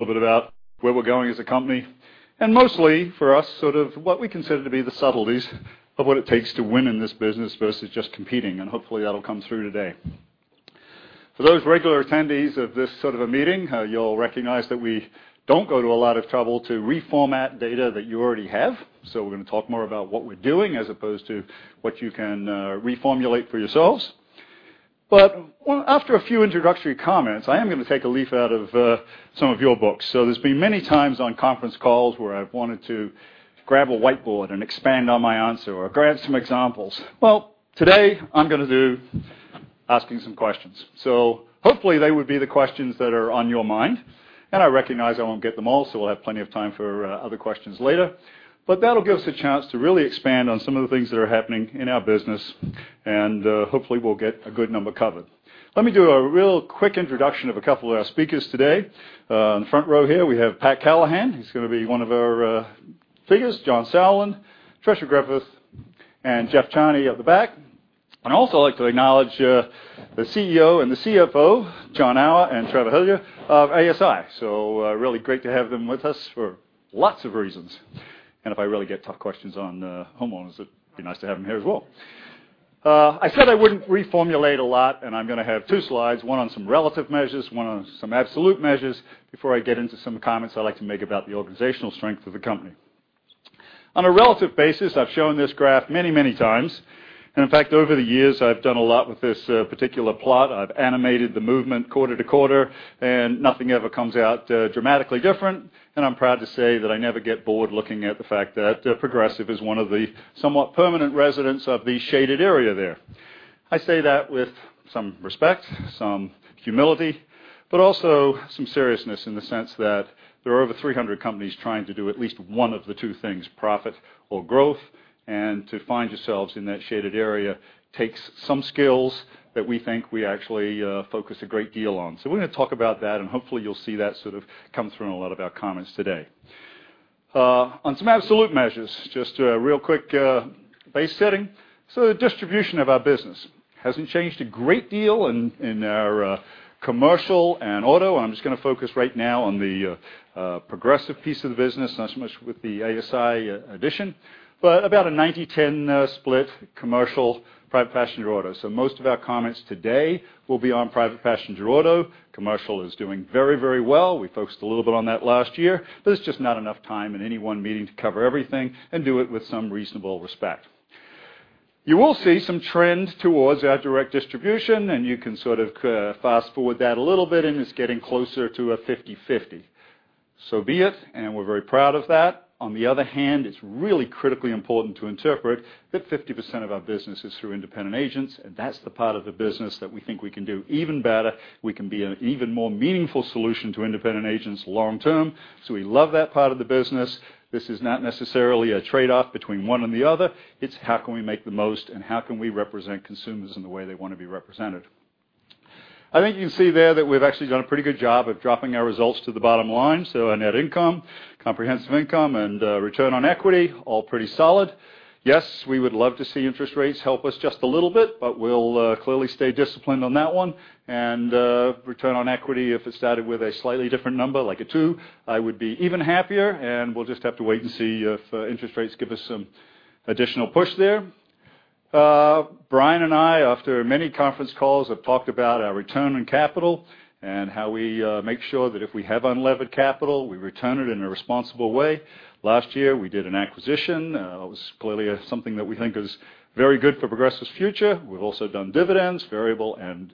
little bit about where we're going as a company, mostly for us, what we consider to be the subtleties of what it takes to win in this business versus just competing. Hopefully, that'll come through today. For those regular attendees of this sort of a meeting, you'll recognize that we don't go to a lot of trouble to reformat data that you already have. We're going to talk more about what we're doing as opposed to what you can reformulate for yourselves. After a few introductory comments, I am going to take a leaf out of some of your books. There's been many times on conference calls where I've wanted to grab a whiteboard and expand on my answer or grab some examples. Well, today, I'm going to do asking some questions. Hopefully, they would be the questions that are on your mind. I recognize I won't get them all, so we'll have plenty of time for other questions later. That'll give us a chance to really expand on some of the things that are happening in our business, and hopefully, we'll get a good number covered. Let me do a real quick introduction of a couple of our speakers today. On the front row here, we have Pat Callahan. He's going to be one of our figures. John Sauerland, Tricia Griffith, and Jeff Charney at the back. I'd also like to acknowledge the CEO and the CFO, John Auer and Trevor Hillier of ASI. Really great to have them with us for lots of reasons. If I really get tough questions on homeowners, it'd be nice to have them here as well. I said I wouldn't reformulate a lot, I'm going to have two slides, one on some relative measures, one on some absolute measures before I get into some comments I'd like to make about the organizational strength of the company. On a relative basis, I've shown this graph many times. In fact, over the years, I've done a lot with this particular plot. I've animated the movement quarter to quarter, nothing ever comes out dramatically different, and I'm proud to say that I never get bored looking at the fact that Progressive is one of the somewhat permanent residents of the shaded area there. I say that with some respect, some humility, also some seriousness in the sense that there are over 300 companies trying to do at least one of the two things, profit or growth, and to find yourselves in that shaded area takes some skills that we think we actually focus a great deal on. We're going to talk about that, and hopefully, you'll see that come through in a lot of our comments today. On some absolute measures, just a real quick base setting. The distribution of our business hasn't changed a great deal in our commercial and auto. I'm just going to focus right now on the Progressive piece of the business, not so much with the ASI addition. About a 90/10 split commercial private passenger auto. Most of our comments today will be on private passenger auto. Commercial is doing very well. We focused a little bit on that last year. There's just not enough time in any one meeting to cover everything and do it with some reasonable respect. You will see some trends towards our direct distribution, and you can fast-forward that a little bit, and it's getting closer to a 50/50. So be it, and we're very proud of that. On the other hand, it's really critically important to interpret that 50% of our business is through independent agents, and that's the part of the business that we think we can do even better. We can be an even more meaningful solution to independent agents long term. We love that part of the business. This is not necessarily a trade-off between one and the other. It's how can we make the most, and how can we represent consumers in the way they want to be represented. I think you can see there that we've actually done a pretty good job of dropping our results to the bottom line. Our net income, comprehensive income, and return on equity, all pretty solid. Yes, we would love to see interest rates help us just a little bit, but we'll clearly stay disciplined on that one. Return on equity, if it started with a slightly different number, like a two, I would be even happier, and we'll just have to wait and see if interest rates give us some additional push there. Brian and I, after many conference calls, have talked about our return on capital and how we make sure that if we have unlevered capital, we return it in a responsible way. Last year, we did an acquisition. It was clearly something that we think is very good for Progressive's future. We've also done dividends, variable and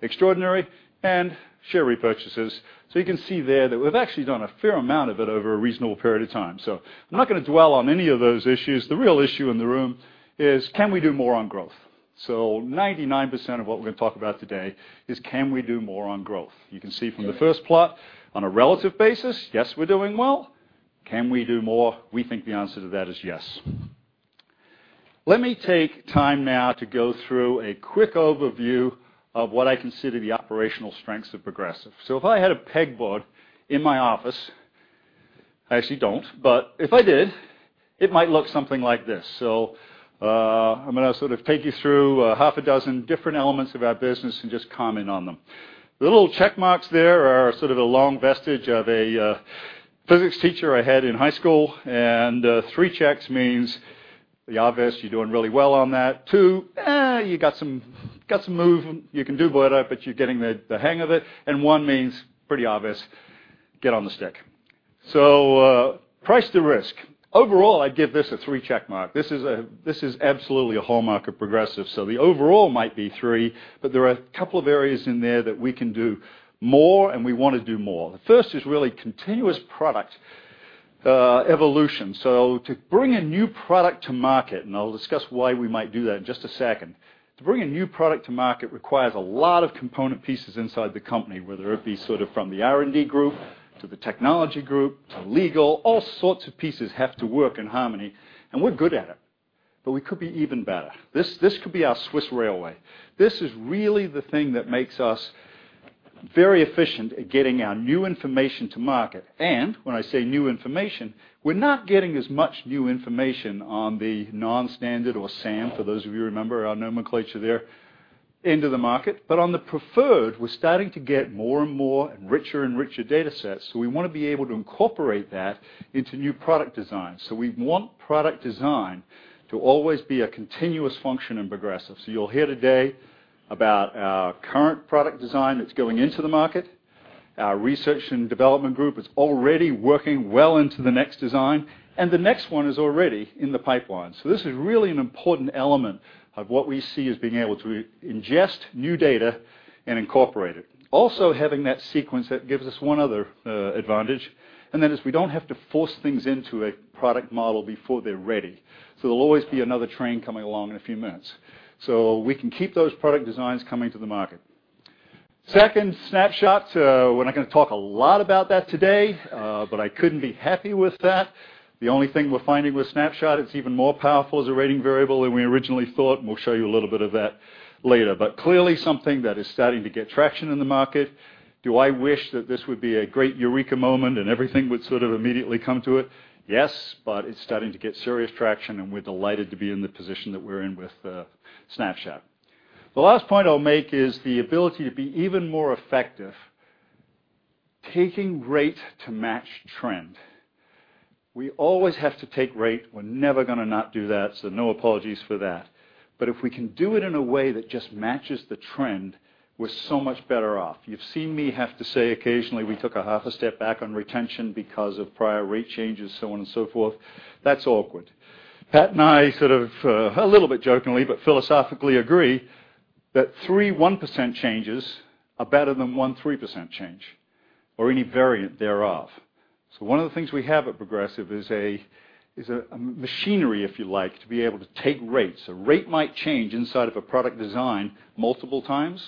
extraordinary, and share repurchases. You can see there that we've actually done a fair amount of it over a reasonable period of time. I'm not going to dwell on any of those issues. The real issue in the room is can we do more on growth. 99% of what we're going to talk about today is can we do more on growth. You can see from the first plot on a relative basis, yes, we're doing well. Can we do more? We think the answer to that is yes. Let me take time now to go through a quick overview of what I consider the operational strengths of Progressive. If I had a pegboard in my office, I actually don't, but if I did, it might look something like this. I'm going to take you through half a dozen different elements of our business and just comment on them. The little check marks there are a long vestige of a physics teacher I had in high school, and three checks means the obvious, you're doing really well on that. Two, you got some movement. You can do better, but you're getting the hang of it, and one means pretty obvious. Get on the stick. Price to risk. Overall, I'd give this a three check mark. This is absolutely a hallmark of Progressive. The overall might be three, but there are a couple of areas in there that we can do more and we want to do more. The first is really continuous product evolution. To bring a new product to market, and I'll discuss why we might do that in just a second. To bring a new product to market requires a lot of component pieces inside the company, whether it be from the R&D group to the technology group to legal. All sorts of pieces have to work in harmony, and we're good at it, but we could be even better. This could be our Swiss railway. This is really the thing that makes us very efficient at getting our new information to market. When I say new information, we're not getting as much new information on the non-standard or SAM, for those of you who remember our nomenclature there, into the market. On the preferred, we're starting to get more and more, and richer and richer data sets. We want to be able to incorporate that into new product design. We want product design to always be a continuous function in Progressive. You'll hear today about our current product design that's going into the market. Our research and development group is already working well into the next design, and the next one is already in the pipeline. This is really an important element of what we see as being able to ingest new data and incorporate it. Also, having that sequence, that gives us one other advantage, and that is we don't have to force things into a product model before they're ready. There'll always be another train coming along in a few minutes. We can keep those product designs coming to the market. Second, Snapshot. We're not going to talk a lot about that today, but I couldn't be happy with that. The only thing we're finding with Snapshot, it's even more powerful as a rating variable than we originally thought, and we'll show you a little bit of that later. Clearly something that is starting to get traction in the market. Do I wish that this would be a great eureka moment and everything would sort of immediately come to it? Yes, but it's starting to get serious traction, and we're delighted to be in the position that we're in with Snapshot. The last point I'll make is the ability to be even more effective, taking rate to match trend. We always have to take rate. We're never going to not do that, so no apologies for that. If we can do it in a way that just matches the trend, we're so much better off. You've seen me have to say occasionally we took a half a step back on retention because of prior rate changes, so on and so forth. That's awkward. Pat and I sort of a little bit jokingly, but philosophically agree that three 1% changes are better than one 3% change or any variant thereof. One of the things we have at Progressive is a machinery, if you like, to be able to take rates. A rate might change inside of a product design multiple times.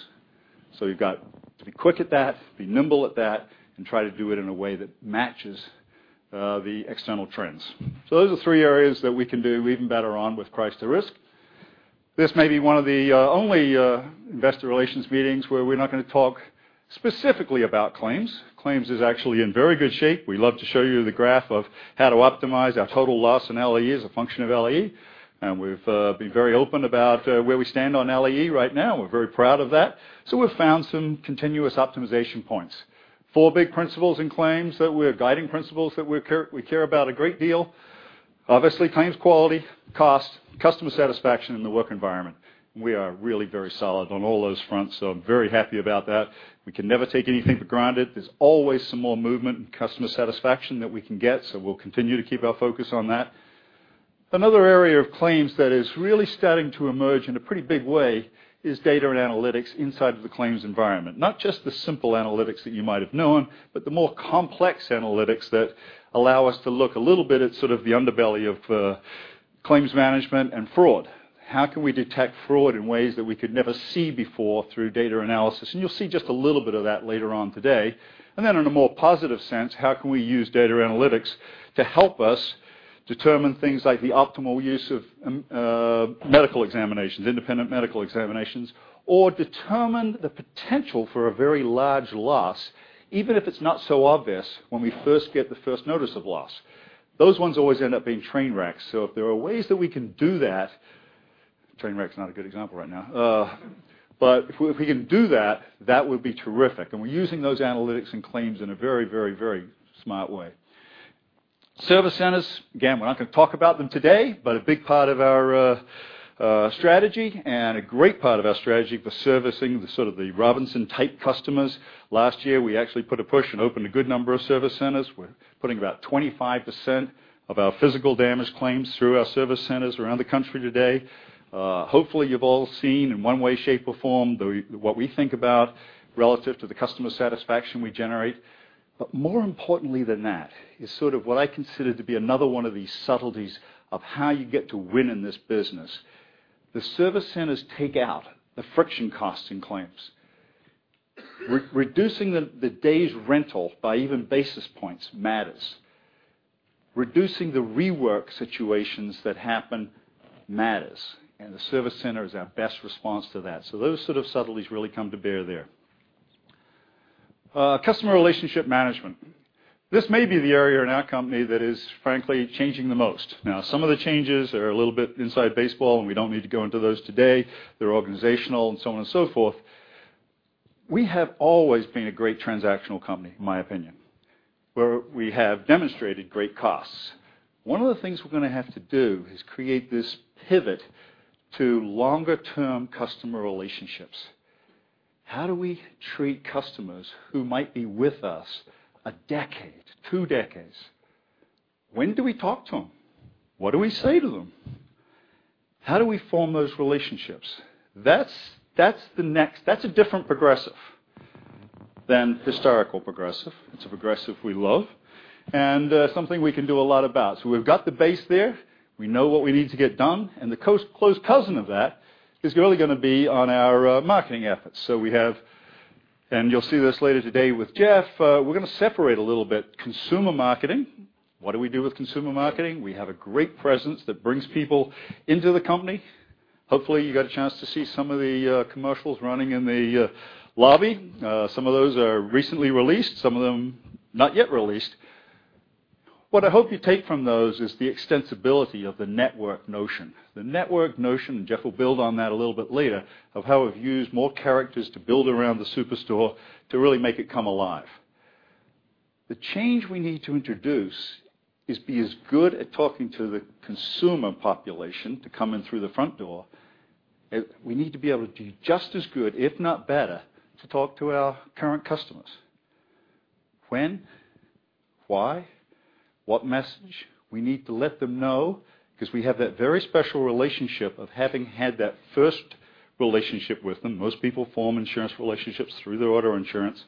You've got to be quick at that, be nimble at that, and try to do it in a way that matches the external trends. Those are three areas that we can do even better on with price to risk. This may be one of the only investor relations meetings where we're not going to talk specifically about claims. Claims is actually in very good shape. We love to show you the graph of how to optimize our total loss and LE as a function of LE. We've been very open about where we stand on LE right now. We're very proud of that. We've found some continuous optimization points. Four big principles in claims that we're guiding principles that we care about a great deal. Obviously claims quality, cost, customer satisfaction in the work environment. We are really very solid on all those fronts, so I'm very happy about that. We can never take anything for granted. There's always some more movement in customer satisfaction that we can get, so we'll continue to keep our focus on that. Another area of claims that is really starting to emerge in a pretty big way is data and analytics inside of the claims environment. Not just the simple analytics that you might have known, but the more complex analytics that allow us to look a little bit at sort of the underbelly of claims management and fraud. How can we detect fraud in ways that we could never see before through data analysis? You'll see just a little bit of that later on today. Then in a more positive sense, how can we use data analytics to help us determine things like the optimal use of medical examinations, independent medical examinations, or determine the potential for a very large loss, even if it's not so obvious when we first get the first notice of loss. Those ones always end up being train wrecks. If there are ways that we can do that, train wreck is not a good example right now. If we can do that would be terrific. We're using those analytics and claims in a very smart way. Service centers, again, we're not going to talk about them today, but a big part of our strategy and a great part of our strategy for servicing the sort of the Robinsons type customers. Last year, we actually put a push and opened a good number of service centers. We're putting about 25% of our physical damage claims through our service centers around the country today. Hopefully you've all seen in one way, shape, or form what we think about relative to the customer satisfaction we generate. More importantly than that is sort of what I consider to be another one of these subtleties of how you get to win in this business. The service centers take out the friction costs in claims. Reducing the days rental by even basis points matters. Reducing the rework situations that happen matters. The service center is our best response to that. Those sort of subtleties really come to bear there. Customer relationship management. Some of the changes are a little bit inside baseball. We don't need to go into those today. They're organizational and so on and so forth. We have always been a great transactional company, in my opinion, where we have demonstrated great costs. One of the things we're going to have to do is create this pivot to longer-term customer relationships. How do we treat customers who might be with us a decade, two decades? When do we talk to them? What do we say to them? How do we form those relationships? That's a different Progressive than historical Progressive. It's a Progressive we love and something we can do a lot about. We've got the base there. We know what we need to get done, the close cousin of that is really going to be on our marketing efforts. We have, and you'll see this later today with Jeff, we're going to separate a little bit consumer marketing. What do we do with consumer marketing? We have a great presence that brings people into the company. Hopefully you got a chance to see some of the commercials running in the lobby. Some of those are recently released, some of them not yet released. What I hope you take from those is the extensibility of the network notion. The network notion, Jeff will build on that a little bit later, of how we've used more characters to build around the Superstore to really make it come alive. The change we need to introduce is be as good at talking to the consumer population to come in through the front door. We need to be able to be just as good, if not better, to talk to our current customers. When, why, what message? We need to let them know because we have that very special relationship of having had that first relationship with them. Most people form insurance relationships through their auto insurance.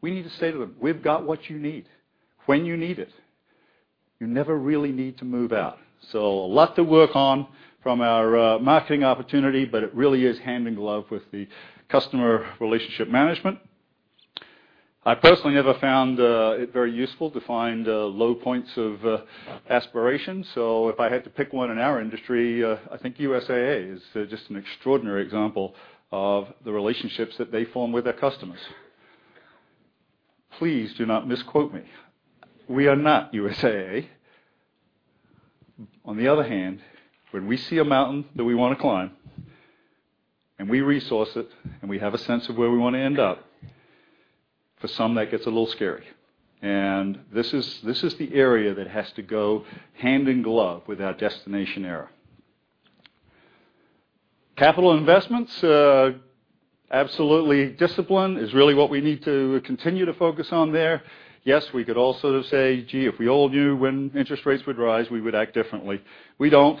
We need to say to them, "We've got what you need when you need it. You never really need to move out." A lot to work on from our marketing opportunity, but it really is hand in glove with the customer relationship management. I personally never found it very useful to find low points of aspiration. If I had to pick one in our industry, I think USAA is just an extraordinary example of the relationships that they form with their customers. Please do not misquote me. We are not USAA. On the other hand, when we see a mountain that we want to climb, and we resource it, and we have a sense of where we want to end up, for some, that gets a little scary. This is the area that has to go hand in glove with our Destination Era. Capital investments, absolutely discipline is really what we need to continue to focus on there. Yes, we could also say, "Gee, if we all knew when interest rates would rise, we would act differently." We don't.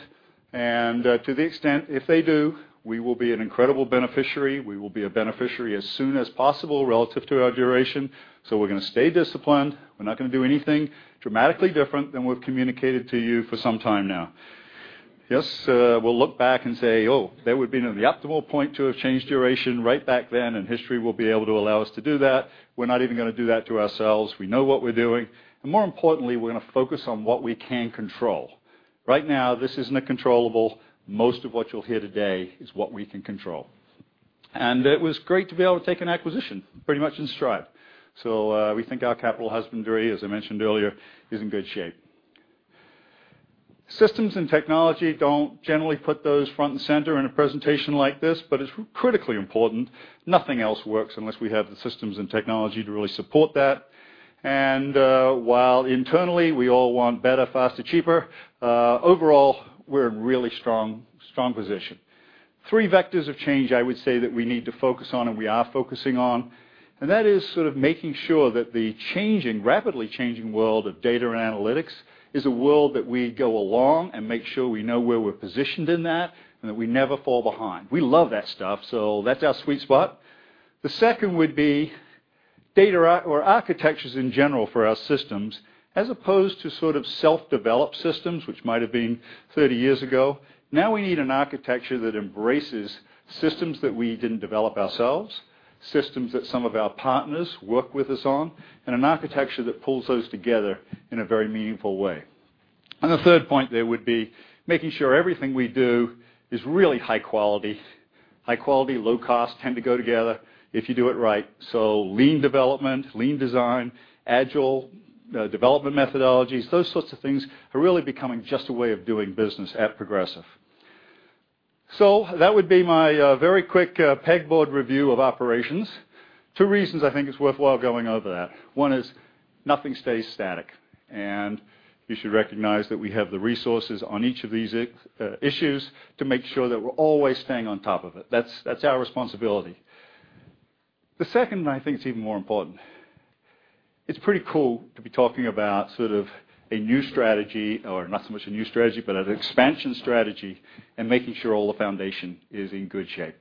To the extent, if they do, we will be an incredible beneficiary. We will be a beneficiary as soon as possible relative to our duration. We're going to stay disciplined. We're not going to do anything dramatically different than we've communicated to you for some time now. Yes, we'll look back and say, "Oh, that would have been an optimal point to have changed duration right back then, history will be able to allow us to do that." We're not even going to do that to ourselves. We know what we're doing, and more importantly, we're going to focus on what we can control. Right now, this isn't a controllable. Most of what you'll hear today is what we can control. It was great to be able to take an acquisition pretty much in stride. We think our capital husbandry, as I mentioned earlier, is in good shape. Systems and technology don't generally put those front and center in a presentation like this, but it's critically important. Nothing else works unless we have the systems and technology to really support that. While internally, we all want better, faster, cheaper, overall, we're in a really strong position. Three vectors of change I would say that we need to focus on, and we are focusing on, making sure that the rapidly changing world of data and analytics is a world that we go along and make sure we know where we're positioned in that and that we never fall behind. We love that stuff, that's our sweet spot. The second would be data or architectures in general for our systems, as opposed to sort of self-developed systems, which might've been 30 years ago. Now we need an architecture that embraces systems that we didn't develop ourselves, systems that some of our partners work with us on, and an architecture that pulls those together in a very meaningful way. The third point there would be making sure everything we do is really high quality. High quality, low cost tend to go together if you do it right. Lean development, lean design, agile development methodologies, those sorts of things are really becoming just a way of doing business at Progressive. That would be my very quick pegboard review of operations. Two reasons I think it's worthwhile going over that. One is nothing stays static, you should recognize that we have the resources on each of these issues to make sure that we're always staying on top of it. That's our responsibility. The second, I think, is even more important. It's pretty cool to be talking about sort of a new strategy, or not so much a new strategy, but an expansion strategy and making sure all the foundation is in good shape.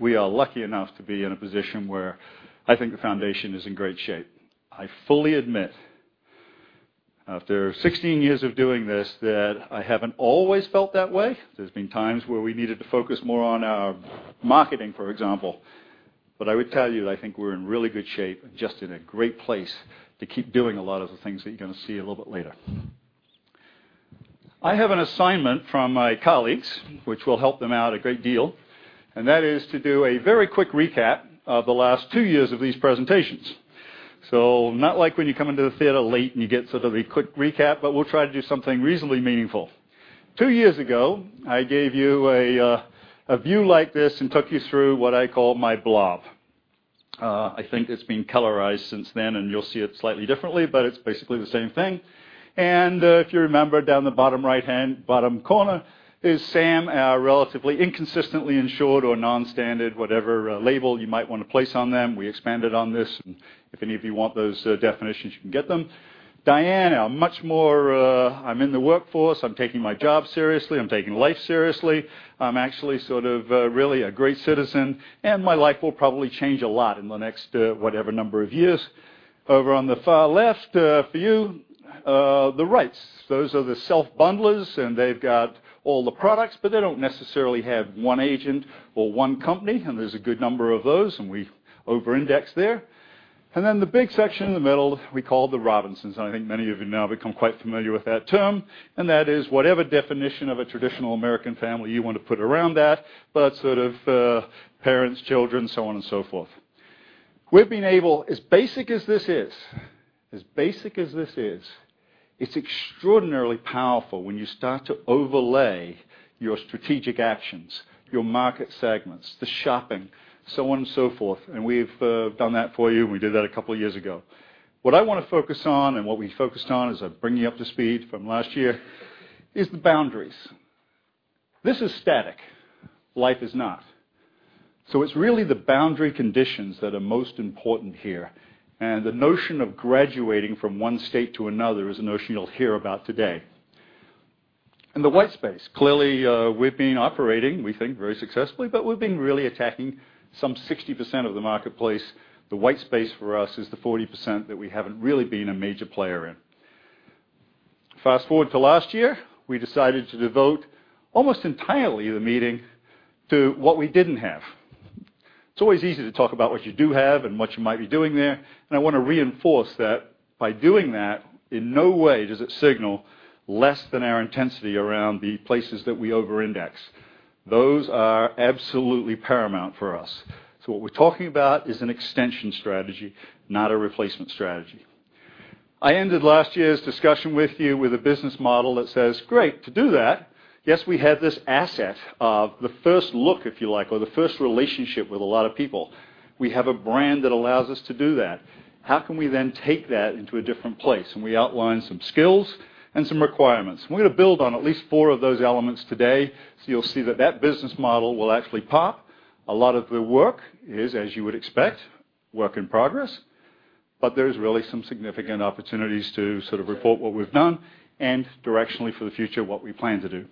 We are lucky enough to be in a position where I think the foundation is in great shape. I fully admit, after 16 years of doing this, that I haven't always felt that way. There's been times where we needed to focus more on our marketing, for example. I would tell you that I think we're in really good shape and just in a great place to keep doing a lot of the things that you're going to see a little bit later. I have an assignment from my colleagues, which will help them out a great deal, to do a very quick recap of the last two years of these presentations. Not like when you come into the theater late, and you get sort of a quick recap, but we'll try to do something reasonably meaningful. Two years ago, I gave you a view like this and took you through what I call my blob. I think it's been colorized since then, and you'll see it slightly differently, but it's basically the same thing. If you remember, down the bottom right-hand bottom corner is Sam, our relatively inconsistently insured or non-standard, whatever label you might want to place on them. We expanded on this, if any of you want those definitions, you can get them. Diane, our much more I'm in the workforce, I'm taking my job seriously, I'm taking life seriously. I'm actually sort of really a great citizen, my life will probably change a lot in the next whatever number of years. Over on the far left for you, the Wrights. Those are the self-bundlers, they've got all the products, but they don't necessarily have one agent or one company, there's a good number of those, we over-index there. The big section in the middle we call the Robinsons. I think many of you now have become quite familiar with that term, that is whatever definition of a traditional American family you want to put around that, sort of parents, children, so on and so forth. We've been able, as basic as this is, it's extraordinarily powerful when you start to overlay your strategic actions, your market segments, the shopping, so on and so forth, we've done that for you. We did that a couple of years ago. What I want to focus on, and what we focused on as I bring you up to speed from last year, is the boundaries. This is static. Life is not. It's really the boundary conditions that are most important here, the notion of graduating from one state to another is a notion you'll hear about today. In the white space, clearly, we've been operating, we think very successfully, but we've been really attacking some 60% of the marketplace. The white space for us is the 40% that we haven't really been a major player in. Fast-forward to last year, we decided to devote almost entirely the meeting to what we didn't have. It's always easy to talk about what you do have and what you might be doing there, I want to reinforce that by doing that, in no way does it signal less than our intensity around the places that we over-index. Those are absolutely paramount for us. What we're talking about is an extension strategy, not a replacement strategy. I ended last year's discussion with you with a business model that says, great, to do that, yes, we have this asset of the first look, if you like, or the first relationship with a lot of people. We have a brand that allows us to do that. How can we then take that into a different place? We outlined some skills and some requirements. We're going to build on at least four of those elements today. You'll see that business model will actually pop. A lot of the work is, as you would expect, work in progress. There is really some significant opportunities to sort of report what we've done, directionally for the future, what we plan to do.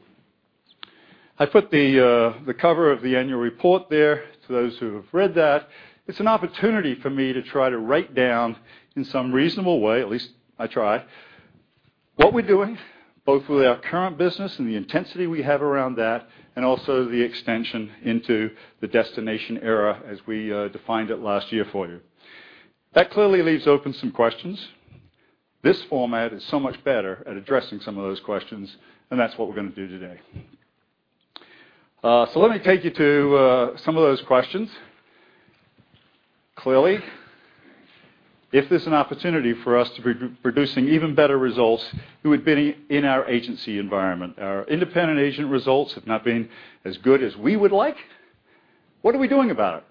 I put the cover of the annual report there for those who have read that. It's an opportunity for me to try to write down in some reasonable way, at least I try, what we're doing, both with our current business and the intensity we have around that, and also the extension into the Destination Era as we defined it last year for you. That clearly leaves open some questions. This format is so much better at addressing some of those questions, and that's what we're going to do today. Let me take you to some of those questions. Clearly, if there's an opportunity for us to be producing even better results who had been in our agency environment. Our independent agent results have not been as good as we would like. What are we doing about it?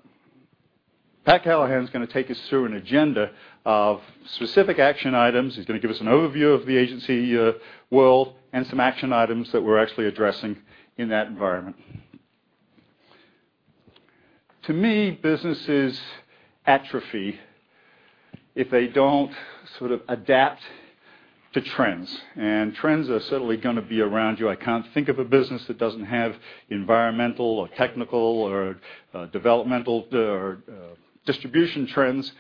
Pat Callahan is going to take us through an agenda of specific action items. He's going to give us an overview of the agency world and some action items that we're actually addressing in that environment. To me, businesses atrophy if they don't sort of adapt to trends, and trends are certainly going to be around you. I can't think of a business that doesn't have environmental or technical or developmental or distribution trends.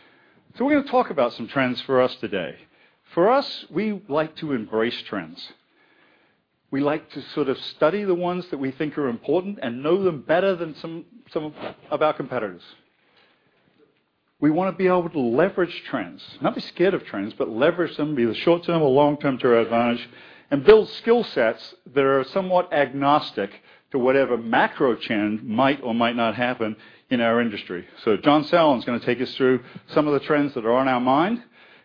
We're going to talk about some trends for us today. For us, we like to embrace trends. We like to sort of study the ones that we think are important and know them better than some of our competitors. We want to be able to leverage trends, not be scared of trends, but leverage them, be the short-term or long-term to our advantage, and build skill sets that are somewhat agnostic to whatever macro trend might or might not happen in our industry. John Sauerland is going to take us through some of the trends that are on our mind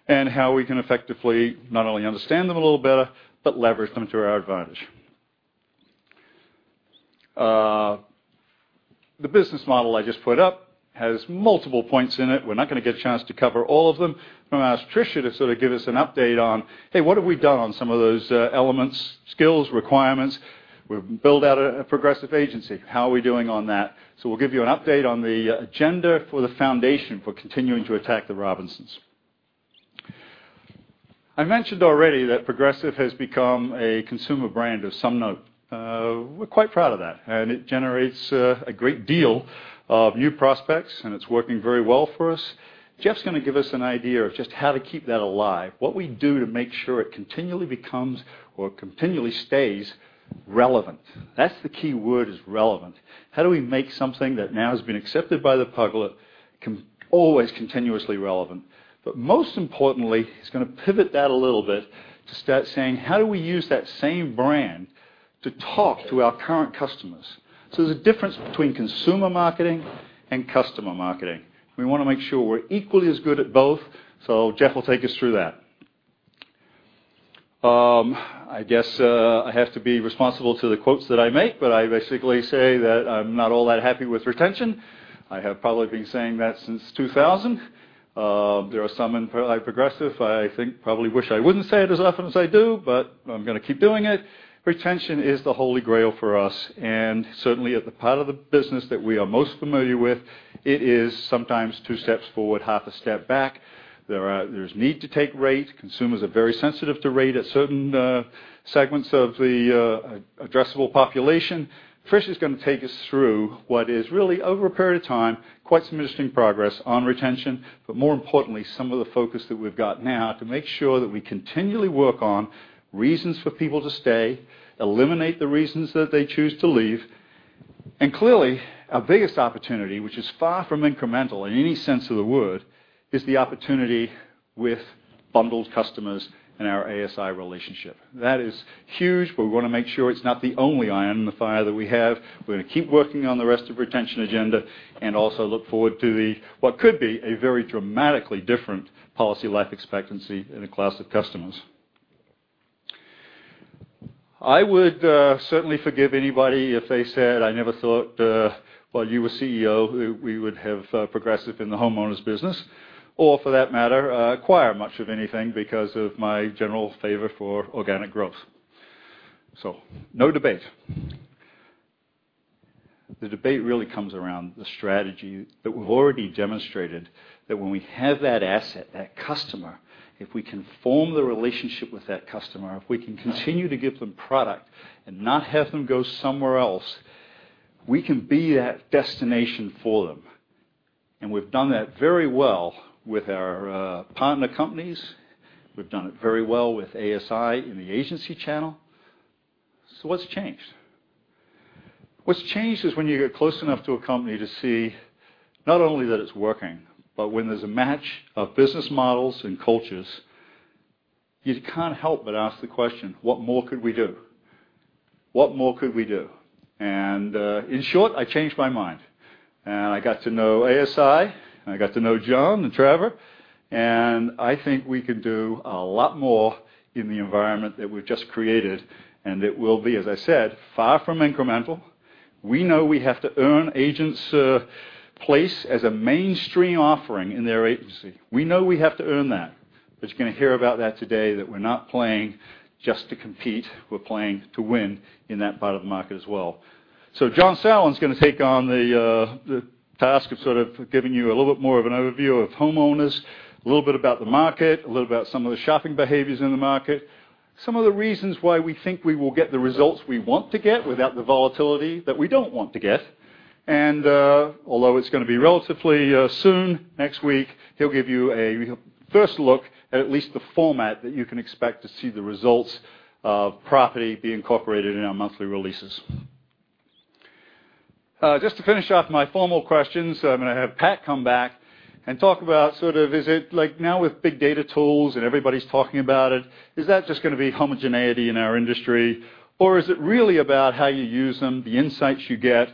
and how we can effectively not only understand them a little better but leverage them to our advantage. The business model I just put up has multiple points in it. We're not going to get a chance to cover all of them. I'm going to ask Tricia to sort of give us an update on, hey, what have we done on some of those elements, skills, requirements? We've built out a Progressive Advantage Agency. How are we doing on that? We'll give you an update on the agenda for the foundation for continuing to attack the Robinsons. I mentioned already that Progressive has become a consumer brand of some note. We're quite proud of that, and it generates a great deal of new prospects, and it's working very well for us. Jeff's going to give us an idea of just how to keep that alive, what we do to make sure it continually becomes or continually stays relevant. That's the key word is relevant. How do we make something that now has been accepted by the public always continuously relevant? Most importantly, he's going to pivot that a little bit to start saying, how do we use that same brand to talk to our current customers? There's a difference between consumer marketing and customer marketing. We want to make sure we're equally as good at both. Jeff will take us through that. I guess I have to be responsible to the quotes that I make, but I basically say that I'm not all that happy with retention. I have probably been saying that since 2000. There are some in Progressive, I think, probably wish I wouldn't say it as often as I do, but I'm going to keep doing it. Retention is the Holy Grail for us, and certainly at the part of the business that we are most familiar with, it is sometimes two steps forward, half a step back. There's need to take rate. Consumers are very sensitive to rate at certain segments of the addressable population. Tricia's going to take us through what is really over a period of time, quite some interesting progress on retention, but more importantly, some of the focus that we've got now to make sure that we continually work on reasons for people to stay, eliminate the reasons that they choose to leave. Clearly, our biggest opportunity, which is far from incremental in any sense of the word, is the opportunity bundled customers in our ASI relationship. That is huge, but we want to make sure it's not the only iron in the fire that we have. We're going to keep working on the rest of retention agenda, and also look forward to what could be a very dramatically different policy life expectancy in a class of customers. I would certainly forgive anybody if they said, "I never thought while you were CEO, we would have Progressive in the homeowners business, or for that matter, acquire much of anything because of my general favor for organic growth." No debate. The debate really comes around the strategy that we've already demonstrated, that when we have that asset, that customer, if we can form the relationship with that customer, if we can continue to give them product and not have them go somewhere else, we can be that destination for them. We've done that very well with our partner companies. We've done it very well with ASI in the agency channel. What's changed? What's changed is when you get close enough to a company to see not only that it's working, but when there's a match of business models and cultures, you can't help but ask the question, what more could we do? In short, I changed my mind. I got to know ASI, and I got to know John and Trevor, and I think we can do a lot more in the environment that we've just created, and it will be, as I said, far from incremental. We know we have to earn agents' place as a mainstream offering in their agency. We know we have to earn that. You're going to hear about that today, that we're not playing just to compete, we're playing to win in that part of the market as well. John Sauerland's going on the task of sort of giving you a little bit more of an overview of homeowners, a little bit about the market, a little about some of the shopping behaviors in the market. Some of the reasons why we think we will get the results we want to get without the volatility that we don't want to get. Although it's going to be relatively soon, next week, he'll give you a first look at least the format that you can expect to see the results of property being incorporated in our monthly releases. Just to finish off my formal questions, I'm going to have Pat come back and talk about sort of, is it like now with big data tools and everybody's talking about it, is that just going to be homogeneity in our industry? Or is it really about how you use them, the insights you get?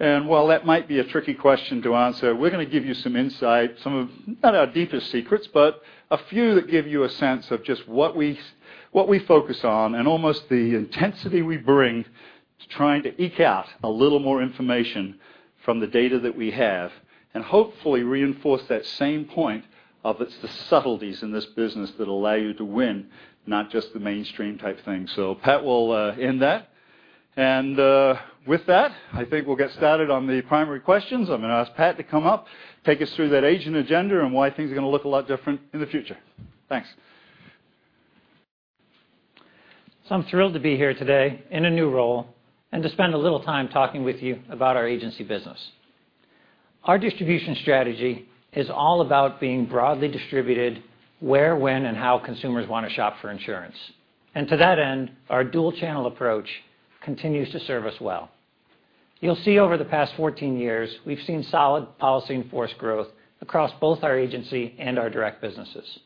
While that might be a tricky question to answer, we're going to give you some insight, some of, not our deepest secrets, but a few that give you a sense of just what we focus on and almost the intensity we bring to trying to eke out a little more information from the data that we have, and hopefully reinforce that same point of it's the subtleties in this business that allow you to win, not just the mainstream type thing. Pat will end that. With that, I think we'll get started on the primary questions. I'm going to ask Pat to come up, take us through that agent agenda and why things are going to look a lot different in the future. Thanks. I'm thrilled to be here today in a new role and to spend a little time talking with you about our agency business. Our distribution strategy is all about being broadly distributed where, when, and how consumers want to shop for insurance. To that end, our dual channel approach continues to serve us well. You'll see over the past 14 years, we've seen solid policy in force growth across both our agency and our direct businesses.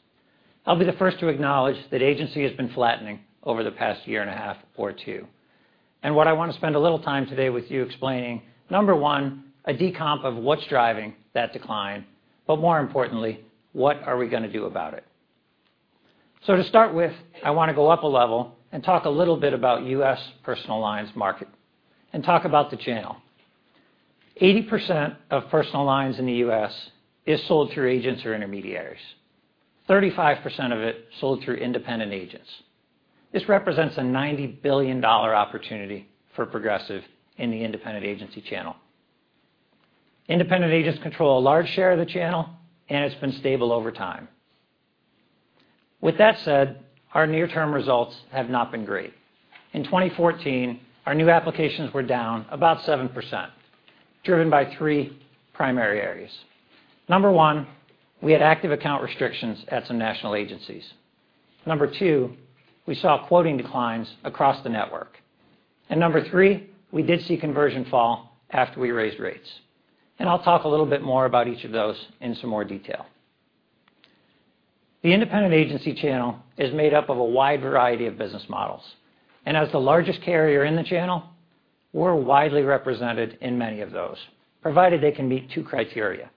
I'll be the first to acknowledge that agency has been flattening over the past year and a half or 2. What I want to spend a little time today with you explaining, number 1, a decomp of what's driving that decline, but more importantly, what are we going to do about it? To start with, I want to go up a level and talk a little bit about U.S. personal lines market and talk about the channel. 80% of personal lines in the U.S. is sold through agents or intermediaries. 35% of it sold through independent agents. This represents a $90 billion opportunity for Progressive in the independent agency channel. Independent agents control a large share of the channel, and it's been stable over time. With that said, our near-term results have not been great. In 2014, our new applications were down about 7%, driven by 3 primary areas. Number 1, we had active account restrictions at some national agencies. Number 2, we saw quoting declines across the network. Number 3, we did see conversion fall after we raised rates. I'll talk a little bit more about each of those in some more detail. The independent agency channel is made up of a wide variety of business models. As the largest carrier in the channel, we're widely represented in many of those, provided they can meet two criteria.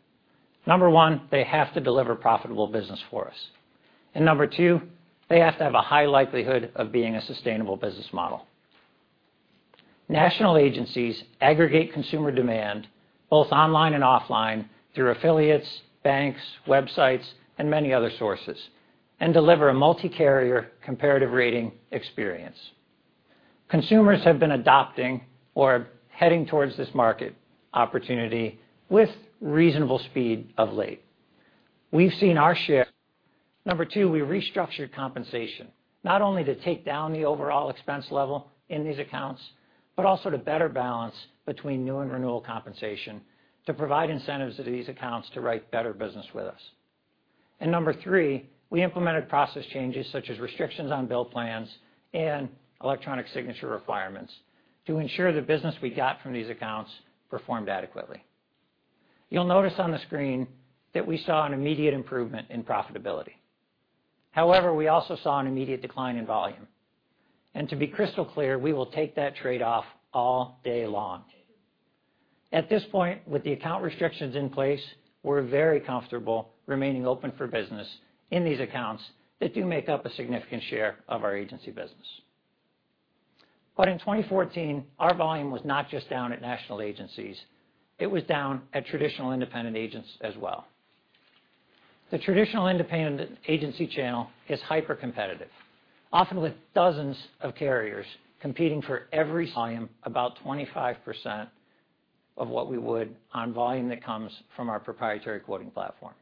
Number 1, they have to deliver profitable business for us. Number 2, they have to have a high likelihood of being a sustainable business model. National agencies aggregate consumer demand both online and offline through affiliates, banks, websites, and many other sources, and deliver a multi-carrier comparative rating experience. Consumers have been adopting or heading towards this market opportunity with reasonable speed of late. We've seen our share. Number 2, we restructured compensation, not only to take down the overall expense level in these accounts, but also to better balance between new and renewal compensation to provide incentives to these accounts to write better business with us. Number 3, we implemented process changes such as restrictions on bill plans and electronic signature requirements to ensure the business we got from these accounts performed adequately. You'll notice on the screen that we saw an immediate improvement in profitability. However, we also saw an immediate decline in volume. To be crystal clear, we will take that trade-off all day long. At this point, with the account restrictions in place, we're very comfortable remaining open for business in these accounts that do make up a significant share of our agency business. In 2014, our volume was not just down at national agencies, it was down at traditional independent agents as well. The traditional independent agency channel is hypercompetitive, often with dozens of carriers competing for every volume about 25% of what we would on volume that comes from our proprietary quoting platform.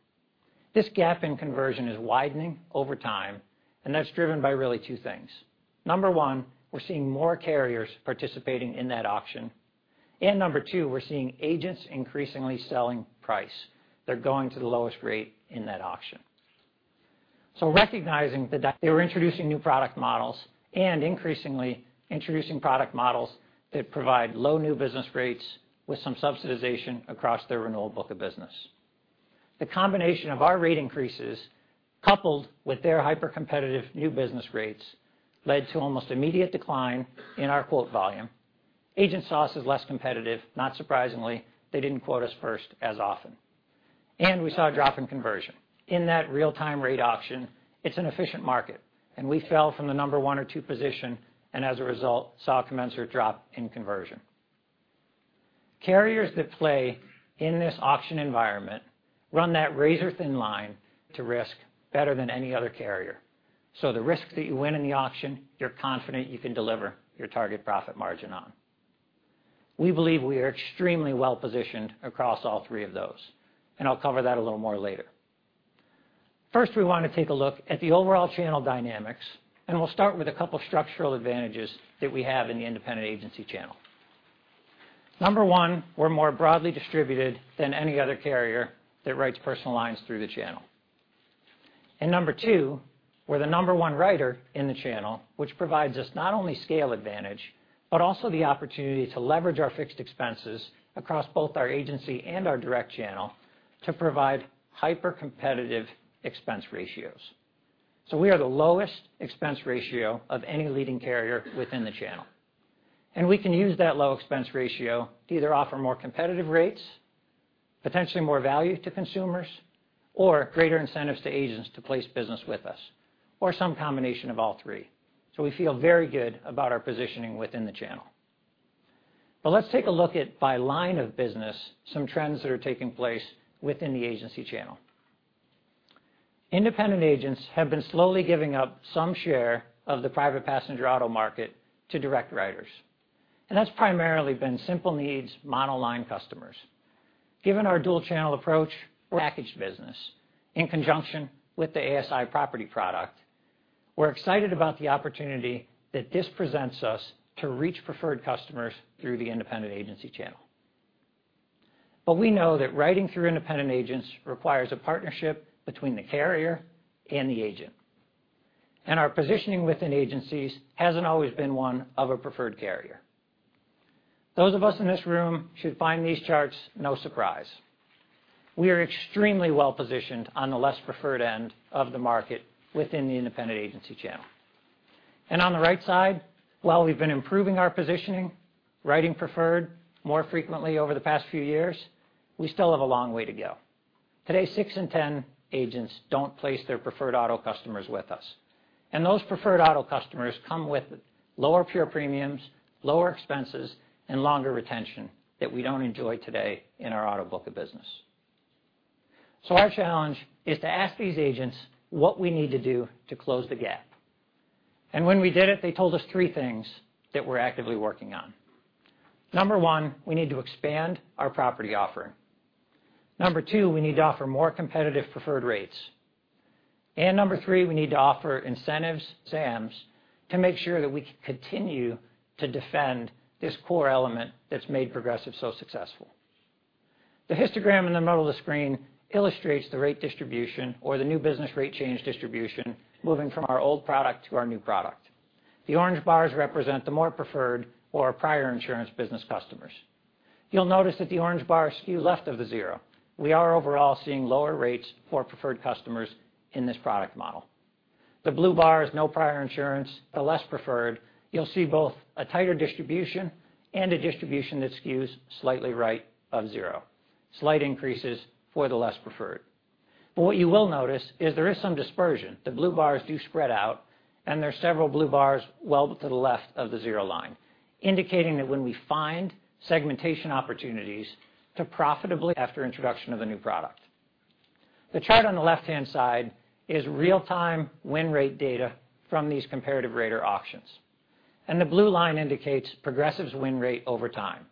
This gap in conversion is widening over time, and that's driven by really two things. Number 1, we're seeing more carriers participating in that auction. Number 2, we're seeing agents increasingly selling price. They're going to the lowest rate in that auction. Recognizing that they were introducing new product models and increasingly introducing product models that provide low new business rates with some subsidization across their renewal book of business. The combination of our rate increases, coupled with their hypercompetitive new business rates, led to almost immediate decline in our quote volume. Agent source is less competitive, not surprisingly, they didn't quote us first as often. We saw a drop in conversion. In that real-time rate auction, it's an efficient market, and we fell from the number 1 or 2 position, and as a result, saw a commensurate drop in conversion. Carriers that play in this auction environment run that razor-thin line to risk better than any other carrier. The risk that you win in the auction, you're confident you can deliver your target profit margin on. We believe we are extremely well-positioned across all three of those, and I'll cover that a little more later. First, we want to take a look at the overall channel dynamics, and we'll start with a couple of structural advantages that we have in the independent agency channel. Number 1, we're more broadly distributed than any other carrier that writes personal lines through the channel. Number 2, we're the number 1 writer in the channel, which provides us not only scale advantage, but also the opportunity to leverage our fixed expenses across both our agency and our direct channel to provide hypercompetitive expense ratios. We are the lowest expense ratio of any leading carrier within the channel. We can use that low expense ratio to either offer more competitive rates, potentially more value to consumers, or greater incentives to agents to place business with us, or some combination of all three. We feel very good about our positioning within the channel. Let's take a look at by line of business some trends that are taking place within the agency channel. Independent agents have been slowly giving up some share of the private passenger auto market to direct writers, and that's primarily been simple needs monoline customers. Given our dual channel approach packaged business in conjunction with the ASI property product, we're excited about the opportunity that this presents us to reach preferred customers through the independent agency channel. We know that writing through independent agents requires a partnership between the carrier and the agent. Our positioning within agencies hasn't always been one of a preferred carrier. Those of us in this room should find these charts no surprise. We are extremely well-positioned on the less preferred end of the market within the independent agency channel. On the right side, while we've been improving our positioning, writing preferred more frequently over the past few years, we still have a long way to go. Today, six in 10 agents don't place their preferred auto customers with us. Those preferred auto customers come with lower pure premiums, lower expenses, and longer retention that we don't enjoy today in our auto book of business. Our challenge is to ask these agents what we need to do to close the gap. When we did it, they told us three things that we're actively working on. Number one, we need to expand our property offering. Number two, we need to offer more competitive preferred rates. Number three, we need to offer incentives, SAMs, to make sure that we can continue to defend this core element that's made Progressive so successful. The histogram in the middle of the screen illustrates the rate distribution or the new business rate change distribution moving from our old product to our new product. The orange bars represent the more preferred or prior insurance business customers. You'll notice that the orange bars skew left of the zero. We are overall seeing lower rates for preferred customers in this product model. The blue bar is no prior insurance, the less preferred, you'll see both a tighter distribution and a distribution that skews slightly right of zero. Slight increases for the less preferred. What you will notice is there is some dispersion. The blue bars do spread out, and there's several blue bars well to the left of the zero line, indicating that when we find segmentation opportunities to profitably after introduction of the new product. The chart on the left-hand side is real-time win rate data from these comparative rater auctions, and the blue line indicates Progressive's win rate over time.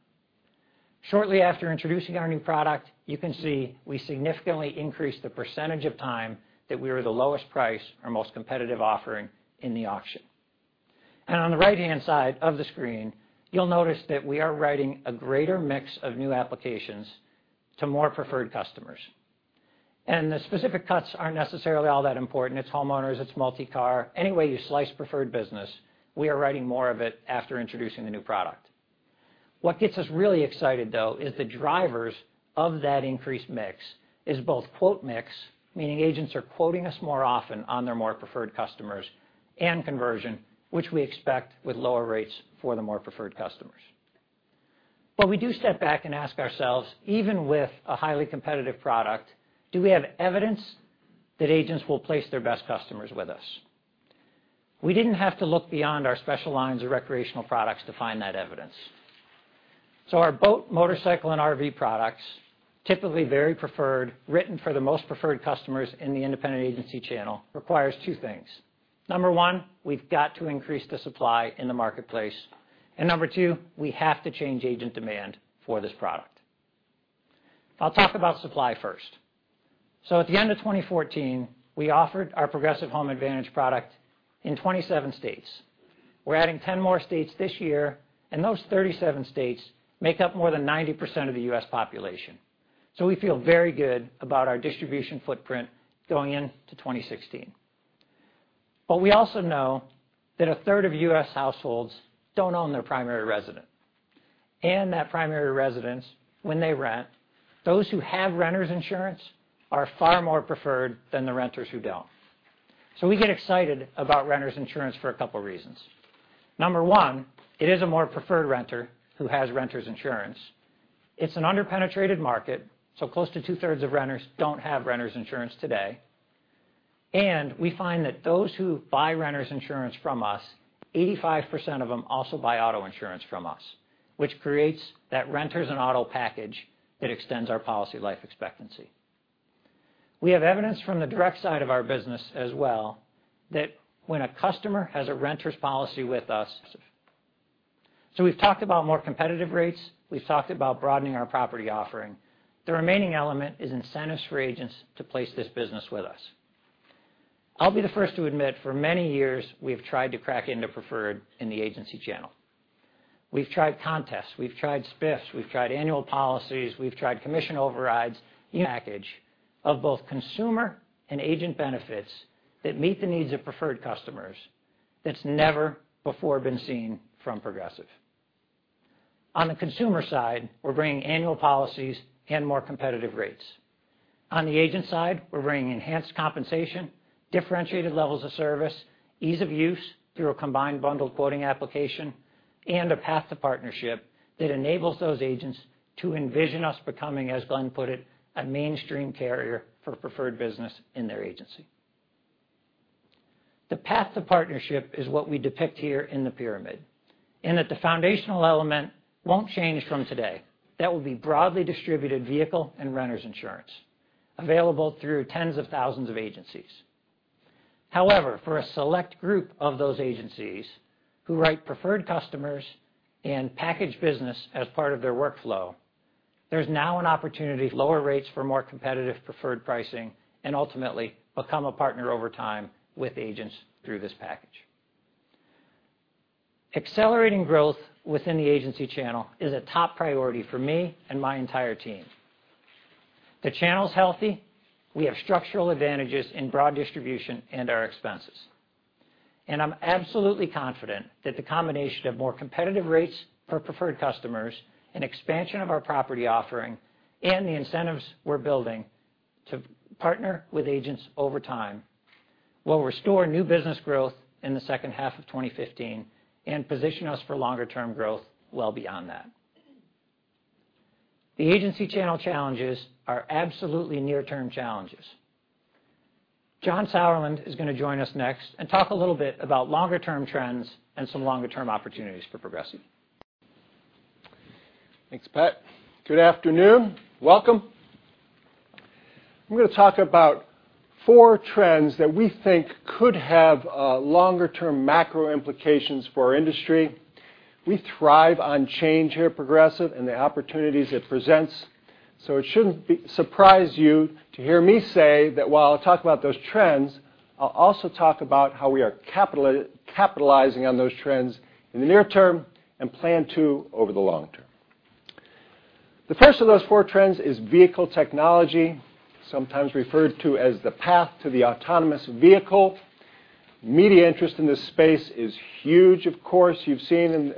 Shortly after introducing our new product, you can see we significantly increased the percentage of time that we were the lowest price or most competitive offering in the auction. On the right-hand side of the screen, you'll notice that we are writing a greater mix of new applications to more preferred customers. The specific cuts aren't necessarily all that important. It's homeowners, it's multi-car. Any way you slice preferred business, we are writing more of it after introducing the new product. What gets us really excited, though, is the drivers of that increased mix is both quote mix, meaning agents are quoting us more often on their more preferred customers, and conversion, which we expect with lower rates for the more preferred customers. We do step back and ask ourselves, even with a highly competitive product, do we have evidence that agents will place their best customers with us? We didn't have to look beyond our special lines of recreational products to find that evidence. Our boat, motorcycle, and RV products, typically very preferred, written for the most preferred customers in the independent agency channel, requires two things. Number 1, we've got to increase the supply in the marketplace. Number 2, we have to change agent demand for this product. I'll talk about supply first. At the end of 2014, we offered our Progressive Home Advantage product in 27 states. We're adding 10 more states this year, and those 37 states make up more than 90% of the U.S. population. We feel very good about our distribution footprint going into 2016. We also know that a third of U.S. households don't own their primary residence. That primary residence, when they rent, those who have renters insurance are far more preferred than the renters who don't. We get excited about renters insurance for a couple of reasons. Number 1, it is a more preferred renter who has renters insurance. It's an under-penetrated market, so close to two-thirds of renters don't have renters insurance today. We find that those who buy renters insurance from us, 85% of them also buy auto insurance from us, which creates that renters and auto package that extends our policy life expectancy. We have evidence from the direct side of our business as well that when a customer has a renter's policy with us. We've talked about more competitive rates, we've talked about broadening our property offering. The remaining element is incentives for agents to place this business with us. I'll be the first to admit, for many years, we've tried to crack into preferred in the agency channel. We've tried contests, we've tried spiffs, we've tried annual policies, we've tried commission overrides. Package of both consumer and agent benefits that meet the needs of preferred customers that's never before been seen from Progressive. On the consumer side, we're bringing annual policies and more competitive rates. On the agent side, we're bringing enhanced compensation, differentiated levels of service, ease of use through a combined bundled quoting application, and a path to partnership that enables those agents to envision us becoming, as Glenn put it, a mainstream carrier for preferred business in their agency. The path to partnership is what we depict here in the pyramid, and that the foundational element won't change from today. That will be broadly distributed vehicle and renters insurance available through tens of thousands of agencies. However, for a select group of those agencies who write preferred customers and package business as part of their workflow, there's now an opportunity lower rates for more competitive preferred pricing and ultimately become a partner over time with agents through this package. Accelerating growth within the agency channel is a top priority for me and my entire team. The channel's healthy. We have structural advantages in broad distribution and our expenses. I'm absolutely confident that the combination of more competitive rates for preferred customers and expansion of our property offering and the incentives we're building to partner with agents over time will restore new business growth in the second half of 2015 and position us for longer term growth well beyond that. The agency channel challenges are absolutely near-term challenges. John Sauerland is going to join us next and talk a little bit about longer-term trends and some longer-term opportunities for Progressive. Thanks, Pat. Good afternoon. Welcome. I'm going to talk about four trends that we think could have longer-term macro implications for our industry. We thrive on change here at Progressive and the opportunities it presents. It shouldn't surprise you to hear me say that while I talk about those trends, I'll also talk about how we are capitalizing on those trends in the near term and plan to over the long term. The first of those four trends is vehicle technology, sometimes referred to as the path to the autonomous vehicle. Media interest in this space is huge, of course. You've seen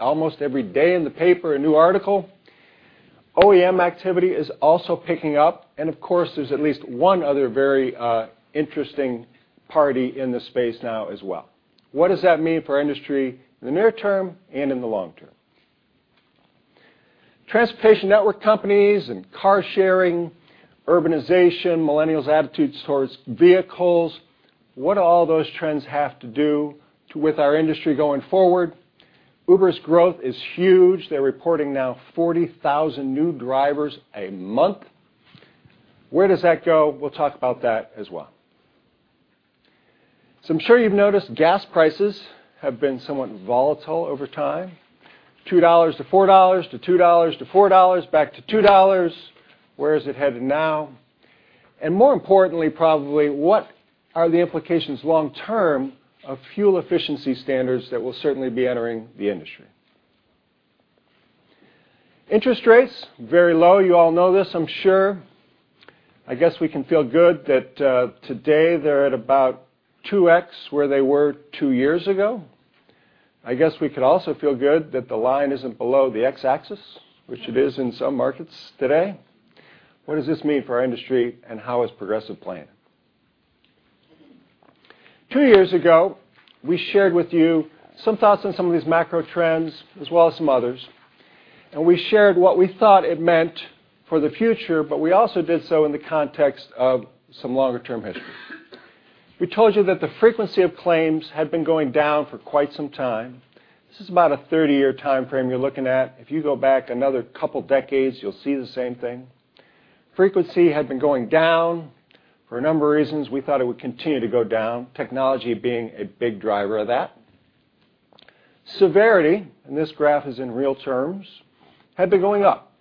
almost every day in the paper a new article. OEM activity is also picking up, and of course, there's at least one other very interesting party in this space now as well. What does that mean for our industry in the near term and in the long term? Transportation network companies and car sharing, urbanization, millennials' attitudes towards vehicles. What do all those trends have to do with our industry going forward? Uber's growth is huge. They're reporting now 40,000 new drivers a month. Where does that go? We'll talk about that as well. I'm sure you've noticed gas prices have been somewhat volatile over time. $2 to $4 to $2 to $4 back to $2. Where is it headed now? More importantly probably, what are the implications long term of fuel efficiency standards that will certainly be entering the industry? Interest rates, very low. You all know this, I'm sure. I guess we can feel good that today they're at about 2X where they were two years ago. I guess we could also feel good that the line isn't below the X-axis, which it is in some markets today. What does this mean for our industry, and how is Progressive playing? Two years ago, we shared with you some thoughts on some of these macro trends as well as some others, and we shared what we thought it meant for the future, but we also did so in the context of some longer-term history. We told you that the frequency of claims had been going down for quite some time. This is about a 30-year timeframe you're looking at. If you go back another couple of decades, you'll see the same thing. Frequency had been going down. For a number of reasons, we thought it would continue to go down, technology being a big driver of that. Severity, this graph is in real terms, had been going up.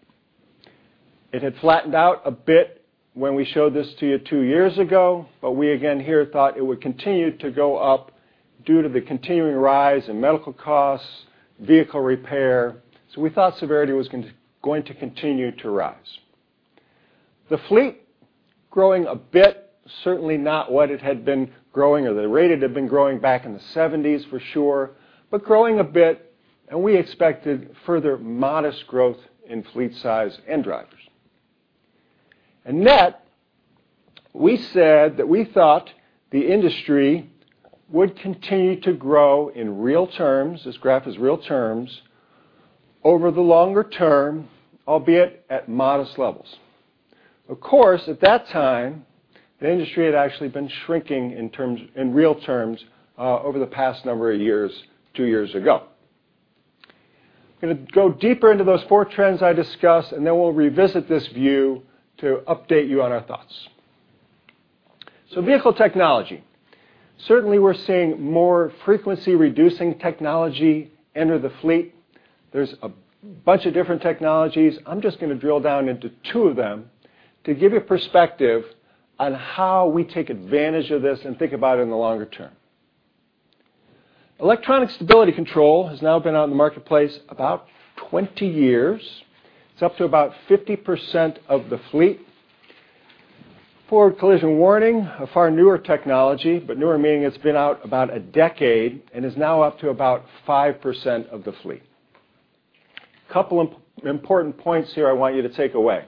It had flattened out a bit when we showed this to you 2 years ago, we again here thought it would continue to go up due to the continuing rise in medical costs, vehicle repair. We thought severity was going to continue to rise. The fleet growing a bit, certainly not what it had been growing or the rate it had been growing back in the '70s for sure, growing a bit, we expected further modest growth in fleet size and drivers. In net, we said that we thought the industry would continue to grow in real terms, this graph is real terms, over the longer term, albeit at modest levels. Of course, at that time, the industry had actually been shrinking in real terms over the past number of years, 2 years ago. I'm going to go deeper into those four trends I discussed, then we'll revisit this view to update you on our thoughts. Vehicle technology. Certainly, we're seeing more frequency-reducing technology enter the fleet. There's a bunch of different technologies. I'm just going to drill down into two of them to give you a perspective on how we take advantage of this and think about it in the longer term. Electronic stability control has now been out in the marketplace about 20 years. It's up to about 50% of the fleet. Forward collision warning, a far newer technology, but newer meaning it's been out about a decade and is now up to about 5% of the fleet. Couple important points here I want you to take away.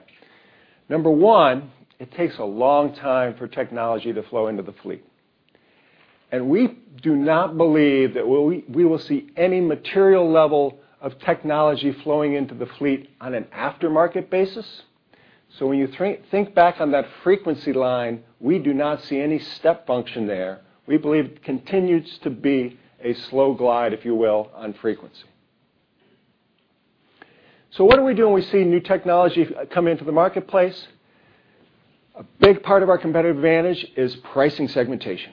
Number 1, it takes a long time for technology to flow into the fleet. We do not believe that we will see any material level of technology flowing into the fleet on an aftermarket basis. When you think back on that frequency line, we do not see any step function there. We believe it continues to be a slow glide, if you will, on frequency. What do we do when we see new technology come into the marketplace? A big part of our competitive advantage is pricing segmentation.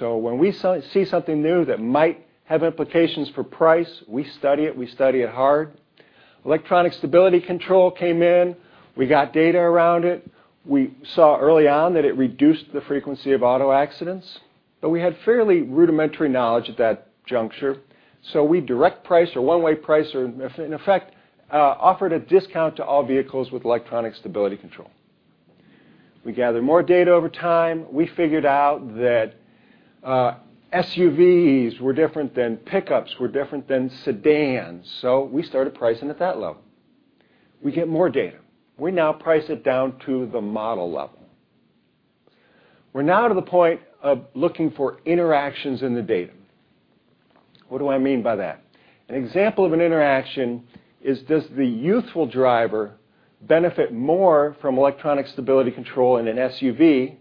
When we see something new that might have implications for price, we study it. We study it hard. Electronic stability control came in. We got data around it. We saw early on that it reduced the frequency of auto accidents, we had fairly rudimentary knowledge at that juncture. We direct price or one-way price or, in effect, offered a discount to all vehicles with electronic stability control. We gathered more data over time. We figured out that SUVs were different than pickups, were different than sedans. We started pricing at that level. We get more data. We now price it down to the model level. We're now to the point of looking for interactions in the data. What do I mean by that? An example of an interaction is does the youthful driver benefit more from electronic stability control in an SUV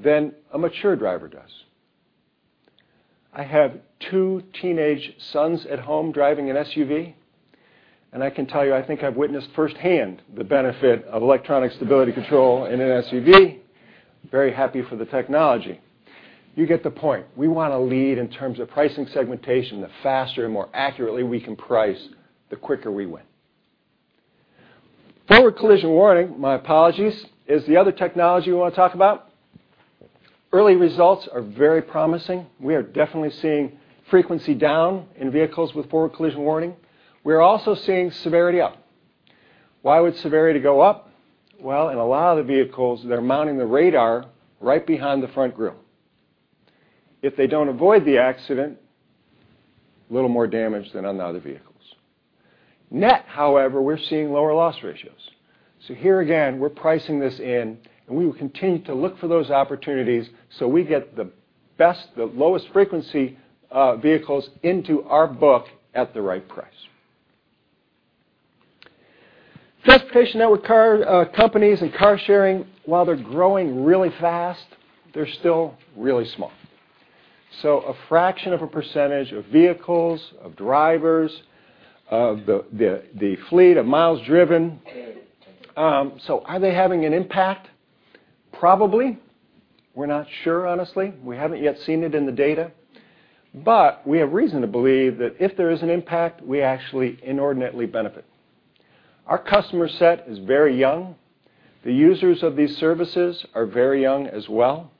than a mature driver does? I have two teenage sons at home driving an SUV, I can tell you, I think I've witnessed firsthand the benefit of electronic stability control in an SUV. Very happy for the technology. You get the point. We want to lead in terms of pricing segmentation. The faster and more accurately we can price, the quicker we win. Forward collision warning, my apologies, is the other technology we want to talk about. Early results are very promising. We are definitely seeing frequency down in vehicles with forward collision warning. We are also seeing severity up. Why would severity go up? Well, in a lot of the vehicles, they're mounting the radar right behind the front grill. If they don't avoid the accident, little more damage than on the other vehicles. Net, however, we're seeing lower loss ratios. Here again, we're pricing this in, and we will continue to look for those opportunities so we get the best, the lowest frequency vehicles into our book at the right price. Transportation network companies and car sharing, while they're growing really fast, they're still really small. A fraction of a percentage of vehicles, of drivers, of the fleet, of miles driven. Are they having an impact? Probably. We're not sure, honestly. We haven't yet seen it in the data. We have reason to believe that if there is an impact, we actually inordinately benefit. Our customer set is very young. The users of these services are very young as well.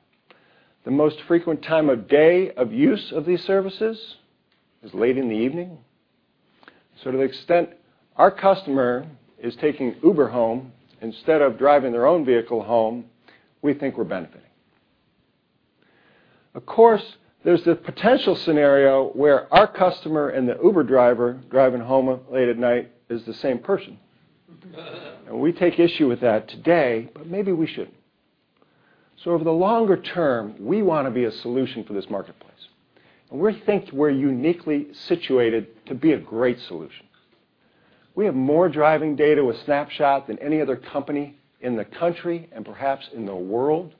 The most frequent time of day of use of these services is late in the evening. To the extent our customer is taking Uber home instead of driving their own vehicle home, we think we're benefiting. Of course, there's the potential scenario where our customer and the Uber driver driving home late at night is the same person. We take issue with that today, but maybe we shouldn't. Over the longer term, we want to be a solution for this marketplace, and we think we're uniquely situated to be a great solution. We have more driving data with Snapshot than any other company in the country, and perhaps in the world.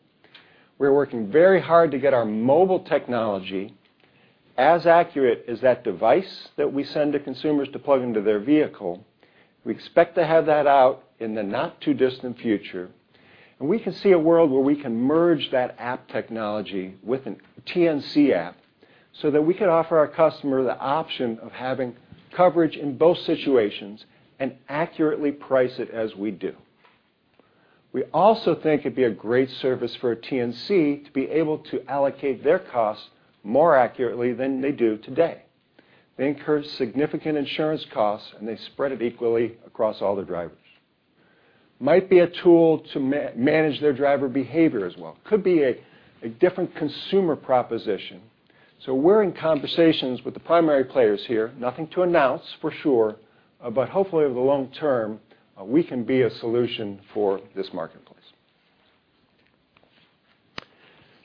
We're working very hard to get our mobile technology as accurate as that device that we send to consumers to plug into their vehicle. We expect to have that out in the not-too-distant future, and we can see a world where we can merge that app technology with a TNC app so that we can offer our customer the option of having coverage in both situations and accurately price it as we do. We also think it'd be a great service for a TNC to be able to allocate their costs more accurately than they do today. They incur significant insurance costs, and they spread it equally across all their drivers. Might be a tool to manage their driver behavior as well. Could be a different consumer proposition. We're in conversations with the primary players here. Nothing to announce, for sure, but hopefully over the long term, we can be a solution for this marketplace.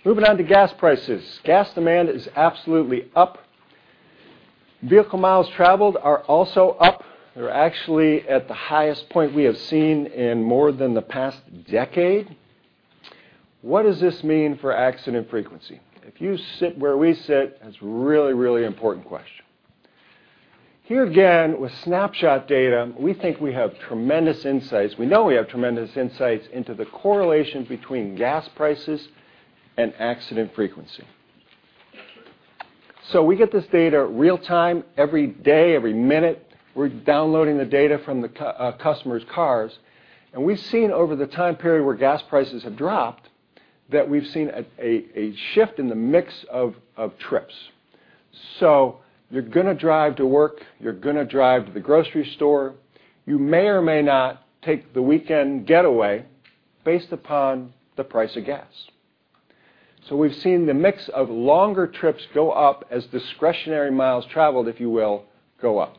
Moving on to gas prices. Gas demand is absolutely up. Vehicle miles traveled are also up. They're actually at the highest point we have seen in more than the past decade. What does this mean for accident frequency? If you sit where we sit, that's a really, really important question. Here again, with Snapshot data, we think we have tremendous insights. We know we have tremendous insights into the correlation between gas prices and accident frequency. We get this data real time, every day, every minute. We're downloading the data from the customers' cars, and we've seen over the time period where gas prices have dropped that we've seen a shift in the mix of trips. You're going to drive to work, you're going to drive to the grocery store. You may or may not take the weekend getaway based upon the price of gas. We've seen the mix of longer trips go up as discretionary miles traveled, if you will, go up.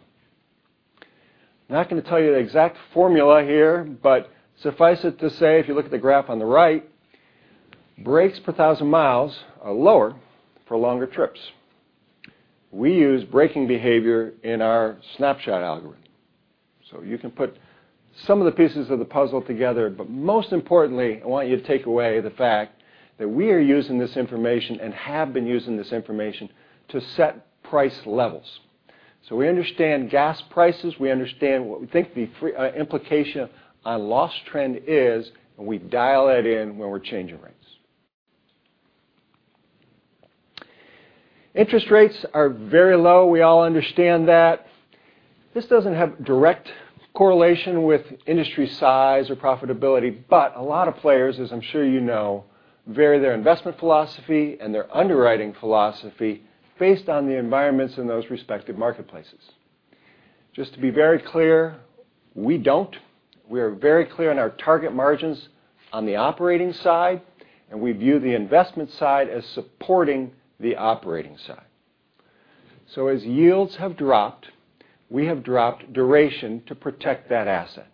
I'm not going to tell you the exact formula here, but suffice it to say, if you look at the graph on the right, brakes per 1,000 miles are lower for longer trips. We use braking behavior in our Snapshot algorithm. You can put some of the pieces of the puzzle together. Most importantly, I want you to take away the fact that we are using this information and have been using this information to set price levels. We understand gas prices, we understand what we think the implication on loss trend is, and we dial that in when we're changing rates. Interest rates are very low. We all understand that. This doesn't have direct correlation with industry size or profitability, but a lot of players, as I'm sure you know, vary their investment philosophy and their underwriting philosophy based on the environments in those respective marketplaces. Just to be very clear, we don't. We are very clear on our target margins on the operating side, and we view the investment side as supporting the operating side. As yields have dropped, we have dropped duration to protect that asset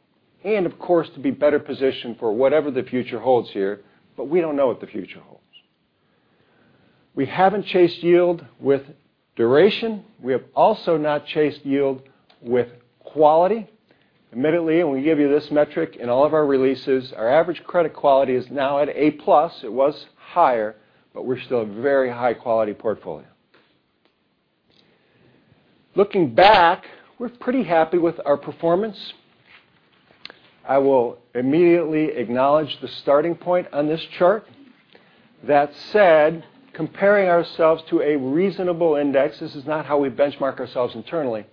and, of course, to be better positioned for whatever the future holds here, but we don't know what the future holds. We haven't chased yield with duration. We have also not chased yield with quality. Admittedly, we give you this metric in all of our releases, our average credit quality is now at A+. It was higher, but we're still a very high-quality portfolio. Looking back, we're pretty happy with our performance. I will immediately acknowledge the starting point on this chart. That said, comparing ourselves to a reasonable index, this is not how we benchmark ourselves internally.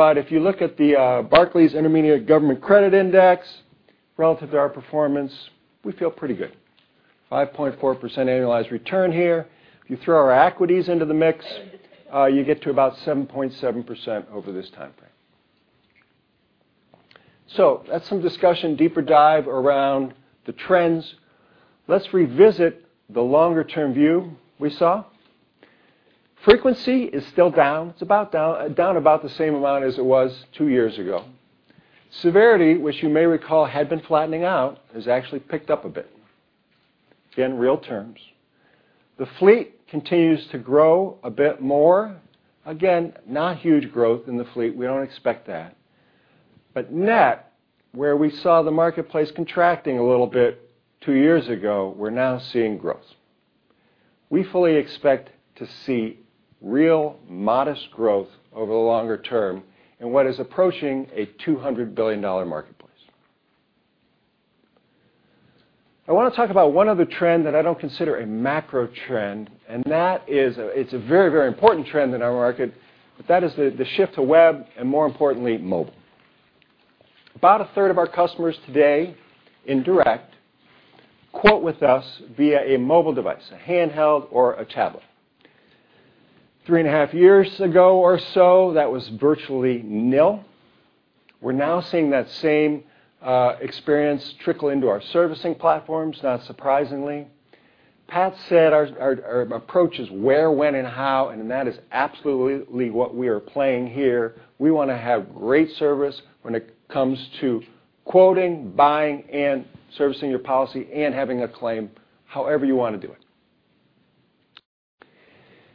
If you look at the Barclays Intermediate Government Credit Index relative to our performance, we feel pretty good. 5.4% annualized return here. If you throw our equities into the mix, you get to about 7.7% over this time frame. That's some discussion, deeper dive around the trends. Let's revisit the longer-term view we saw. Frequency is still down. It's down about the same amount as it was two years ago. Severity, which you may recall had been flattening out, has actually picked up a bit. Again, real terms. The fleet continues to grow a bit more. Again, not huge growth in the fleet. We don't expect that. Net, where we saw the marketplace contracting a little bit two years ago, we're now seeing growth. We fully expect to see real modest growth over the longer term in what is approaching a $200 billion marketplace. I want to talk about one other trend that I don't consider a macro trend, and it's a very, very important trend in our market. That is the shift to web and, more importantly, mobile. About a third of our customers today in direct quote with us via a mobile device, a handheld or a tablet. Three and a half years ago or so, that was virtually nil. We're now seeing that same experience trickle into our servicing platforms, not surprisingly. Pat said our approach is where, when, and how, that is absolutely what we are playing here. We want to have great service when it comes to quoting, buying, and servicing your policy and having a claim however you want to do it.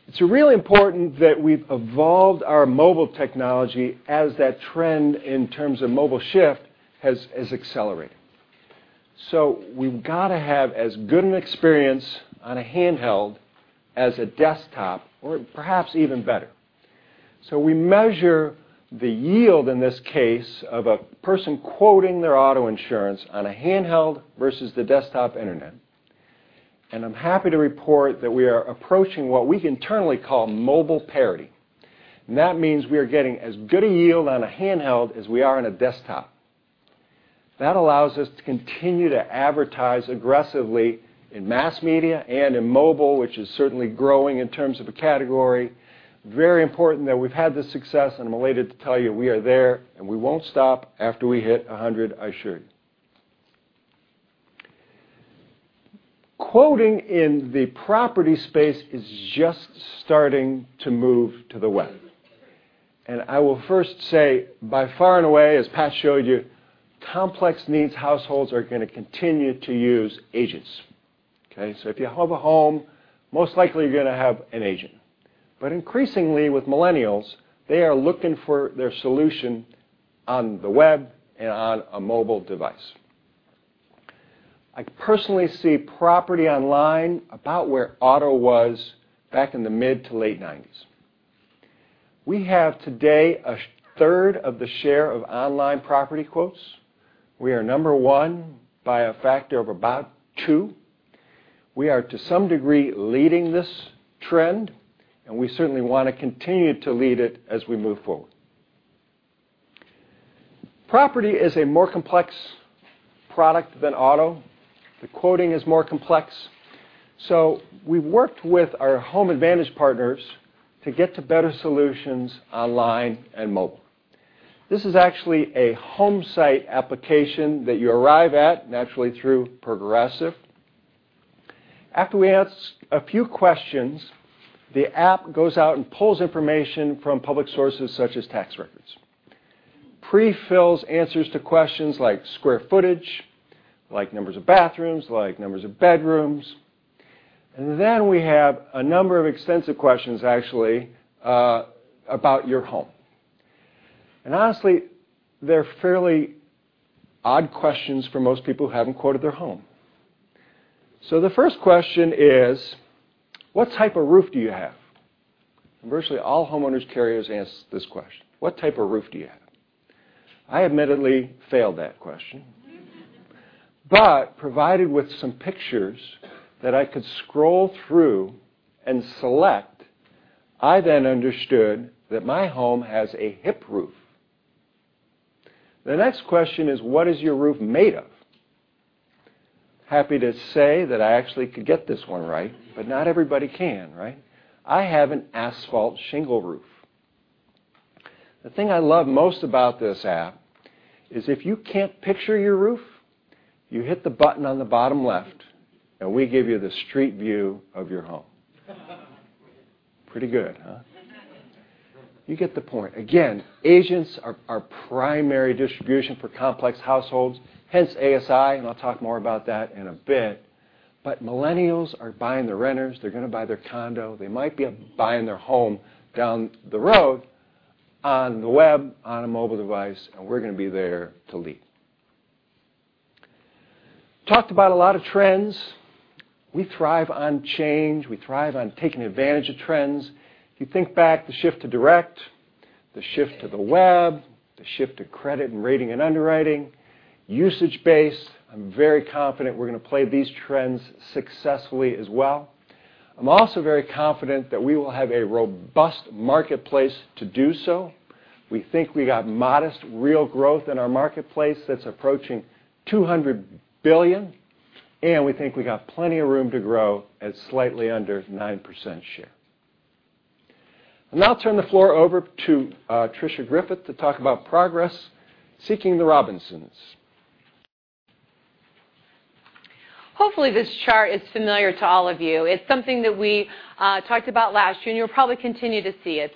It's really important that we've evolved our mobile technology as that trend in terms of mobile shift has accelerated. We've got to have as good an experience on a handheld as a desktop, or perhaps even better. We measure the yield, in this case, of a person quoting their auto insurance on a handheld versus the desktop internet. I'm happy to report that we are approaching what we internally call mobile parity. That means we are getting as good a yield on a handheld as we are on a desktop. That allows us to continue to advertise aggressively in mass media and in mobile, which is certainly growing in terms of a category. Very important that we've had this success, I'm elated to tell you we are there, we won't stop after we hit 100, I assure you. Quoting in the property space is just starting to move to the web. I will first say, by far and away, as Pat showed you, complex needs households are going to continue to use agents. Okay? If you have a home, most likely you're going to have an agent. Increasingly with millennials, they are looking for their solution on the web and on a mobile device. I personally see property online about where auto was back in the mid to late '90s. We have today a third of the share of online property quotes. We are number 1 by a factor of about 2. We are to some degree leading this trend, we certainly want to continue to lead it as we move forward. Property is a more complex product than auto. The quoting is more complex. We worked with our Progressive Home Advantage partners to get to better solutions online and mobile. This is actually a Homesite application that you arrive at naturally through Progressive. After we ask a few questions, the app goes out and pulls information from public sources such as tax records, pre-fills answers to questions like square footage, like numbers of bathrooms, like numbers of bedrooms. Then we have a number of extensive questions actually about your home. Honestly, they're fairly odd questions for most people who haven't quoted their home. The first question is, what type of roof do you have? Virtually all homeowners carriers ask this question. What type of roof do you have? I admittedly failed that question. Provided with some pictures that I could scroll through and select, I then understood that my home has a hip roof. The next question is, what is your roof made of? Happy to say that I actually could get this 1 right, but not everybody can, right? I have an asphalt shingle roof. The thing I love most about this app is if you can't picture your roof, you hit the button on the bottom left, we give you the street view of your home. Pretty good, huh? You get the point. Agents are primary distribution for complex households, hence ASI, and I'll talk more about that in a bit. Millennials are buying the renters. They're going to buy their condo. They might be buying their home down the road on the web, on a mobile device, and we're going to be there to lead. Talked about a lot of trends. We thrive on change. We thrive on taking advantage of trends. If you think back, the shift to direct, the shift to the web, the shift to credit and rating and underwriting, usage base, I'm very confident we're going to play these trends successfully as well. I'm also very confident that we will have a robust marketplace to do so. We think we got modest real growth in our marketplace that's approaching $200 billion, and we think we got plenty of room to grow at slightly under 9% share. I'll now turn the floor over to Tricia Griffith to talk about Progress, Seeking the Robinsons. Hopefully this chart is familiar to all of you. It's something that we talked about last year, and you'll probably continue to see it.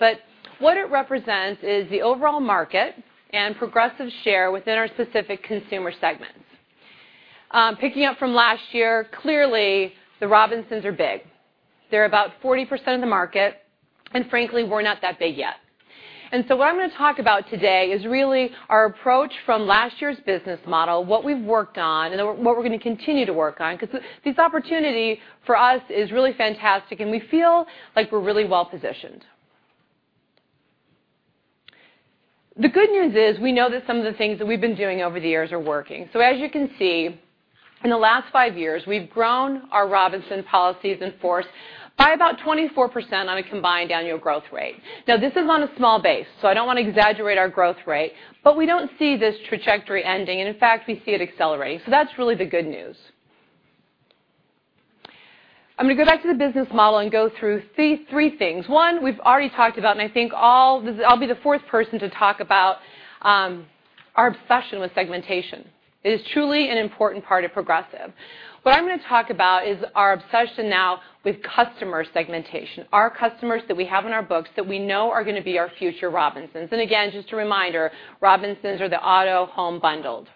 What it represents is the overall market and Progressive share within our specific consumer segments. Picking up from last year, clearly, the Robinsons are big. They're about 40% of the market, and frankly, we're not that big yet. What I'm going to talk about today is really our approach from last year's business model, what we've worked on, and what we're going to continue to work on because this opportunity for us is really fantastic, and we feel like we're really well-positioned. The good news is we know that some of the things that we've been doing over the years are working. As you can see In the last five years, we've grown our Robinson policies in force by about 24% on a combined annual growth rate. This is on a small base, so I don't want to exaggerate our growth rate, but we don't see this trajectory ending. In fact, we see it accelerating. That's really the good news. I'm going to go back to the business model and go through three things. One, we've already talked about, and I think I'll be the fourth person to talk about our obsession with segmentation. It is truly an important part of Progressive. What I'm going to talk about is our obsession now with customer segmentation. Our customers that we have in our books that we know are going to be our future Robinsons. Again, just a reminder, Robinsons are the auto-home bundled.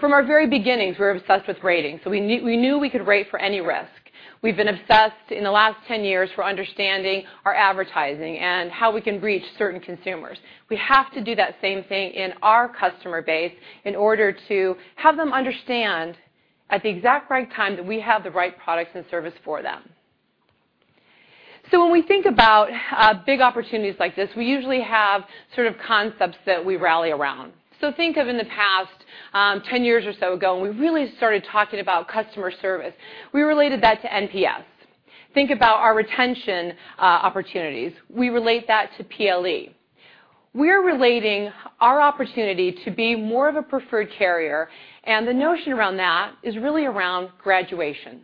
From our very beginnings, we were obsessed with ratings, we knew we could rate for any risk. We've been obsessed in the last 10 years for understanding our advertising and how we can reach certain consumers. We have to do that same thing in our customer base in order to have them understand at the exact right time that we have the right products and service for them. When we think about big opportunities like this, we usually have sort of concepts that we rally around. Think of in the past 10 years or so ago, when we really started talking about customer service. We related that to NPS. Think about our retention opportunities. We relate that to PLE. We're relating our opportunity to be more of a preferred carrier, and the notion around that is really around graduation.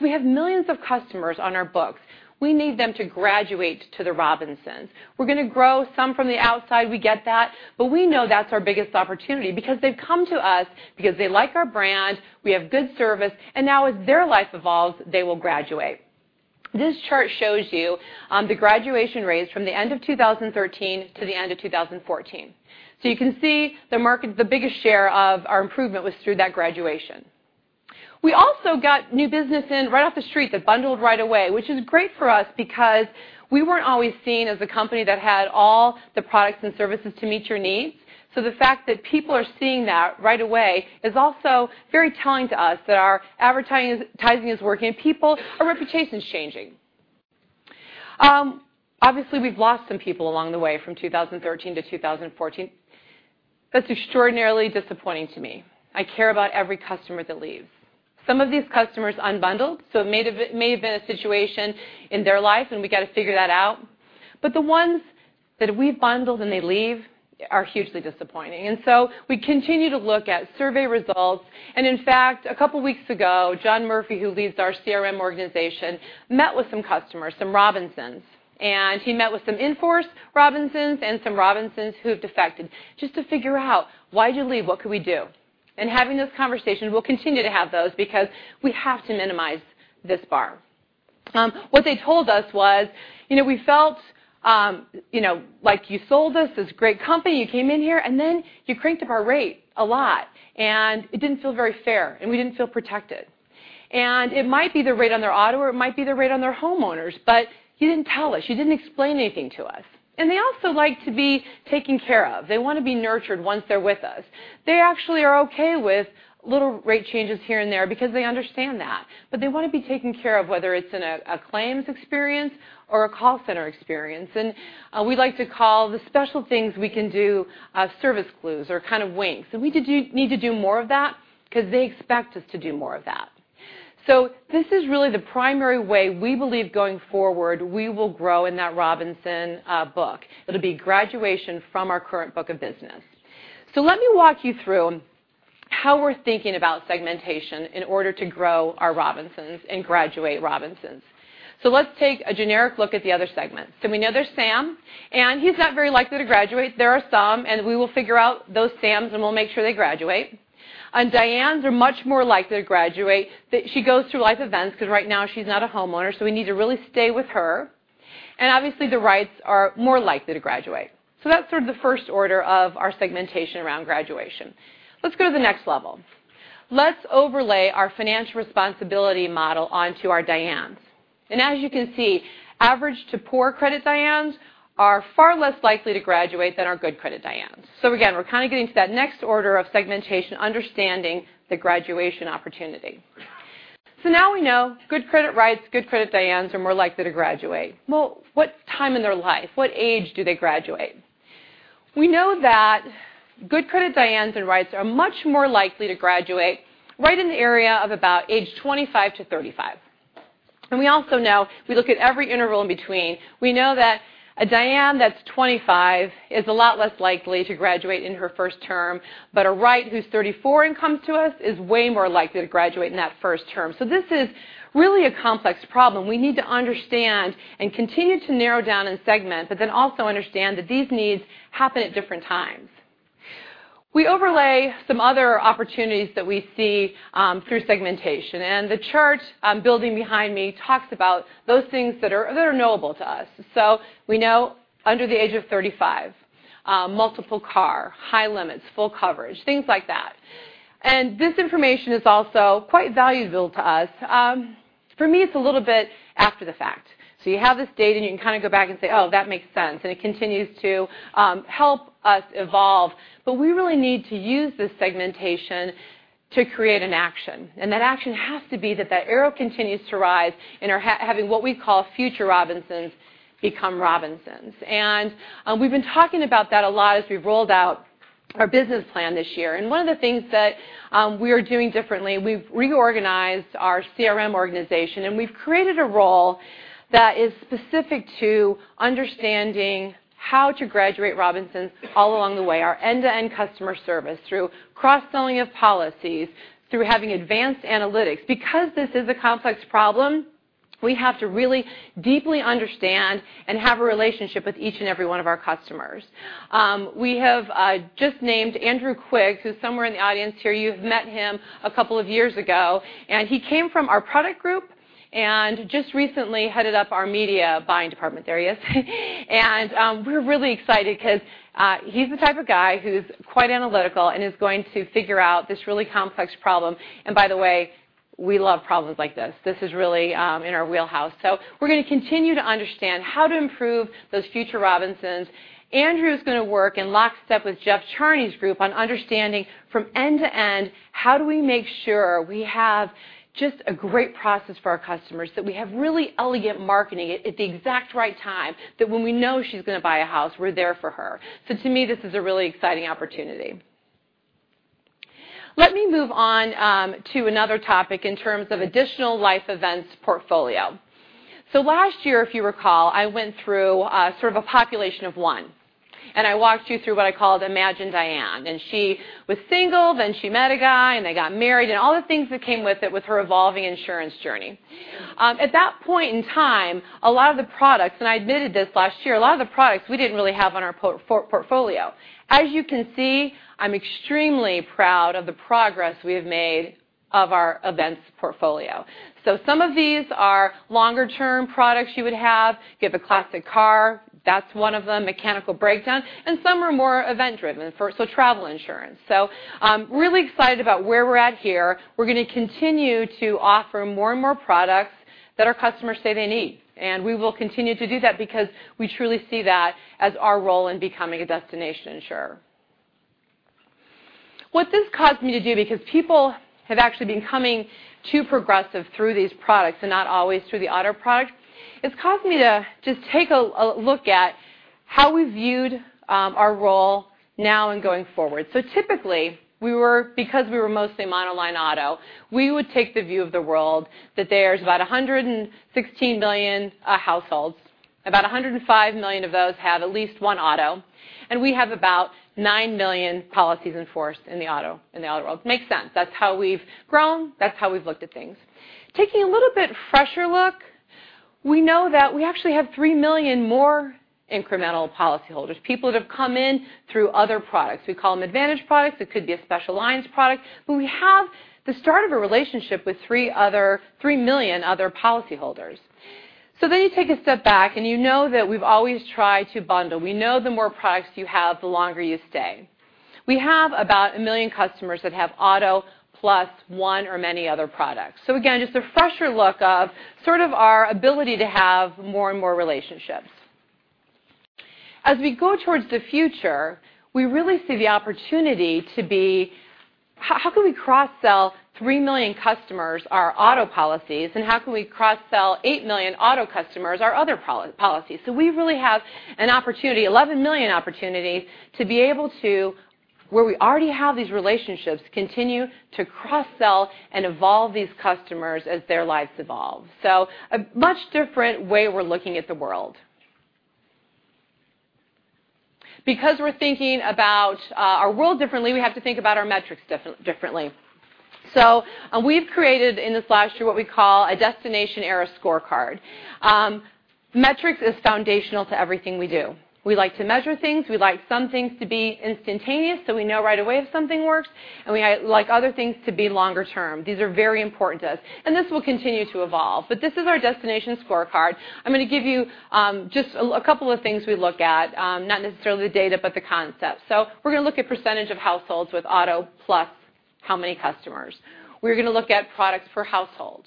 We have millions of customers on our books. We need them to graduate to the Robinsons. We're going to grow some from the outside, we get that, but we know that's our biggest opportunity because they've come to us because they like our brand, we have good service, and now as their life evolves, they will graduate. This chart shows you the graduation rates from the end of 2013 to the end of 2014. You can see the biggest share of our improvement was through that graduation. We also got new business in right off the street that bundled right away, which is great for us because we weren't always seen as a company that had all the products and services to meet your needs. The fact that people are seeing that right away is also very telling to us that our advertising is working, and our reputation's changing. Obviously, we've lost some people along the way from 2013 to 2014. That's extraordinarily disappointing to me. I care about every customer that leaves. Some of these customers unbundled, it may have been a situation in their life, and we got to figure that out. The ones that we've bundled and they leave are hugely disappointing. We continue to look at survey results, and in fact, a couple of weeks ago, John Murphy, who leads our CRM organization, met with some customers, some Robinsons. He met with some in-force Robinsons and some Robinsons who have defected just to figure out, "Why'd you leave? What could we do?" Having those conversations, we'll continue to have those because we have to minimize this bar. What they told us was, "We felt like you sold us this great company. You came in here, you cranked up our rate a lot, and it didn't feel very fair, and we didn't feel protected." It might be the rate on their auto, or it might be the rate on their homeowners, but you didn't tell us. You didn't explain anything to us. They also like to be taken care of. They want to be nurtured once they're with us. They actually are okay with little rate changes here and there because they understand that. They want to be taken care of, whether it's in a claims experience or a call center experience. We like to call the special things we can do service clues or kind of winks. We need to do more of that because they expect us to do more of that. This is really the primary way we believe going forward we will grow in that Robinsons book. It'll be graduation from our current book of business. Let me walk you through how we're thinking about segmentation in order to grow our Robinsons and graduate Robinsons. Let's take a generic look at the other segments. We know there's Sam, and he's not very likely to graduate. There are some, and we will figure out those Sams, and we'll make sure they graduate. Dianes are much more likely to graduate. That she goes through life events because right now she's not a homeowner, so we need to really stay with her. Obviously, the Wrights are more likely to graduate. That's sort of the first order of our segmentation around graduation. Let's go to the next level. Let's overlay our financial responsibility model onto our Dianes. As you can see, average to poor credit Dianes are far less likely to graduate than our good credit Dianes. Again, we're kind of getting to that next order of segmentation, understanding the graduation opportunity. Now we know good credit Wrights, good credit Dianes are more likely to graduate. What time in their life? What age do they graduate? We know that good credit Dianes and Wrights are much more likely to graduate right in the area of about age 25 to 35. We also know if we look at every interval in between, we know that a Diane that's 25 is a lot less likely to graduate in her first term, but a Wright who's 34 and comes to us is way more likely to graduate in that first term. This is really a complex problem. We need to understand and continue to narrow down and segment, but also understand that these needs happen at different times. We overlay some other opportunities that we see through segmentation, and the chart building behind me talks about those things that are knowable to us. We know under the age of 35, multiple car, high limits, full coverage, things like that. This information is also quite valuable to us. For me, it's a little bit after the fact. You have this data, and you can kind of go back and say, "Oh, that makes sense." It continues to help us evolve. We really need to use this segmentation to create an action. That action has to be that that arrow continues to rise and are having what we call future Robinsons become Robinsons. We've been talking about that a lot as we've rolled out our business plan this year. One of the things that we are doing differently, we've reorganized our CRM organization, and we've created a role that is specific to understanding how to graduate Robinsons all along the way, our end-to-end customer service through cross-selling of policies, through having advanced analytics. This is a complex problem, we have to really deeply understand and have a relationship with each and every one of our customers. We're really excited because he's the type of guy who's quite analytical and is going to figure out this really complex problem. By the way, we love problems like this. This is really in our wheelhouse. We're going to continue to understand how to improve those future Robinsons. Andrew Quigg is going to work in lockstep with Jeff Charney's group on understanding from end to end, how do we make sure we have just a great process for our customers, that we have really elegant marketing at the exact right time, that when we know she's going to buy a house, we're there for her. To me, this is a really exciting opportunity. Let me move on to another topic in terms of additional life events portfolio. Last year, if you recall, I went through sort of a population of one, I walked you through what I called Imagine Diane, she was single, then she met a guy, they got married, all the things that came with it with her evolving insurance journey. At that point in time, a lot of the products, I admitted this last year, a lot of the products we didn't really have on our portfolio. As you can see, I'm extremely proud of the progress we have made of our events portfolio. Some of these are longer term products you would have. You have a classic car, that's one of them, mechanical breakdown, and some are more event-driven, travel insurance. I'm really excited about where we're at here. We're going to continue to offer more and more products that our customers say they need, and we will continue to do that because we truly see that as our role in becoming a destination insurer. What this caused me to do, because people have actually been coming to Progressive through these products and not always through the auto product, it's caused me to just take a look at how we viewed our role now and going forward. Typically, because we were mostly monoline auto, we would take the view of the world that there's about 116 million households, about 105 million of those have at least one auto, we have about 9 million policies in force in the auto world. Makes sense. That's how we've grown. That's how we've looked at things. Taking a little bit fresher look, we know that we actually have 3 million more incremental policyholders, people that have come in through other products. We call them advantage products. It could be a special lines product. We have the start of a relationship with 3 million other policyholders. You take a step back, you know that we've always tried to bundle. We know the more products you have, the longer you stay. We have about 1 million customers that have auto plus one or many other products. Again, just a fresher look of sort of our ability to have more and more relationships. As we go towards the future, we really see the opportunity to be how can we cross-sell 3 million customers our auto policies, how can we cross-sell 8 million auto customers our other policies? We really have an opportunity, 11 million opportunities, to be able to, where we already have these relationships, continue to cross-sell and evolve these customers as their lives evolve. A much different way we're looking at the world. Because we're thinking about our world differently, we have to think about our metrics differently. We've created in this last year what we call a Destination Era scorecard. Metrics is foundational to everything we do. We like to measure things. We like some things to be instantaneous, so we know right away if something works, and we like other things to be longer term. These are very important to us, and this will continue to evolve. This is our Destination Era scorecard. I'm going to give you just a couple of things we look at, not necessarily the data, but the concept. We're going to look at percentage of households with auto plus how many customers. We're going to look at products per household.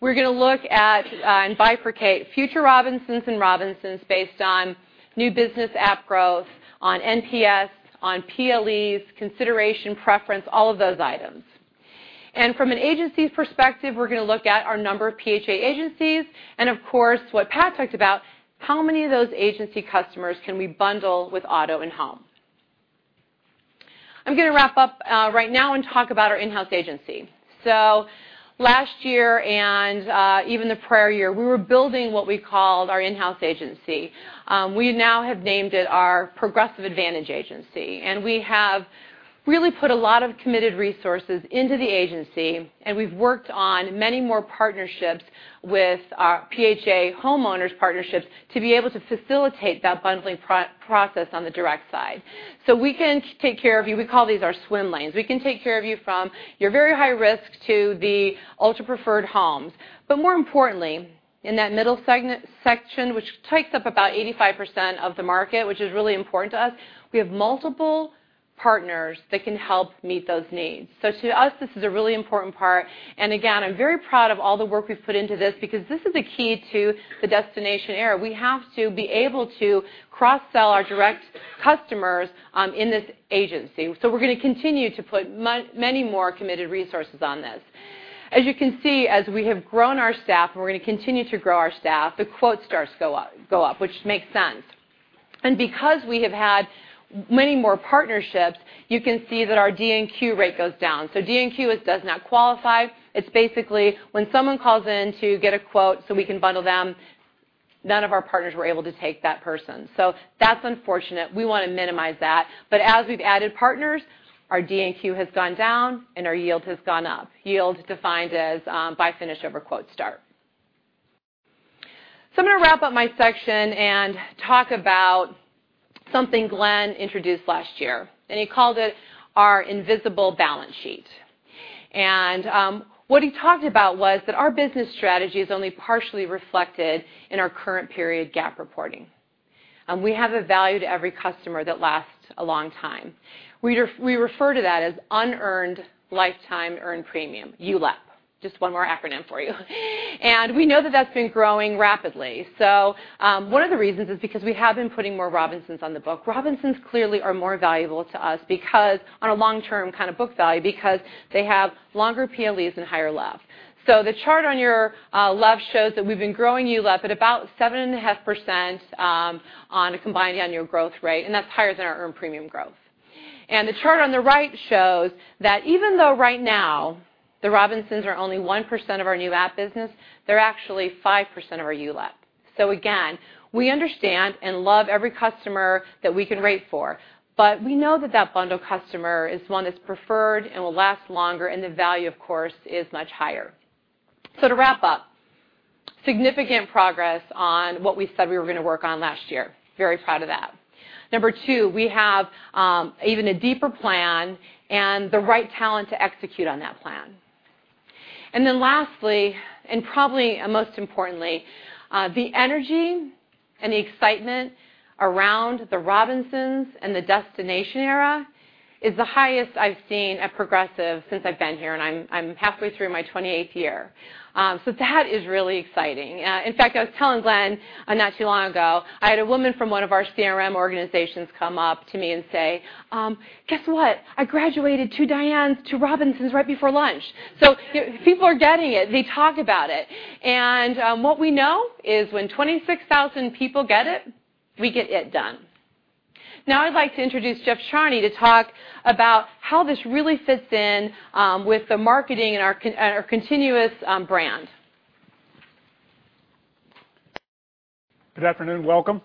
We're going to look at and bifurcate future Robinsons and Robinsons based on new business app growth, on NPS, on PLEs, consideration, preference, all of those items. From an agency perspective, we're going to look at our number of PHA agencies, and of course, what Pat talked about, how many of those agency customers can we bundle with auto and home? I'm going to wrap up right now and talk about our in-house agency. Last year and even the prior year, we were building what we called our in-house agency. We now have named it our Progressive Advantage Agency, we have really put a lot of committed resources into the agency, we've worked on many more partnerships with our PHA homeowners partnerships to be able to facilitate that bundling process on the direct side. We can take care of you. We call these our swim lanes. We can take care of you from your very high risk to the ultra preferred homes. More importantly, in that middle section, which takes up about 85% of the market, which is really important to us, we have multiple partners that can help meet those needs. To us, this is a really important part. Again, I'm very proud of all the work we've put into this because this is the key to the Destination Era. We have to be able to cross-sell our direct customers in this agency. We're going to continue to put many more committed resources on this. As you can see, as we have grown our staff, we're going to continue to grow our staff, the quote starts go up, which makes sense. Because we have had many more partnerships, you can see that our DNQ rate goes down. DNQ is Does Not Qualify. It's basically when someone calls in to get a quote so we can bundle them, none of our partners were able to take that person. That's unfortunate. We want to minimize that. As we've added partners, our DNQ has gone down and our yield has gone up. Yield is defined as by finish over quote start. I'm going to wrap up my section and talk about something Glenn introduced last year, he called it our invisible balance sheet. What he talked about was that our business strategy is only partially reflected in our current period GAAP reporting. We have a value to every customer that lasts a long time. We refer to that as Unearned Lifetime Earned Premium, ULEP. Just one more acronym for you. We know that that's been growing rapidly. One of the reasons is because we have been putting more Robinsons on the book. Robinsons clearly are more valuable to us on a long-term kind of book value because they have longer PLEs and higher LEV. The chart on your left shows that we've been growing ULEP at about 7.5% on a combined annual growth rate, and that's higher than our earned premium growth. The chart on the right shows that even though right now the Robinsons are only 1% of our new business, they're actually 5% of our ULEP. Again, we understand and love every customer that we can rate for, we know that that bundle customer is one that's preferred and will last longer, and the value, of course, is much higher. To wrap up, significant progress on what we said we were going to work on last year. Very proud of that. Number two, we have even a deeper plan and the right talent to execute on that plan. Lastly, and probably most importantly, the energy and the excitement around the Robinsons and the Destination Era is the highest I've seen at Progressive since I've been here, and I'm halfway through my 28th year. That is really exciting. In fact, I was telling Glenn not too long ago, I had a woman from one of our CRM organizations come up to me and say, "Guess what? I graduated two Robinsons right before lunch." People are getting it. They talk about it. What we know is when 26,000 people get it, we get it done. Now I'd like to introduce Jeff Charney to talk about how this really fits in with the marketing and our continuous brand. Good afternoon. Welcome.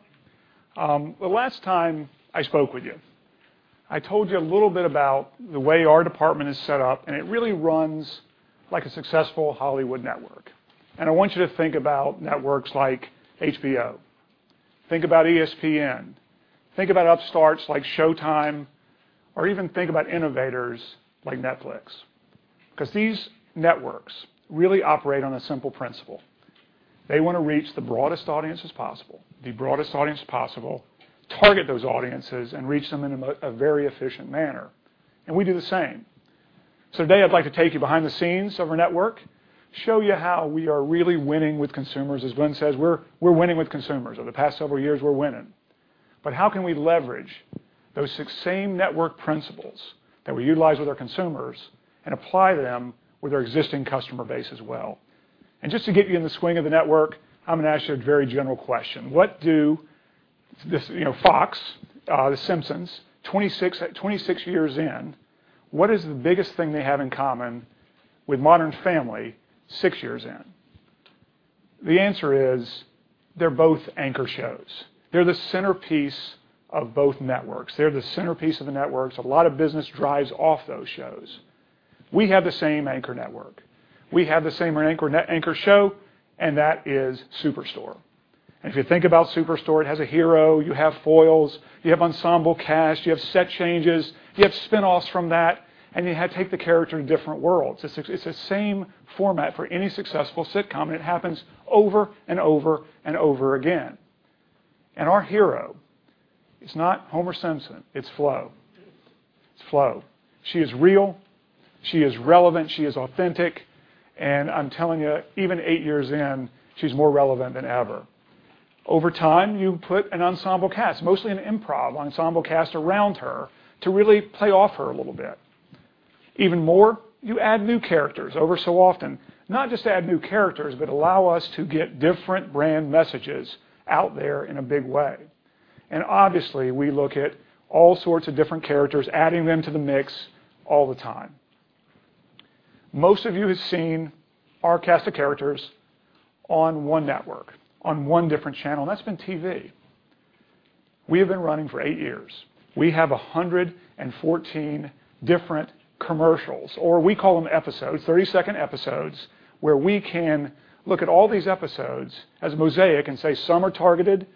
The last time I spoke with you, I told you a little bit about the way our department is set up, and it really runs like a successful Hollywood network. I want you to think about networks like HBO. Think about ESPN. Think about upstarts like Showtime, or even think about innovators like Netflix, because these networks really operate on a simple principle. They want to reach the broadest audience as possible, target those audiences, and reach them in a very efficient manner. We do the same. Today, I'd like to take you behind the scenes of our network, show you how we are really winning with consumers. As Glenn says, we're winning with consumers. Over the past several years, we're winning. How can we leverage those same network principles that we utilize with our consumers and apply them with our existing customer base as well? Just to get you in the swing of the network, I am going to ask you a very general question. Fox, The Simpsons, 26 years in, what is the biggest thing they have in common with Modern Family 6 years in? The answer is they are both anchor shows. They are the centerpiece of both networks. A lot of business drives off those shows. We have the same anchor network. We have the same anchor show, and that is Superstore. If you think about Superstore, it has a hero, you have foils, you have ensemble cast, you have set changes, you have spinoffs from that, and you take the character in different worlds. It is the same format for any successful sitcom, it happens over and over and over again. Our hero is not Homer Simpson, it is Flo. She is real, she is relevant, she is authentic, I am telling you, even 8 years in, she is more relevant than ever. Over time, you put an ensemble cast, mostly an improv ensemble cast around her to really play off her a little bit. Even more, you add new characters every so often. Not just add new characters, but allow us to get different brand messages out there in a big way. Obviously, we look at all sorts of different characters, adding them to the mix all the time. Most of you have seen our cast of characters on one network, on one different channel, and that has been TV. We have been running for 8 years. We have 114 different commercials, or we call them episodes, 30-second episodes, where we can look at all these episodes as a mosaic and say some are targeted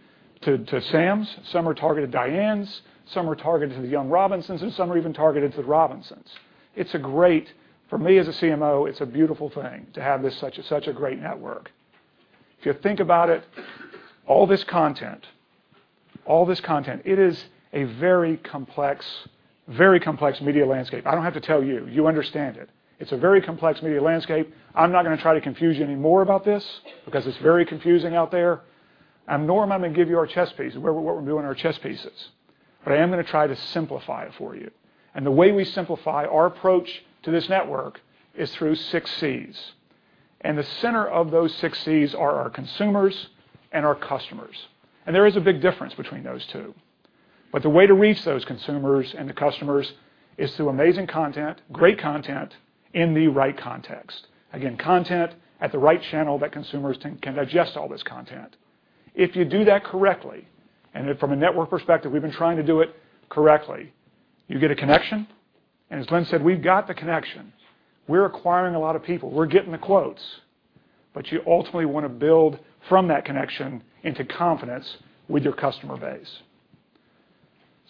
to Sams, some are targeted to Dianes, some are targeted to the young Robinsons, some are even targeted to the Robinsons. For me as a CMO, it is a beautiful thing to have such a great network. If you think about it, all this content, it is a very complex media landscape. I do not have to tell you. You understand it. It is a very complex media landscape. I am not going to try to confuse you any more about this because it is very confusing out there. Norm, I am going to give you our chess pieces, what we are doing with our chess pieces. I am going to try to simplify it for you. The way we simplify our approach to this network is through 6 Cs. The center of those 6 Cs are our consumers and our customers. There is a big difference between those two. The way to reach those consumers and the customers is through amazing content, great content, in the right context. Again, content at the right channel that consumers can digest all this content. If you do that correctly, from a network perspective, we have been trying to do it correctly, you get a connection. As Glenn said, we have got the connection. We are acquiring a lot of people. We are getting the quotes. You ultimately want to build from that connection into confidence with your customer base.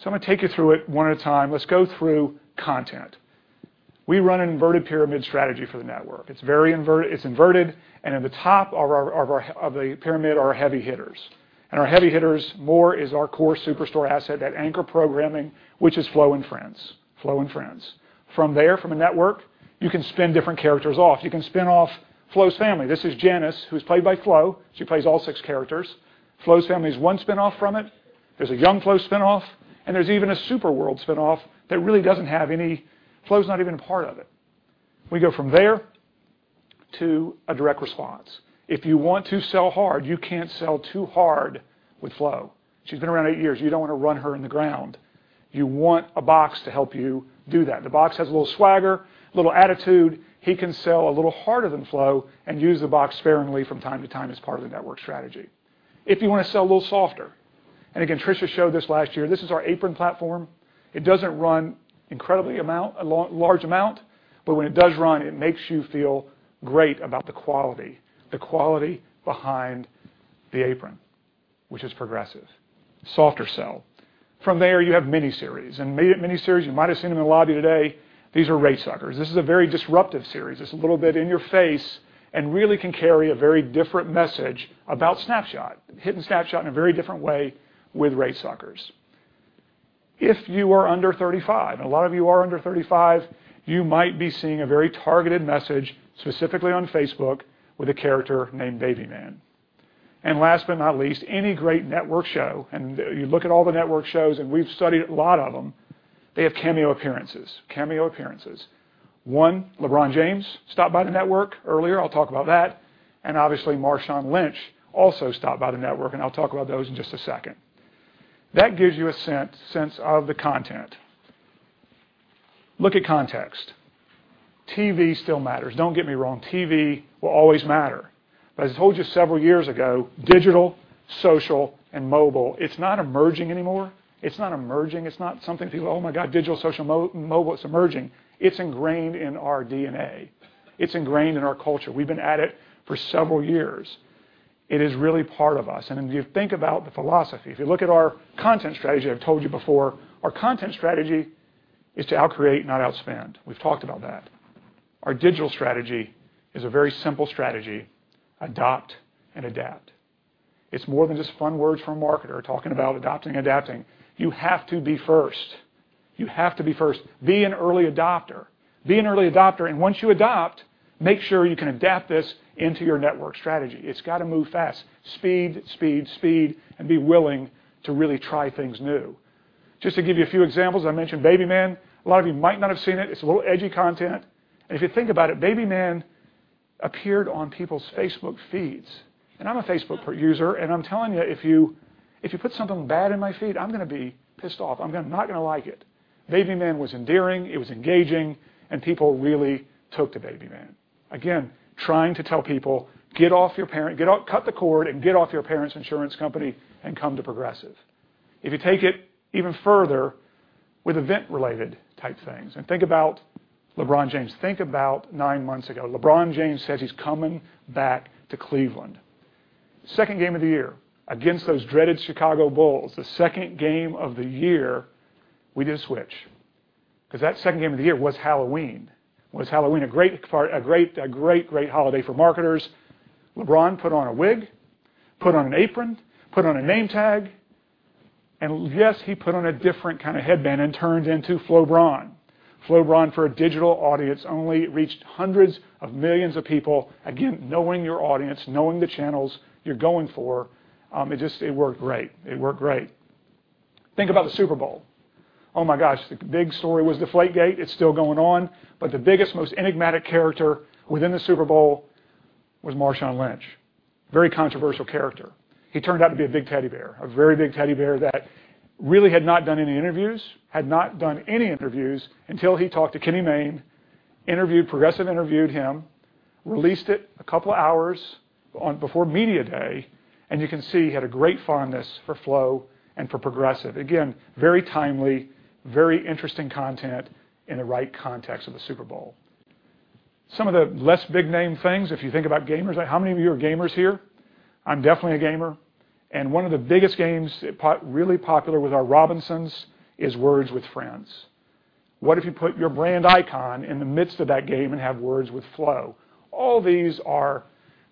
I am going to take you through it one at a time. Let us go through content. We run an inverted pyramid strategy for the network. It's inverted, at the top of the pyramid are our heavy hitters. Our heavy hitters more is our core Superstore asset, that anchor programming, which is Flo and Friends. Flo and Friends. From there, from a network, you can spin different characters off. You can spin off Flo's family. This is Janice, who's played by Flo. She plays all six characters. Flo's family is one spin-off from it. There's a young Flo spin-off, and there's even a Superworld spin-off that really doesn't have any. Flo's not even a part of it. We go from there to a direct response. If you want to sell hard, you can't sell too hard with Flo. She's been around eight years. You don't want to run her in the ground. You want The Box to help you do that. The Box has a little swagger, a little attitude. He can sell a little harder than Flo and use The Box sparingly from time to time as part of the network strategy. If you want to sell a little softer, again, Tricia showed this last year, this is our apron platform. It doesn't run incredibly large amount, but when it does run, it makes you feel great about the quality, the quality behind the apron, which is Progressive. Softer sell. From there, you have miniseries, you might have seen them in the lobby today. These are Rate Suckers. This is a very disruptive series. It's a little bit in your face and really can carry a very different message about Snapshot. Hitting Snapshot in a very different way with Rate Suckers. If you are under 35, a lot of you are under 35, you might be seeing a very targeted message, specifically on Facebook, with a character named Baby Man. Last but not least, any great network show, you look at all the network shows, we've studied a lot of them, they have cameo appearances. Cameo appearances. One, LeBron James stopped by the network earlier. I'll talk about that. Obviously, Marshawn Lynch also stopped by the network, I'll talk about those in just a second. That gives you a sense of the content. Look at context. TV still matters. Don't get me wrong. TV will always matter. As I told you several years ago, digital, social, and mobile, it's not emerging anymore. It's not emerging. It's not something people, oh my God, digital, social, mobile, it's emerging. It's ingrained in our DNA. It's ingrained in our culture. We've been at it for several years. It is really part of us, if you think about the philosophy, if you look at our content strategy, I've told you before, our content strategy is to out-create, not outspend. We've talked about that. Our digital strategy is a very simple strategy, adopt and adapt. It's more than just fun words from a marketer talking about adopting and adapting. You have to be first. You have to be first. Be an early adopter. Be an early adopter, once you adopt, make sure you can adapt this into your network strategy. It's got to move fast. Speed, speed, be willing to really try things new. Just to give you a few examples, I mentioned Baby Man. A lot of you might not have seen it. It's a little edgy content, if you think about it, Baby Man appeared on people's Facebook feeds. I'm a Facebook user, and I'm telling you, if you put something bad in my feed, I'm going to be pissed off. I'm not going to like it. Baby Man was endearing, it was engaging, and people really took to Baby Man. Again, trying to tell people, cut the cord and get off your parents' insurance company and come to Progressive. If you take it even further with event-related type things, and think about LeBron James. Think about nine months ago. LeBron James says he's coming back to Cleveland. Second game of the year against those dreaded Chicago Bulls. The second game of the year, we did a switch because that second game of the year was Halloween. Was Halloween a great holiday for marketers? LeBron put on a wig, put on an apron, put on a name tag, and yes, he put on a different kind of headband and turned into Flobron. Flobron, for a digital audience only, reached hundreds of millions of people. Again, knowing your audience, knowing the channels you're going for, it worked great. It worked great. Think about the Super Bowl. Oh my gosh, the big story was the Deflategate. It's still going on. The biggest, most enigmatic character within the Super Bowl was Marshawn Lynch. Very controversial character. He turned out to be a big teddy bear, a very big teddy bear that really had not done any interviews until he talked to Kenny Mayne. Progressive interviewed him, released it a couple of hours before media day, and you can see he had a great fondness for Flo and for Progressive. Again, very timely, very interesting content in the right context of the Super Bowl. Some of the less big name things, if you think about gamers, how many of you are gamers here? I'm definitely a gamer, and one of the biggest games really popular with our Robinsons is Words with Friends. What if you put your brand icon in the midst of that game and have Words with Flo? All these are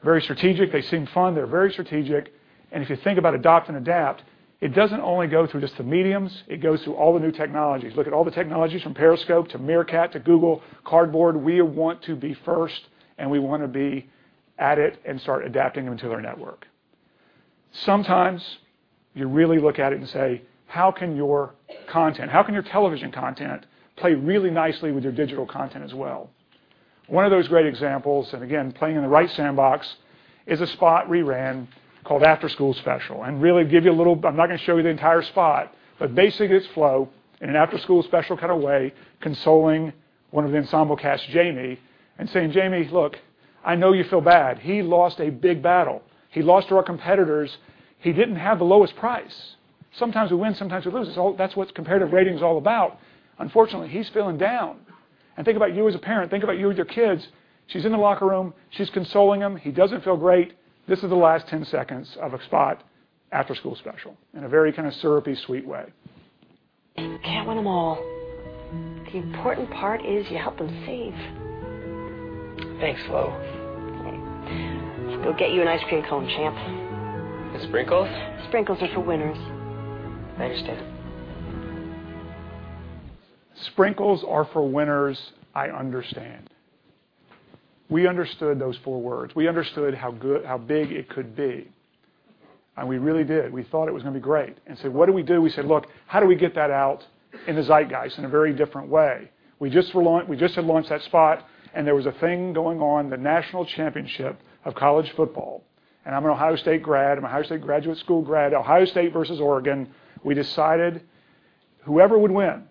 very strategic. They seem fun. They're very strategic, and if you think about adopt and adapt, it doesn't only go through just the mediums, it goes through all the new technologies. Look at all the technologies from Periscope to Meerkat to Google Cardboard. We want to be first, and we want to be at it and start adapting them into our network. Sometimes you really look at it and say, how can your content, how can your television content play really nicely with your digital content as well? One of those great examples, and again, playing in the right sandbox, is a spot we ran called After School Special. Really give you a little. I'm not going to show you the entire spot, but basically, it's Flo in an after-school special kind of way, consoling one of the ensemble cast, Jamie, and saying, "Jamie, look, I know you feel bad." He lost a big battle. He lost to our competitors. He didn't have the lowest price. Sometimes we win, sometimes we lose. That's what comparative rating is all about. Unfortunately, he's feeling down. Think about you as a parent, think about you with your kids. She's in the locker room. She's consoling him. He doesn't feel great. This is the last 10 seconds of a spot, After School Special, in a very kind of syrupy sweet way. You can't win them all. The important part is you help them save. Thanks, Flo. Let's go get you an ice cream cone, champ. With sprinkles? Sprinkles are for winners. I understand. Sprinkles are for winners. I understand." We understood those four words. We understood how good, how big it could be. We really did. We thought it was going to be great. Said, "What do we do?" We said, "Look, how do we get that out in the zeitgeist in a very different way?" We just had launched that spot, and there was a thing going on, the National Championship of College Football. I'm an Ohio State grad. I'm an Ohio State graduate school grad. Ohio State versus Oregon. We decided whoever would win,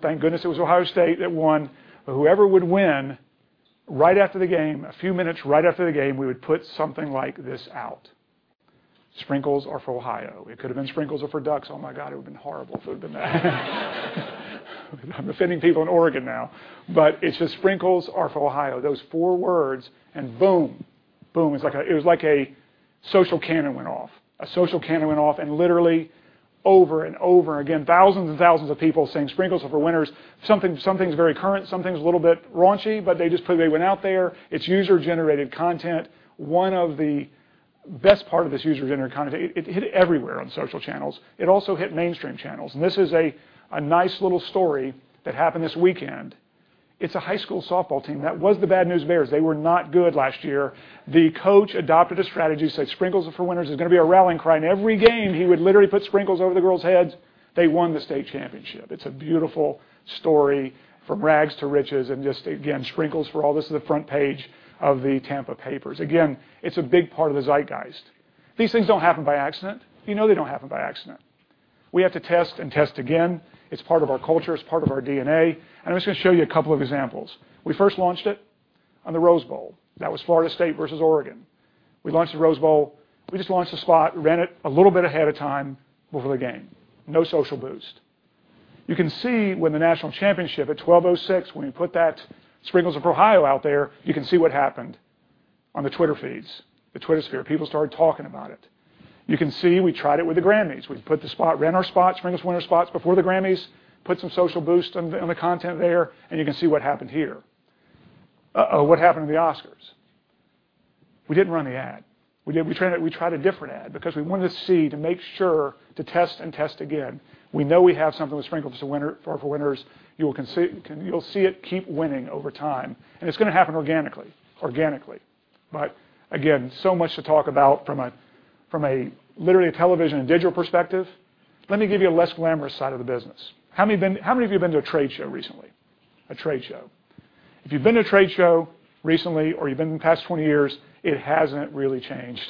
thank goodness it was Ohio State that won. Whoever would win, right after the game, a few minutes right after the game, we would put something like this out. Sprinkles are for Ohio." It could've been, "Sprinkles are for Ducks." Oh, my God, it would've been horrible if it would've been that. I'm offending people in Oregon now. It's just, "Sprinkles are for Ohio," those four words, and boom. Boom. It was like a social cannon went off. A social cannon went off and literally over and over again, thousands and thousands of people saying sprinkles are for winners. Something's very current, something's a little bit raunchy, but they just went out there. It's user-generated content. One of the best part of this user-generated content, it hit everywhere on social channels. It also hit mainstream channels. This is a nice little story that happened this weekend. It's a high school softball team. That was the Bad News Bears. They were not good last year. The coach adopted a strategy, said, "Sprinkles are for winners." It's going to be our rallying cry. In every game, he would literally put sprinkles over the girls' heads. They won the state championship. It's a beautiful story from rags to riches, and just, again, sprinkles for all. This is the front page of the Tampa papers. Again, it's a big part of the zeitgeist. These things don't happen by accident. You know they don't happen by accident. We have to test and test again. It's part of our culture. It's part of our DNA. I'm just going to show you a couple of examples. We first launched it on the Rose Bowl. That was Florida State versus Oregon. We launched the Rose Bowl. We just launched the spot, ran it a little bit ahead of time before the game. No social boost. You can see when the national championship at 12:06, when we put that "Sprinkles are for Ohio" out there, you can see what happened on the Twitter feeds, the Twittersphere. People started talking about it. You can see we tried it with the Grammys. We put the spot, ran our spots, Sprinkles Winner spots before the Grammys, put some social boost on the content there, and you can see what happened here. Uh-oh, what happened at the Oscars? We didn't run the ad. We tried a different ad because we wanted to see, to make sure to test and test again. We know we have something with Sprinkles for Winners. You'll see it keep winning over time, and it's going to happen organically. So much to talk about from a literally a television and digital perspective. Let me give you a less glamorous side of the business. How many of you have been to a trade show recently? A trade show. If you've been to a trade show recently or you've been in the past 20 years, it hasn't really changed.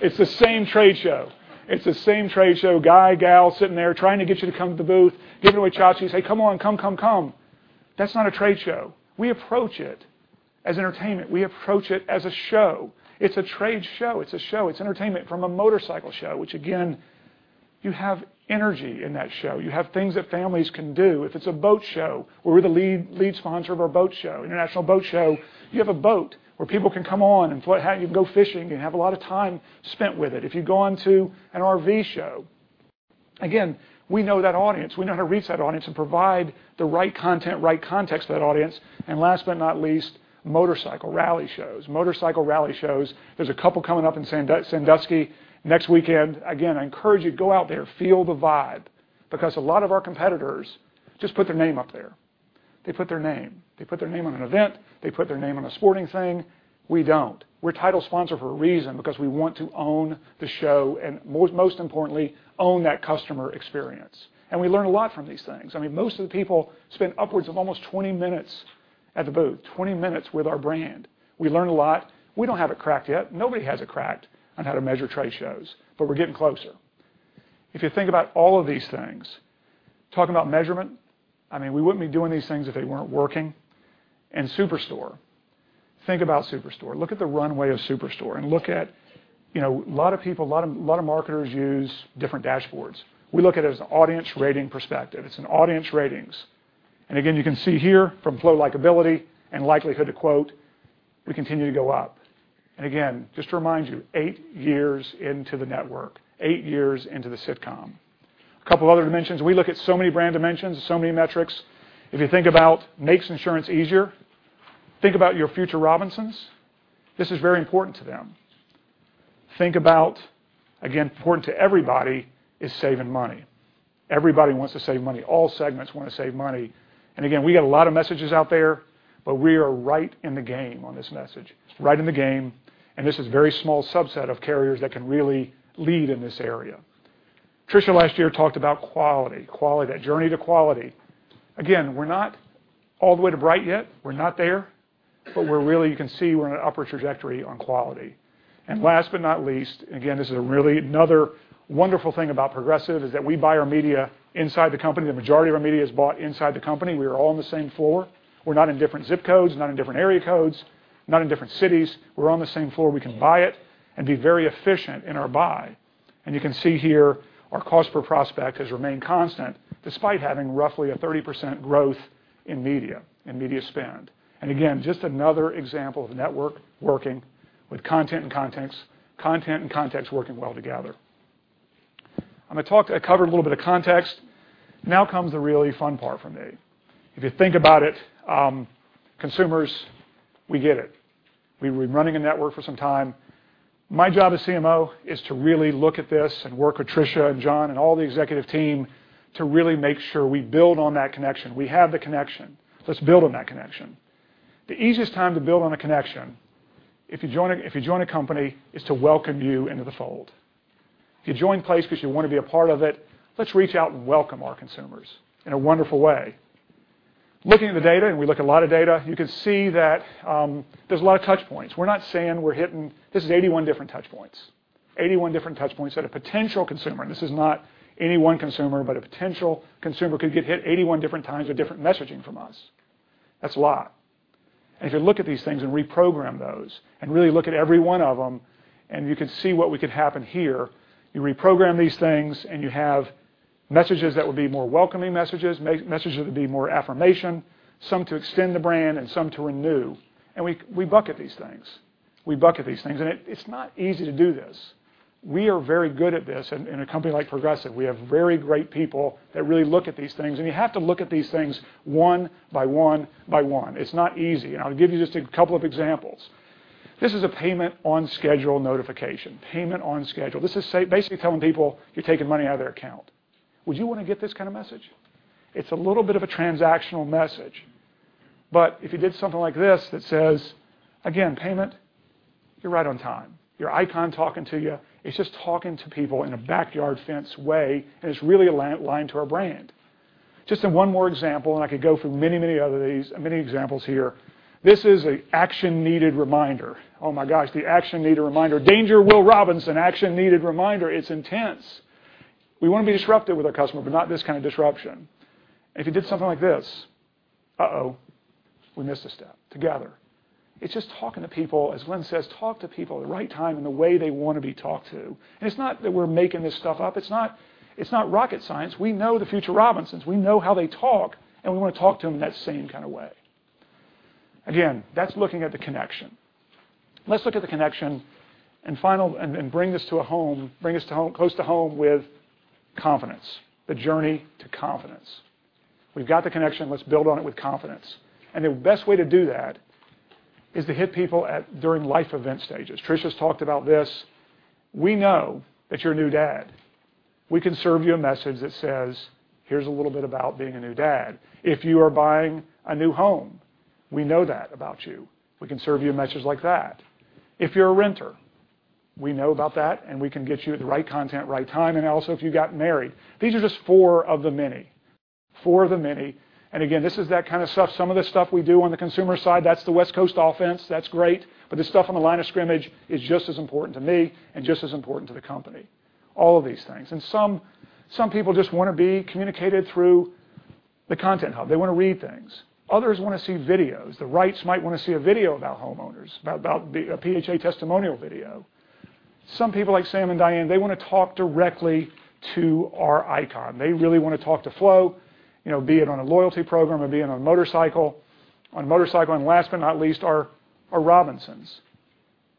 It's the same trade show. It's the same trade show guy, gal sitting there trying to get you to come to the booth, giving away tchotchkes. Say, "Come on, come, come." That's not a trade show. We approach it as entertainment. We approach it as a show. It's a trade show. It's a show. It's entertainment. From a motorcycle show, which again, you have energy in that show. You have things that families can do. If it's a boat show, we're the lead sponsor of our boat show, International Boat Show. You have a boat where people can come on and you can go fishing and have a lot of time spent with it. If you go onto an RV show, again, we know that audience. We know how to reach that audience and provide the right content, right context to that audience. Last but not least, motorcycle rally shows. Motorcycle rally shows, there's a couple coming up in Sandusky next weekend. Again, I encourage you, go out there, feel the vibe. Because a lot of our competitors just put their name up there. They put their name. They put their name on an event. They put their name on a sporting thing. We don't. We're a title sponsor for a reason, because we want to own the show, and most importantly, own that customer experience. We learn a lot from these things. I mean, most of the people spend upwards of almost 20 minutes at the booth. 20 minutes with our brand. We learn a lot. We don't have it cracked yet. Nobody has it cracked on how to measure trade shows, but we're getting closer. If you think about all of these things, talking about measurement, I mean, we wouldn't be doing these things if they weren't working. Superstore. Think about Superstore. Look at the runway of Superstore and look at, a lot of people, a lot of marketers use different dashboards. We look at it as an audience rating perspective. It's an audience ratings. Again, you can see here from Flo likability and likelihood to quote, we continue to go up. Again, just to remind you, eight years into the network. Eight years into the sitcom. A couple other dimensions. We look at so many brand dimensions, so many metrics. If you think about makes insurance easier, think about your future Robinsons. This is very important to them. Think about, again, important to everybody is saving money. Everybody wants to save money. All segments want to save money. Again, we got a lot of messages out there, but we are right in the game on this message. Right in the game, and this is a very small subset of carriers that can really lead in this area. Tricia last year talked about quality, that journey to quality. Again, we're not all the way to Wrights yet. We're not there, but you can see we're in an upward trajectory on quality. Last but not least, again, this is really another wonderful thing about Progressive is that we buy our media inside the company. The majority of our media is bought inside the company. We are all on the same floor. We're not in different zip codes, not in different area codes, not in different cities. We're on the same floor. We can buy it and be very efficient in our buy. You can see here our cost per prospect has remained constant despite having roughly a 30% growth in media spend. Again, just another example of network working with content and context working well together. I covered a little bit of context. Now comes the really fun part for me. If you think about it, consumers, we get it. We've been running a network for some time. My job as CMO is to really look at this and work with Tricia and John and all the executive team to really make sure we build on that connection. We have the connection. Let's build on that connection. The easiest time to build on a connection, if you join a company, is to welcome you into the fold. If you join a place because you want to be a part of it, let's reach out and welcome our consumers in a wonderful way. Looking at the data, and we look at a lot of data, you can see that there's a lot of touch points. This is 81 different touch points. 81 different touch points at a potential consumer. This is not any one consumer, but a potential consumer could get hit 81 different times with different messaging from us. That's a lot. If you look at these things and reprogram those and really look at every one of them, and you could see what could happen here. You reprogram these things, you have messages that would be more welcoming messages that'd be more affirmation, some to extend the brand and some to renew. We bucket these things. We bucket these things, and it's not easy to do this. We are very good at this. In a company like Progressive, we have very great people that really look at these things, and you have to look at these things one by one by one. It's not easy, and I'll give you just a couple of examples. This is a payment on schedule notification. Payment on schedule. This is basically telling people you're taking money out of their account. Would you want to get this kind of message? It's a little bit of a transactional message, but if you did something like this that says, again, "Payment, you're right on time." Your icon talking to you. It's just talking to people in a backyard fence way, and it's really aligned to our brand. Just one more example, and I could go through many, many other of these, many examples here. This is an action needed reminder. Oh my gosh. The action needed reminder. Danger, Will Robinson, action needed reminder. It's intense. We want to be disruptive with our customer, but not this kind of disruption. If you did something like this, "Uh-oh, we missed a step. Together." It's just talking to people, as Lynn says, talk to people at the right time in the way they want to be talked to. It's not that we're making this stuff up. It's not rocket science. We know the future Robinsons. We know how they talk, and we want to talk to them in that same kind of way. Again, that's looking at the connection. Let's look at the connection and bring this close to home with confidence, the journey to confidence. We've got the connection, let's build on it with confidence. The best way to do that is to hit people during life event stages. Tricia's talked about this. We know that you're a new dad. We can serve you a message that says, "Here's a little bit about being a new dad." If you are buying a new home, we know that about you. We can serve you a message like that. If you're a renter, we know about that, and we can get you the right content, right time, and also if you got married. These are just four of the many. Four of the many. Again, this is that kind of stuff. Some of the stuff we do on the consumer side, that's the West Coast offense, that's great, but the stuff on the line of scrimmage is just as important to me and just as important to the company. All of these things. Some people just want to be communicated through the content hub. They want to read things. Others want to see videos. The Wrights might want to see a video about homeowners, about a PHA testimonial video. Some people like Sam and Diane, they want to talk directly to our icon. They really want to talk to Flo, be it on a loyalty program or be it on a motorcycle. On motorcycle, last but not least, our Robinsons.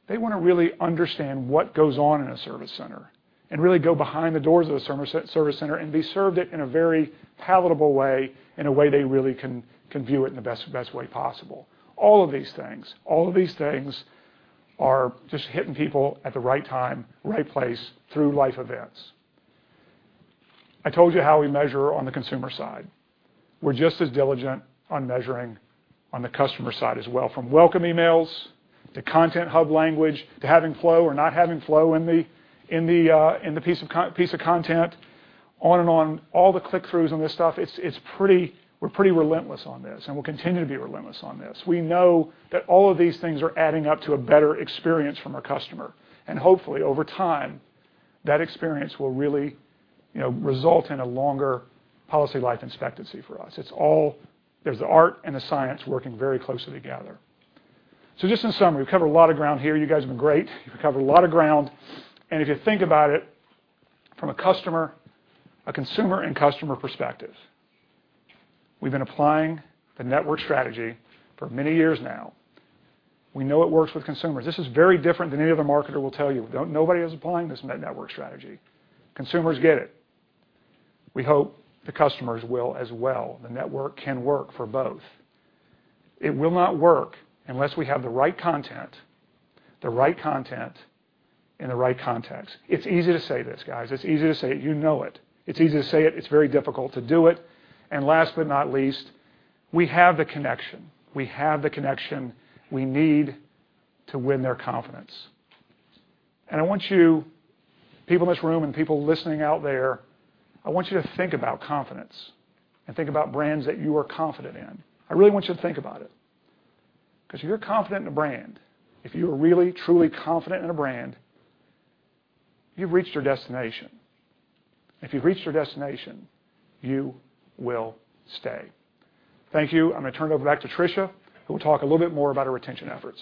They want to really understand what goes on in a service center and really go behind the doors of the service center and be served it in a very palatable way, in a way they really can view it in the best way possible. All of these things are just hitting people at the right time, right place, through life events. I told you how we measure on the consumer side. We're just as diligent on measuring on the customer side as well, from welcome emails to content hub language to having Flo or not having Flo in the piece of content, on and on, all the click-throughs on this stuff. We're pretty relentless on this, and we'll continue to be relentless on this. We know that all of these things are adding up to a better experience from our customer, and hopefully, over time, that experience will really result in a longer policy life expectancy for us. There's the art and the science working very closely together. Just in summary, we've covered a lot of ground here. You guys have been great. We've covered a lot of ground. If you think about it from a consumer and customer perspective, we've been applying the network strategy for many years now. We know it works with consumers. This is very different than any other marketer will tell you. Nobody is applying this network strategy. Consumers get it. We hope the customers will as well. The network can work for both. It will not work unless we have the right content in the right context. It's easy to say this, guys. It's easy to say it. You know it. It's very difficult to do it. Last but not least, we have the connection. We have the connection we need to win their confidence. I want you, people in this room and people listening out there, I want you to think about confidence and think about brands that you are confident in. I really want you to think about it. If you're confident in a brand, if you are really truly confident in a brand, you've reached your destination. If you've reached your destination, you will stay. Thank you. I'm going to turn it over back to Tricia, who will talk a little bit more about our retention efforts.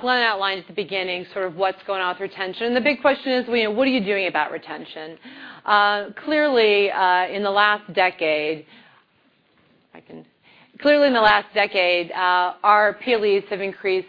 Glenn outlined at the beginning what's going on with retention, and the big question is, what are you doing about retention? Clearly, in the last decade, our PLEs have increased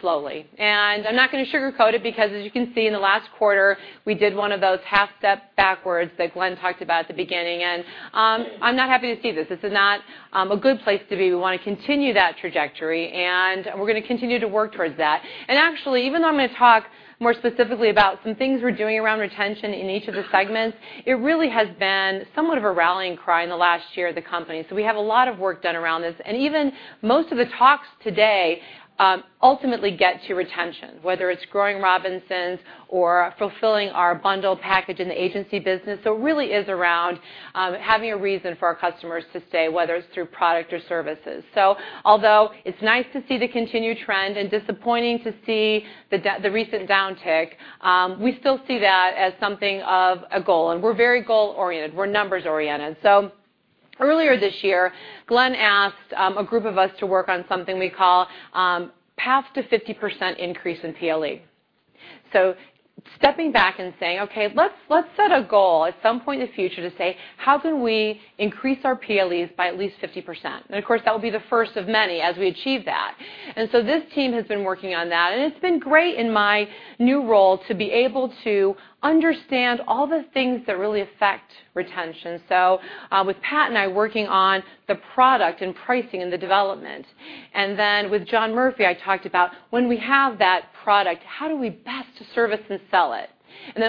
slowly. I'm not going to sugarcoat it because as you can see in the last quarter, we did one of those half-step backwards that Glenn talked about at the beginning. I'm not happy to see this. This is not a good place to be. We want to continue that trajectory, and we're going to continue to work towards that. Actually, even though I'm going to talk more specifically about some things we're doing around retention in each of the segments, it really has been somewhat of a rallying cry in the last year of the company. We have a lot of work done around this. Even most of the talks today ultimately get to retention, whether it's growing Robinsons or fulfilling our bundle package in the agency business. It really is around having a reason for our customers to stay, whether it's through product or services. Although it's nice to see the continued trend and disappointing to see the recent downtick, we still see that as something of a goal, and we're very goal-oriented. We're numbers-oriented. Earlier this year, Glenn asked a group of us to work on something we call Path to 50% Increase in PLE. Stepping back and saying, okay, let's set a goal at some point in the future to say, how can we increase our PLEs by at least 50%? Of course, that will be the first of many as we achieve that. This team has been working on that, and it's been great in my new role to be able to understand all the things that really affect retention. With Pat and I working on the product and pricing and the development, then with John Murphy, I talked about when we have that product, how do we best service and sell it?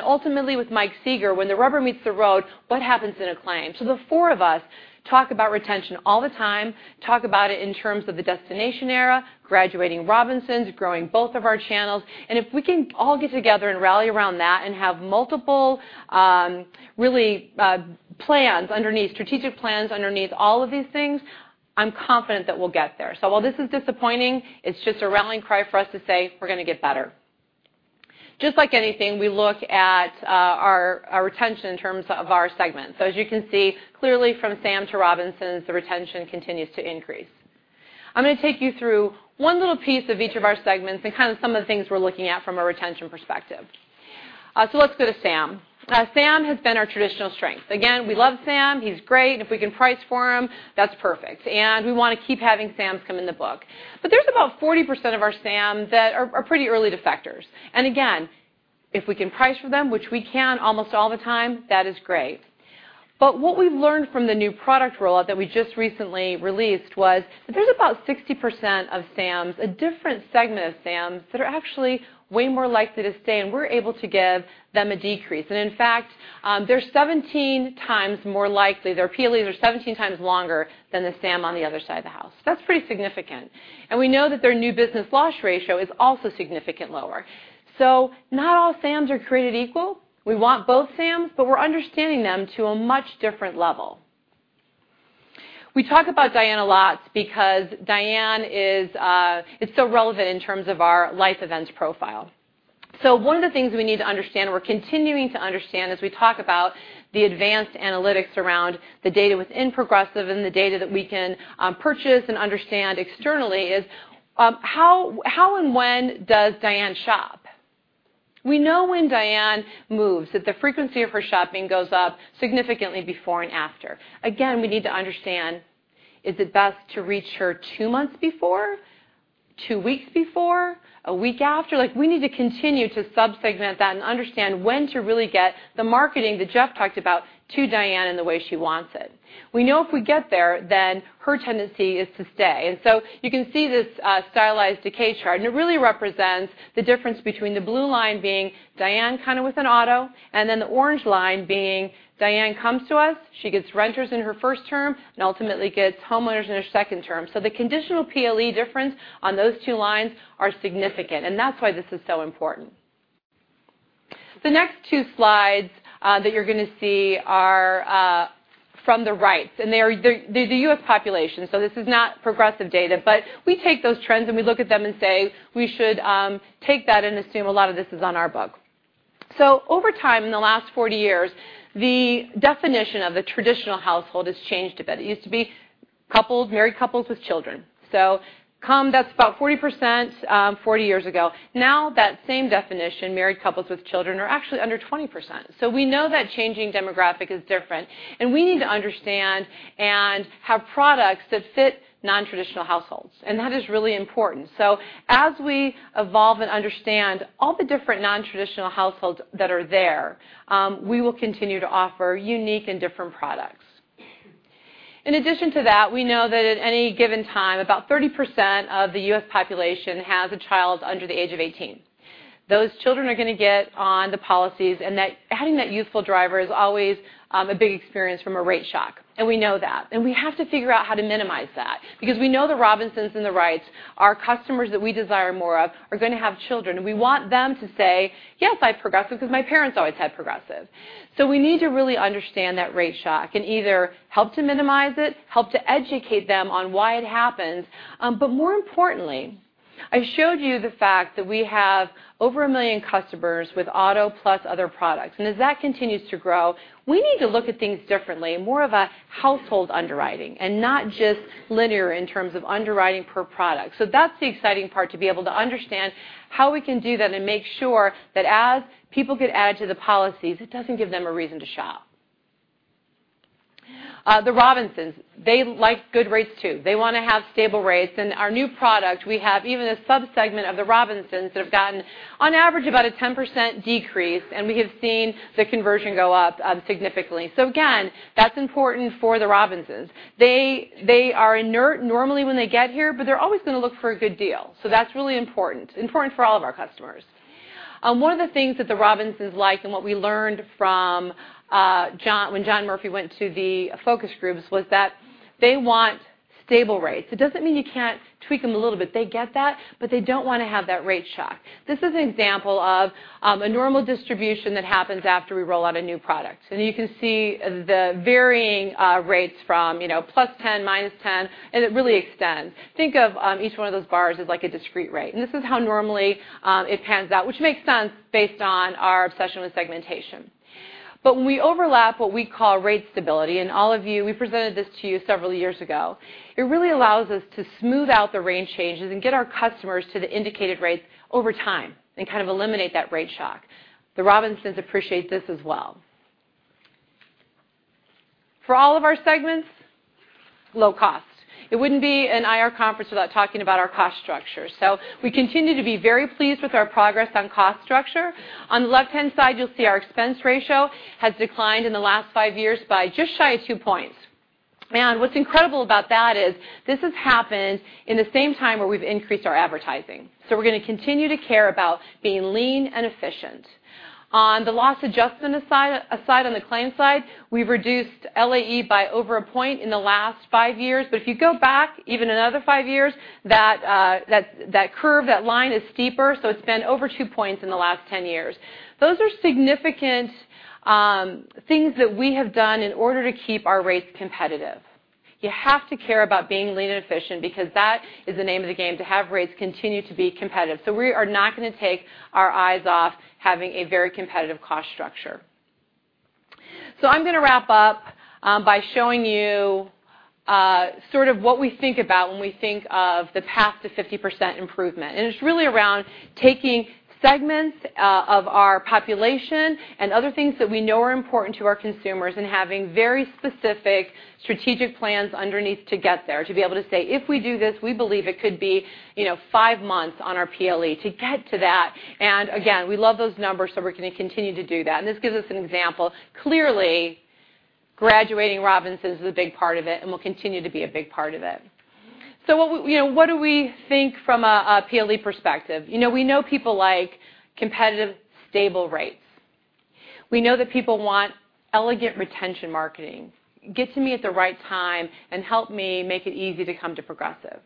Ultimately with Mike Sieger, when the rubber meets the road, what happens in a claim? The four of us talk about retention all the time, talk about it in terms of the Destination Era, graduating Robinsons, growing both of our channels. If we can all get together and rally around that and have multiple strategic plans underneath all of these things, I'm confident that we'll get there. While this is disappointing, it's just a rallying cry for us to say we're going to get better. Just like anything, we look at our retention in terms of our segments. As you can see clearly from SAM to Robinsons, the retention continues to increase. I'm going to take you through one little piece of each of our segments and some of the things we're looking at from a retention perspective. Let's go to SAM. SAM has been our traditional strength. Again, we love SAM. He's great. If we can price for him, that's perfect. We want to keep having SAMs come in the book. There's about 40% of our SAMs that are pretty early defectors. Again, if we can price for them, which we can almost all the time, that is great. What we've learned from the new product rollout that we just recently released was that there's about 60% of SAMs, a different segment of SAMs that are actually way more likely to stay, and we're able to give them a decrease. In fact, their PLEs are 17 times longer than the SAM on the other side of the house. That's pretty significant. We know that their new business loss ratio is also significantly lower. Not all SAMs are created equal. We want both SAMs, but we're understanding them to a much different level. We talk about Diane a lot because Diane is so relevant in terms of our life events profile. One of the things we need to understand, we're continuing to understand as we talk about the advanced analytics around the data within Progressive and the data that we can purchase and understand externally is, how and when does Diane shop? We know when Diane moves, that the frequency of her shopping goes up significantly before and after. Again, we need to understand, is it best to reach her two months before? Two weeks before? A week after? We need to continue to sub-segment that and understand when to really get the marketing that Jeff talked about to Diane in the way she wants it. We know if we get there, then her tendency is to stay. You can see this stylized decay chart, and it really represents the difference between the blue line being Diane with an auto, and then the orange line being Diane comes to us, she gets renters in her first term and ultimately gets homeowners in her second term. The conditional PLE difference on those two lines are significant, and that's why this is so important. The next two slides that you're going to see are from the Wrights, and they're the U.S. population, so this is not Progressive data. We take those trends and we look at them and say we should take that and assume a lot of this is on our book. Over time, in the last 40 years, the definition of the traditional household has changed a bit. It used to be married couples with children. That's about 40%, 40 years ago. Now that same definition, married couples with children, are actually under 20%. We know that changing demographic is different, and we need to understand and have products that fit non-traditional households, and that is really important. As we evolve and understand all the different non-traditional households that are there, we will continue to offer unique and different products. In addition to that, we know that at any given time, about 30% of the U.S. population has a child under the age of 18. Those children are going to get on the policies, and that adding that youthful driver is always a big experience from a rate shock, and we know that. We have to figure out how to minimize that because we know the Robinsons and the Wrights are customers that we desire more of, are going to have children, and we want them to say, "Yes, I have Progressive because my parents always had Progressive." We need to really understand that rate shock and either help to minimize it, help to educate them on why it happens. More importantly, I showed you the fact that we have over a million customers with auto plus other products, and as that continues to grow, we need to look at things differently and more of a household underwriting and not just linear in terms of underwriting per product. That's the exciting part, to be able to understand how we can do that and make sure that as people get added to the policies, it doesn't give them a reason to shop. The Robinsons, they like good rates too. They want to have stable rates. In our new product, we have even a subsegment of the Robinsons that have gotten, on average, about a 10% decrease, and we have seen the conversion go up significantly. Again, that's important for the Robinsons. They are inert normally when they get here, but they're always going to look for a good deal. That's really important for all of our customers. One of the things that the Robinsons like and what we learned when John Murphy went to the focus groups was that they want stable rates. It doesn't mean you can't tweak them a little bit. They get that, they don't want to have that rate shock. This is an example of a normal distribution that happens after we roll out a new product. You can see the varying rates from plus 10, minus 10, and it really extends. Think of each one of those bars as a discrete rate. This is how normally it pans out, which makes sense based on our obsession with segmentation. When we overlap what we call rate stability, and all of you, we presented this to you several years ago, it really allows us to smooth out the range changes and get our customers to the indicated rates over time and kind of eliminate that rate shock. The Robinsons appreciate this as well. For all of our segments, low cost. It wouldn't be an IR conference without talking about our cost structure. We continue to be very pleased with our progress on cost structure. On the left-hand side, you'll see our expense ratio has declined in the last five years by just shy of two points. What's incredible about that is this has happened in the same time where we've increased our advertising. We're going to continue to care about being lean and efficient. On the loss adjustment aside on the claim side, we've reduced LAE by over a point in the last five years. If you go back even another five years, that curve, that line is steeper, so it's been over two points in the last 10 years. Those are significant things that we have done in order to keep our rates competitive. You have to care about being lean and efficient because that is the name of the game, to have rates continue to be competitive. We are not going to take our eyes off having a very competitive cost structure. I'm going to wrap up by showing you sort of what we think about when we think of the path to 50% improvement, it's really around taking segments of our population and other things that we know are important to our consumers and having very specific strategic plans underneath to get there, to be able to say, "If we do this, we believe it could be five months on our PLE to get to that." Again, we love those numbers, so we're going to continue to do that. This gives us an example. Clearly, graduating Robinsons is a big part of it and will continue to be a big part of it. What do we think from a PLE perspective? We know people like competitive, stable rates. We know that people want elegant retention marketing. Get to me at the right time and help me make it easy to come to Progressive.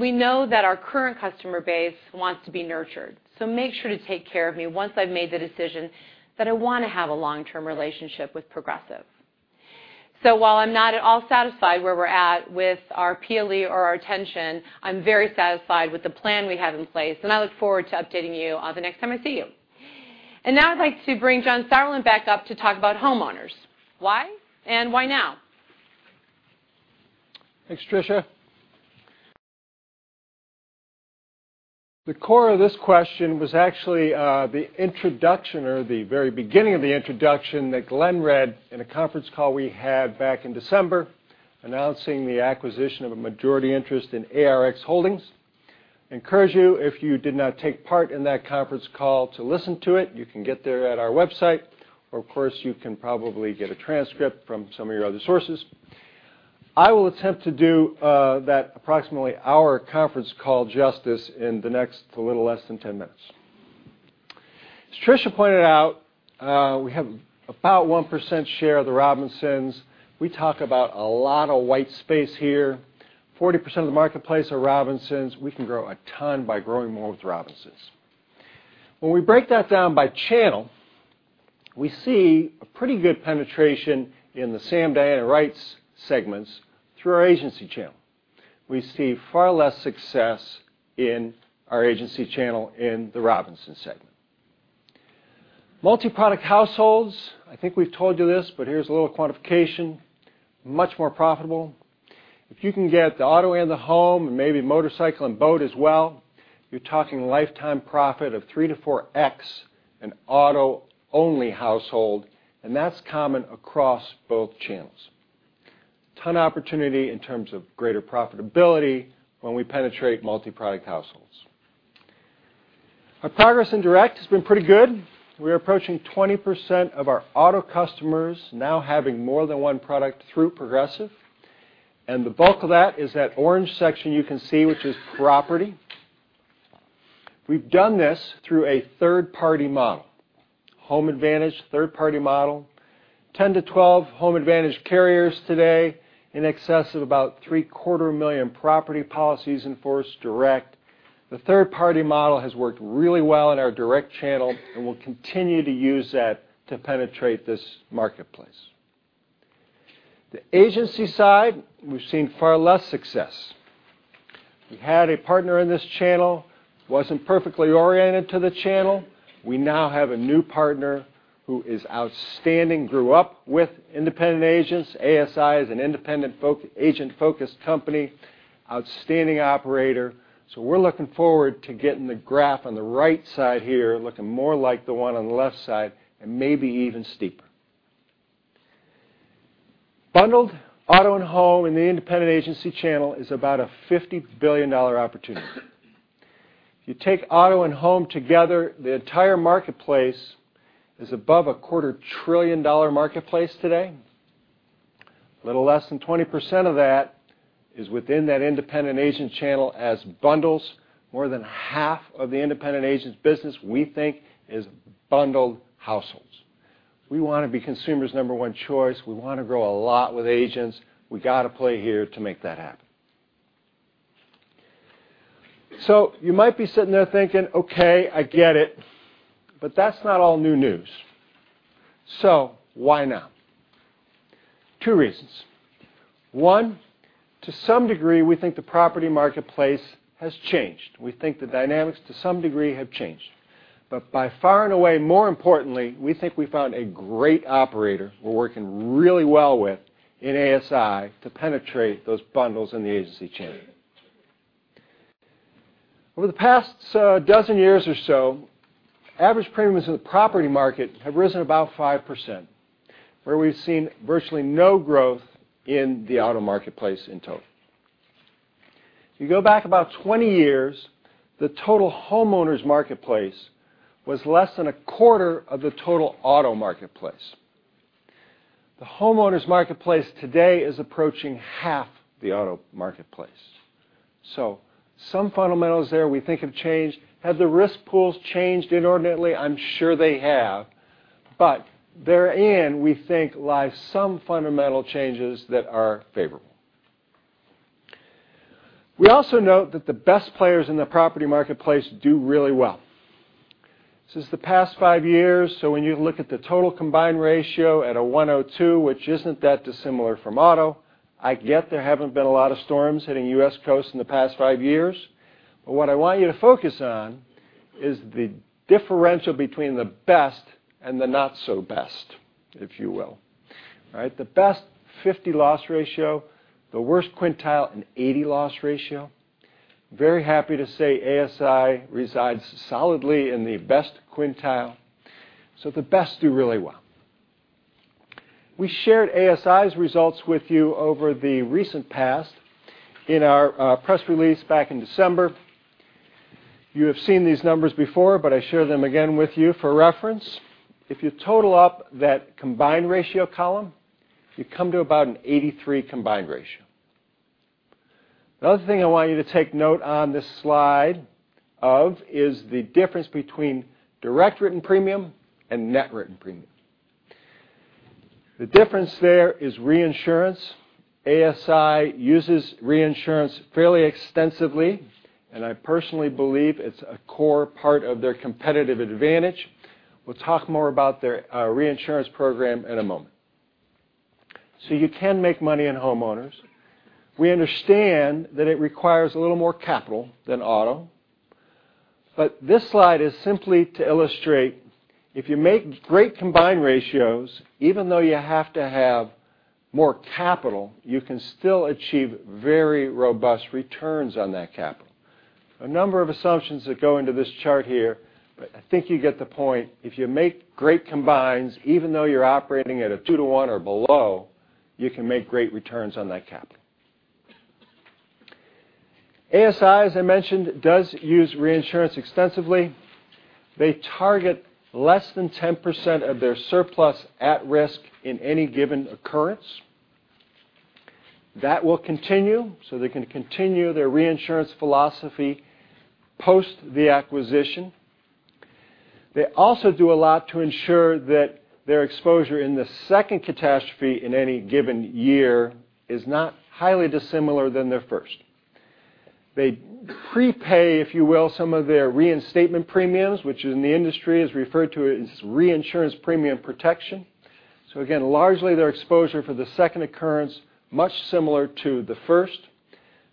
We know that our current customer base wants to be nurtured. Make sure to take care of me once I've made the decision that I want to have a long-term relationship with Progressive. While I'm not at all satisfied where we're at with our PLE or our retention, I'm very satisfied with the plan we have in place, and I look forward to updating you the next time I see you. Now I'd like to bring John Sauerland back up to talk about homeowners. Why and why now? Thanks, Tricia. The core of this question was actually the introduction or the very beginning of the introduction that Glenn read in a conference call we had back in December announcing the acquisition of a majority interest in ARX Holding Corp. I encourage you, if you did not take part in that conference call, to listen to it. You can get there at our website, or of course, you can probably get a transcript from some of your other sources. I will attempt to do that approximately hour conference call just in the next a little less than 10 minutes. As Tricia pointed out, we have about 1% share of the Robinsons. We talk about a lot of white space here, 40% of the marketplace are Robinsons. We can grow a ton by growing more with Robinsons. We break that down by channel, we see a pretty good penetration in the Sam, Diane, and Wrights segments through our agency channel. We see far less success in our agency channel in the Robinson segment. Multi-product households, I think we've told you this, but here's a little quantification, much more profitable. If you can get the auto and the home, and maybe motorcycle and boat as well, you're talking lifetime profit of three to 4x an auto-only household, and that's common across both channels. A ton of opportunity in terms of greater profitability when we penetrate multi-product households. Our progress in direct has been pretty good. We are approaching 20% of our auto customers now having more than one product through Progressive, and the bulk of that is that orange section you can see, which is property. We've done this through a third-party model. Home Advantage third-party model, 10-12 home advantage carriers today in excess of about three-quarter million property policies in force direct. The third-party model has worked really well in our direct channel, and we'll continue to use that to penetrate this marketplace. The agency side, we've seen far less success. We had a partner in this channel, wasn't perfectly oriented to the channel. We now have a new partner who is outstanding, grew up with independent agents. ASI is an independent agent-focused company, outstanding operator. We're looking forward to getting the graph on the right side here looking more like the one on the left side, and maybe even steeper. Bundled auto and home in the independent agency channel is about a $50 billion opportunity. You take auto and home together, the entire marketplace is above a quarter trillion dollar marketplace today. A little less than 20% of that is within that independent agent channel as bundles. More than half of the independent agent's business, we think, is bundled households. We wanna be consumers' number one choice. We wanna grow a lot with agents. We gotta play here to make that happen. You might be sitting there thinking, okay, I get it, that's not all new news. Why now? Two reasons. One, to some degree, we think the property marketplace has changed. We think the dynamics, to some degree, have changed. By far and away, more importantly, we think we found a great operator we're working really well with in ASI to penetrate those bundles in the agency channel. Over the past dozen years or so, average premiums in the property market have risen about 5% where we've seen virtually no growth in the auto marketplace in total. If you go back about 20 years, the total homeowners marketplace was less than a quarter of the total auto marketplace. The homeowners marketplace today is approaching half the auto marketplace. Some fundamentals there we think have changed. Have the risk pools changed inordinately? I'm sure they have, but therein, we think lies some fundamental changes that are favorable. We also note that the best players in the property marketplace do really well. This is the past five years, so when you look at the total combined ratio at a 102, which isn't that dissimilar from auto, I get there haven't been a lot of storms hitting U.S. coasts in the past five years. What I want you to focus on is the differential between the best and the not so best, if you will. Right? The best 50 loss ratio, the worst quintile an 80 loss ratio. Very happy to say ASI resides solidly in the best quintile, the best do really well. We shared ASI's results with you over the recent past in our press release back in December. You have seen these numbers before, but I share them again with you for reference. If you total up that combined ratio column, you come to about an 83 combined ratio. The other thing I want you to take note on this slide of is the difference between direct written premium and net written premium. The difference there is reinsurance. ASI uses reinsurance fairly extensively, and I personally believe it's a core part of their competitive advantage. We'll talk more about their reinsurance program in a moment. You can make money in homeowners. We understand that it requires a little more capital than auto. This slide is simply to illustrate if you make great combined ratios, even though you have to have more capital, you can still achieve very robust returns on that capital. A number of assumptions that go into this chart here, but I think you get the point. If you make great combines, even though you're operating at a 2 to 1 or below, you can make great returns on that capital. ASI, as I mentioned, does use reinsurance extensively. They target less than 10% of their surplus at risk in any given occurrence. That will continue, so they can continue their reinsurance philosophy post the acquisition. They also do a lot to ensure that their exposure in the second catastrophe in any given year is not highly dissimilar than their first. They prepay, if you will, some of their reinstatement premiums, which in the industry is referred to as reinsurance premium protection. Again, largely their exposure for the second occurrence, much similar to the first.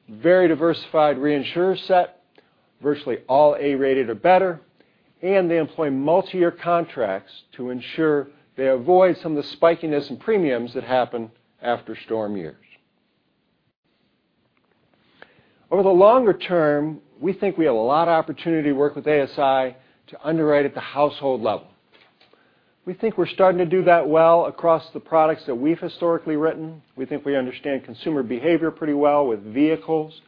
Very diversified reinsurer set, virtually all A-rated or better, and they employ multi-year contracts to ensure they avoid some of the spikiness in premiums that happen after storm years. Over the longer term, we think we have a lot of opportunity to work with ASI to underwrite at the household level. We think we're starting to do that well across the products that we've historically written. We think we understand consumer behavior pretty well with vehicles.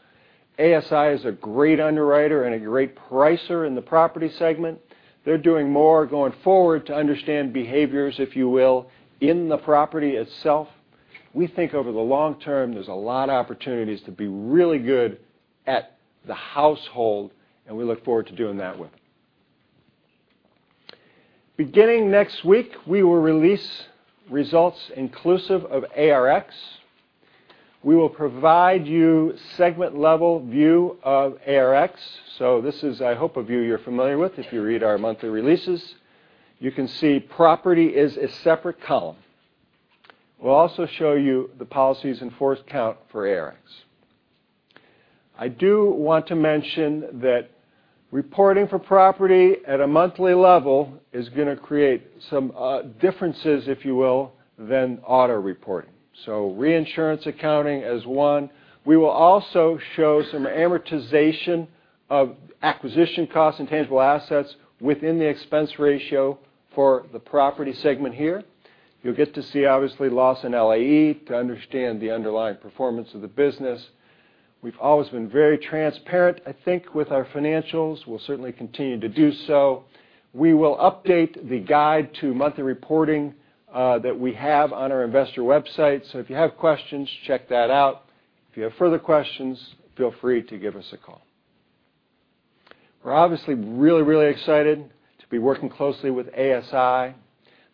ASI is a great underwriter and a great pricer in the property segment. They're doing more going forward to understand behaviors, if you will, in the property itself. We think over the long term, there's a lot of opportunities to be really good at the household, and we look forward to doing that with them. Beginning next week, we will release results inclusive of ARX. We will provide you segment-level view of ARX. This is, I hope of you're familiar with if you read our monthly releases. You can see property is a separate column. We'll also show you the policies in force count for ARX. I do want to mention that reporting for property at a monthly level is going to create some differences, if you will, than auto reporting. Reinsurance accounting as one. We will also show some amortization of acquisition costs, intangible assets within the expense ratio for the property segment here. You'll get to see obviously loss and LAE to understand the underlying performance of the business. We've always been very transparent, I think, with our financials. We'll certainly continue to do so. We will update the guide to monthly reporting that we have on our investor website. If you have questions, check that out. If you have further questions, feel free to give us a call. We're obviously really excited to be working closely with ASI.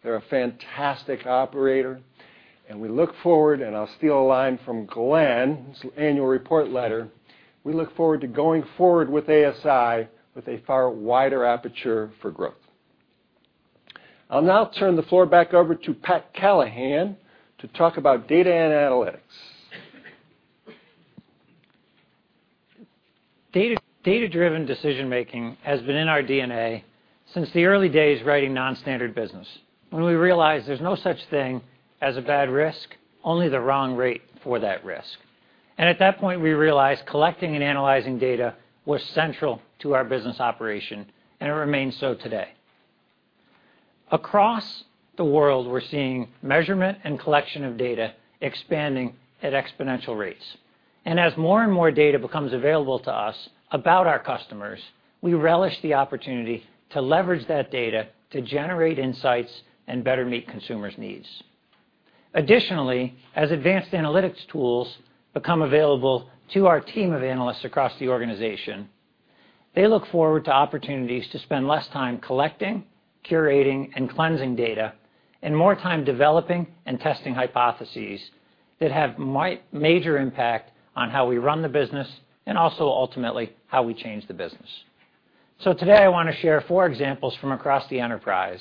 They're a fantastic operator, and we look forward, and I'll steal a line from Glenn's annual report letter. We look forward to going forward with ASI with a far wider aperture for growth. I'll now turn the floor back over to Pat Callahan to talk about data and analytics. Data-driven decision making has been in our DNA since the early days writing non-standard business, when we realized there's no such thing as a bad risk, only the wrong rate for that risk. At that point, we realized collecting and analyzing data was central to our business operation, and it remains so today. Across the world, we're seeing measurement and collection of data expanding at exponential rates. As more and more data becomes available to us about our customers, we relish the opportunity to leverage that data to generate insights and better meet consumers' needs. Additionally, as advanced analytics tools become available to our team of analysts across the organization, they look forward to opportunities to spend less time collecting, curating, and cleansing data, and more time developing and testing hypotheses that have major impact on how we run the business and also ultimately how we change the business. Today, I want to share 4 examples from across the enterprise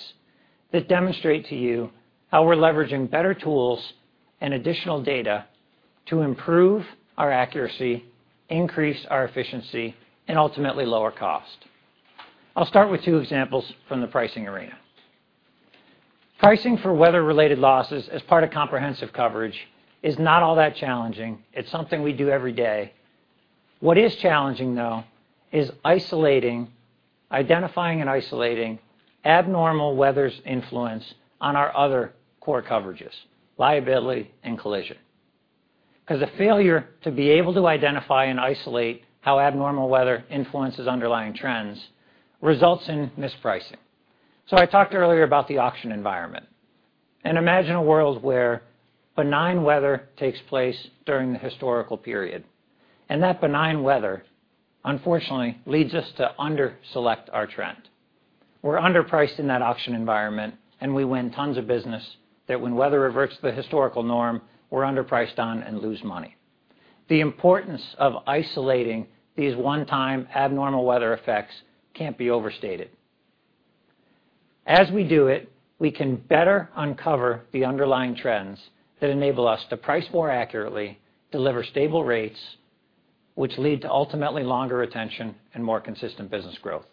that demonstrate to you how we're leveraging better tools and additional data to improve our accuracy, increase our efficiency, and ultimately lower cost. I'll start with 2 examples from the pricing arena. Pricing for weather-related losses as part of comprehensive coverage is not all that challenging. It's something we do every day. What is challenging, though, is identifying and isolating abnormal weather's influence on our other core coverages, liability and collision. Because a failure to be able to identify and isolate how abnormal weather influences underlying trends results in mispricing. I talked earlier about the auction environment, and imagine a world where benign weather takes place during the historical period, and that benign weather, unfortunately leads us to under-select our trend. We're underpriced in that auction environment, and we win tons of business that when weather reverts to the historical norm, we're underpriced on and lose money. The importance of isolating these one-time abnormal weather effects can't be overstated. As we do it, we can better uncover the underlying trends that enable us to price more accurately, deliver stable rates, which lead to ultimately longer retention and more consistent business growth.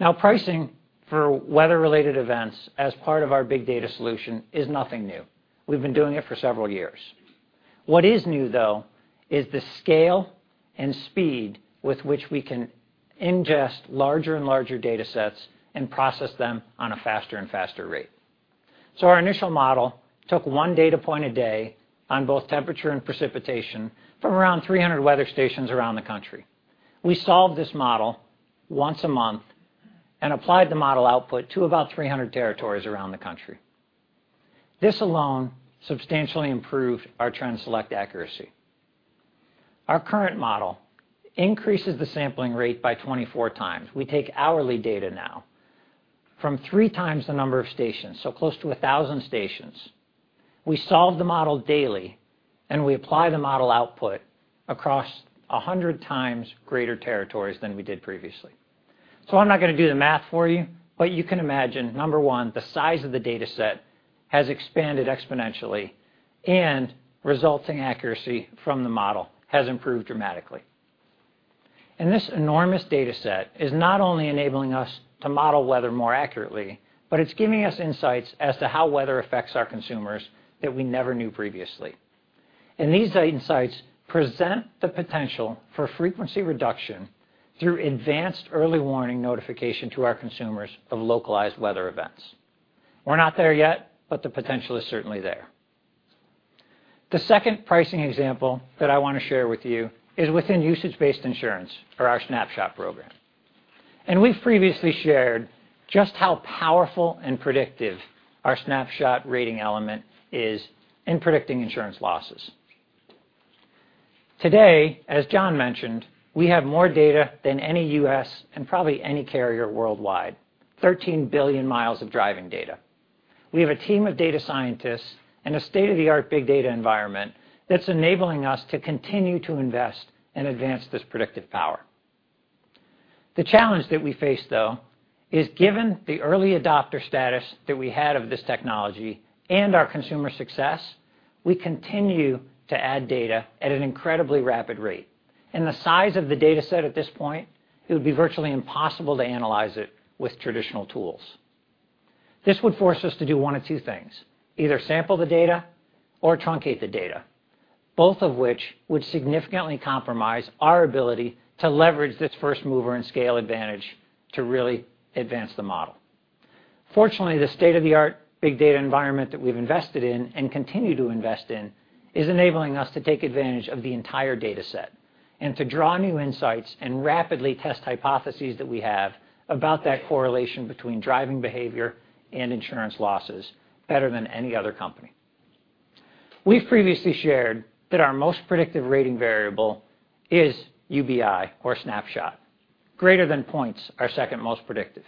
Now, pricing for weather-related events as part of our big data solution is nothing new. We've been doing it for several years. What is new, though, is the scale and speed with which we can ingest larger and larger data sets and process them on a faster and faster rate. Our initial model took one data point a day on both temperature and precipitation from around 300 weather stations around the country. We solved this model once a month and applied the model output to about 300 territories around the country. This alone substantially improved our trend select accuracy. Our current model increases the sampling rate by 24 times. We take hourly data now from three times the number of stations, so close to 1,000 stations. We solve the model daily, and we apply the model output across 100 times greater territories than we did previously. I'm not going to do the math for you, but you can imagine, number one, the size of the data set has expanded exponentially and resulting accuracy from the model has improved dramatically. This enormous data set is not only enabling us to model weather more accurately, but it's giving us insights as to how weather affects our consumers that we never knew previously. These data insights present the potential for frequency reduction through advanced early warning notification to our consumers of localized weather events. We're not there yet, but the potential is certainly there. The second pricing example that I want to share with you is within usage-based insurance or our Snapshot program. We've previously shared just how powerful and predictive our Snapshot rating element is in predicting insurance losses. Today, as John mentioned, we have more data than any U.S., and probably any carrier worldwide, 13 billion miles of driving data. We have a team of data scientists and a state-of-the-art big data environment that's enabling us to continue to invest and advance this predictive power. The challenge that we face, though, is given the early adopter status that we had of this technology and our consumer success, we continue to add data at an incredibly rapid rate. The size of the data set at this point, it would be virtually impossible to analyze it with traditional tools. This would force us to do one of two things, either sample the data or truncate the data, both of which would significantly compromise our ability to leverage this first-mover and scale advantage to really advance the model. Fortunately, the state-of-the-art big data environment that we've invested in, and continue to invest in, is enabling us to take advantage of the entire data set, and to draw new insights and rapidly test hypotheses that we have about that correlation between driving behavior and insurance losses better than any other company. We've previously shared that our most predictive rating variable is UBI or Snapshot. Greater than points, our second most predictive.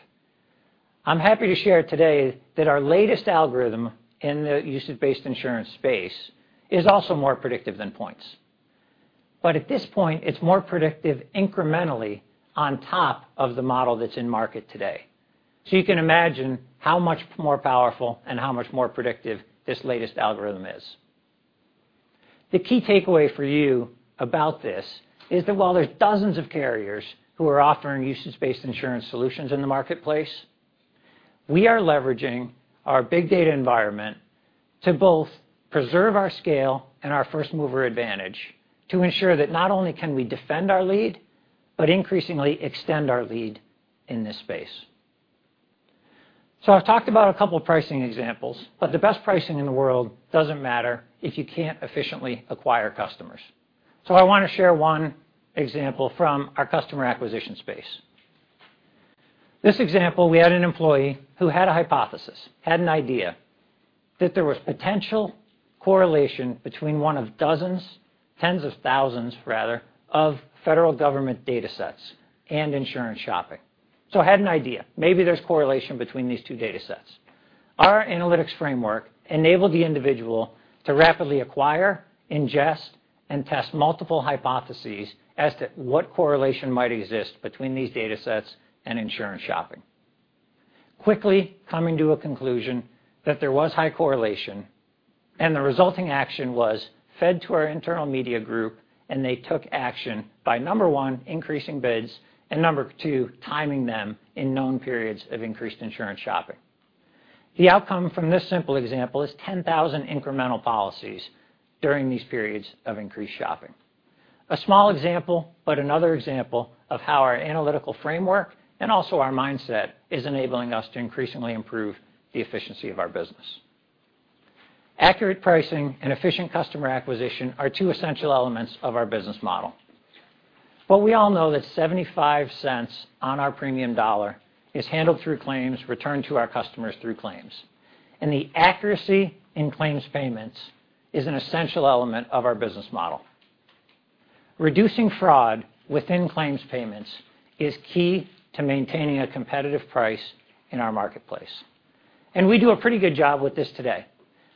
I'm happy to share today that our latest algorithm in the usage-based insurance space is also more predictive than points. At this point, it's more predictive incrementally on top of the model that's in market today. You can imagine how much more powerful and how much more predictive this latest algorithm is. The key takeaway for you about this is that while there's dozens of carriers who are offering usage-based insurance solutions in the marketplace, we are leveraging our big data environment to both preserve our scale and our first-mover advantage to ensure that not only can we defend our lead, but increasingly extend our lead in this space. I've talked about a couple of pricing examples, but the best pricing in the world doesn't matter if you can't efficiently acquire customers. I want to share one example from our customer acquisition space. This example, we had an employee who had a hypothesis, had an idea that there was potential correlation between one of dozens, tens of thousands rather, of federal government datasets and insurance shopping. Had an idea. Maybe there's correlation between these two datasets. Our analytics framework enabled the individual to rapidly acquire, ingest, and test multiple hypotheses as to what correlation might exist between these datasets and insurance shopping. Quickly coming to a conclusion that there was high correlation, and the resulting action was fed to our internal media group, and they took action by, number one, increasing bids, and number two, timing them in known periods of increased insurance shopping. The outcome from this simple example is 10,000 incremental policies during these periods of increased shopping. A small example, but another example of how our analytical framework, and also our mindset, is enabling us to increasingly improve the efficiency of our business. Accurate pricing and efficient customer acquisition are two essential elements of our business model. We all know that $0.75 on our premium dollar is handled through claims, returned to our customers through claims, and the accuracy in claims payments is an essential element of our business model. Reducing fraud within claims payments is key to maintaining a competitive price in our marketplace. We do a pretty good job with this today.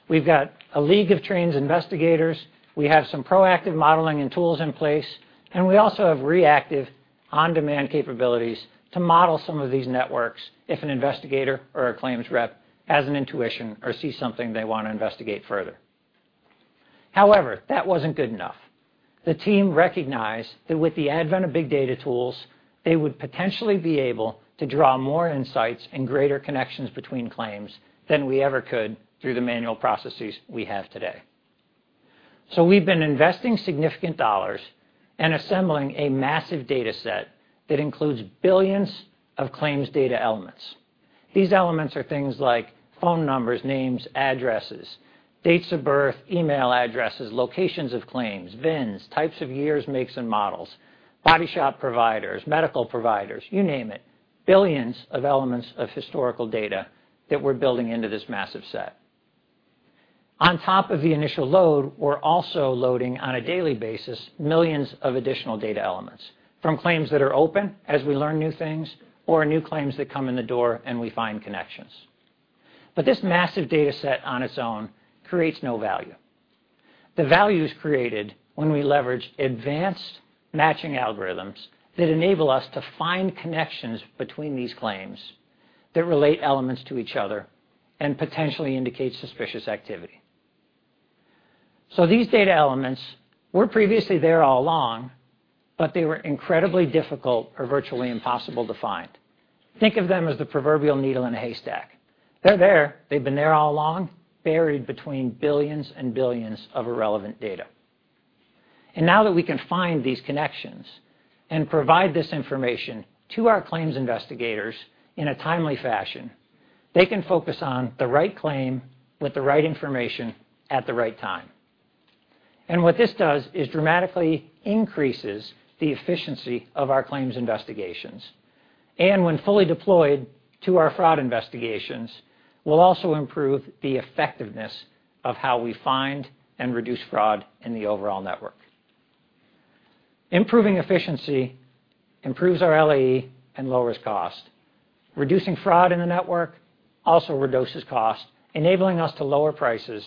We've got a league of trained investigators. We have some proactive modeling and tools in place, and we also have reactive on-demand capabilities to model some of these networks if an investigator or a claims rep has an intuition or sees something they want to investigate further. However, that wasn't good enough. The team recognized that with the advent of big data tools, they would potentially be able to draw more insights and greater connections between claims than we ever could through the manual processes we have today. We've been investing significant dollars and assembling a massive data set that includes billions of claims data elements. These elements are things like phone numbers, names, addresses, dates of birth, email addresses, locations of claims, VINs, types of years, makes and models, body shop providers, medical providers, you name it. Billions of elements of historical data that we're building into this massive set. On top of the initial load, we're also loading on a daily basis, millions of additional data elements from claims that are open as we learn new things or new claims that come in the door and we find connections. This massive data set on its own creates no value. The value is created when we leverage advanced matching algorithms that enable us to find connections between these claims that relate elements to each other and potentially indicate suspicious activity. These data elements were previously there all along. They were incredibly difficult or virtually impossible to find. Think of them as the proverbial needle in a haystack. They're there. They've been there all along, buried between billions and billions of irrelevant data. Now that we can find these connections and provide this information to our claims investigators in a timely fashion, they can focus on the right claim with the right information at the right time. What this does is dramatically increases the efficiency of our claims investigations. When fully deployed to our fraud investigations, will also improve the effectiveness of how we find and reduce fraud in the overall network. Improving efficiency improves our LAE and lowers cost. Reducing fraud in the network also reduces cost, enabling us to lower prices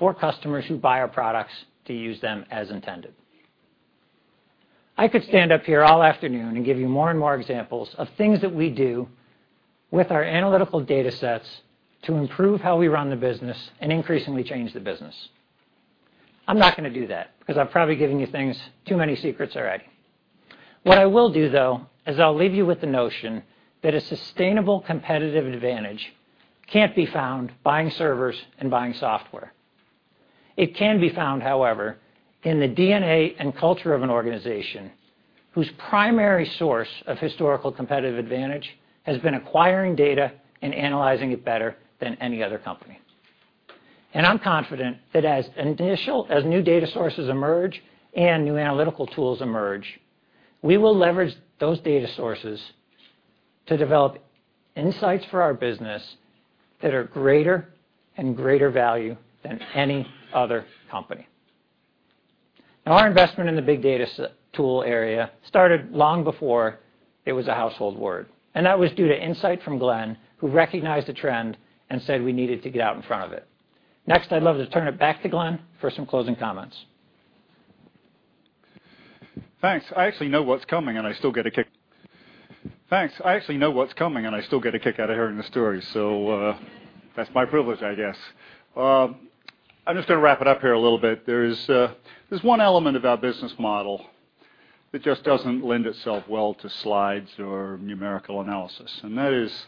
for customers who buy our products to use them as intended. I could stand up here all afternoon and give you more and more examples of things that we do with our analytical data sets to improve how we run the business and increasingly change the business. I'm not going to do that because I'm probably giving you things, too many secrets already. What I will do, though, is I'll leave you with the notion that a sustainable competitive advantage can't be found buying servers and buying software. It can be found, however, in the DNA and culture of an organization whose primary source of historical competitive advantage has been acquiring data and analyzing it better than any other company. I'm confident that as new data sources emerge and new analytical tools emerge, we will leverage those data sources to develop insights for our business that are greater and greater value than any other company. Our investment in the big data set tool area started long before it was a household word, and that was due to insight from Glenn, who recognized the trend and said we needed to get out in front of it. Next, I'd love to turn it back to Glenn for some closing comments. Thanks. I actually know what's coming, and I still get a kick out of hearing the story. That's my privilege, I guess. I'm just going to wrap it up here a little bit. There's one element of our business model that just doesn't lend itself well to slides or numerical analysis, and that is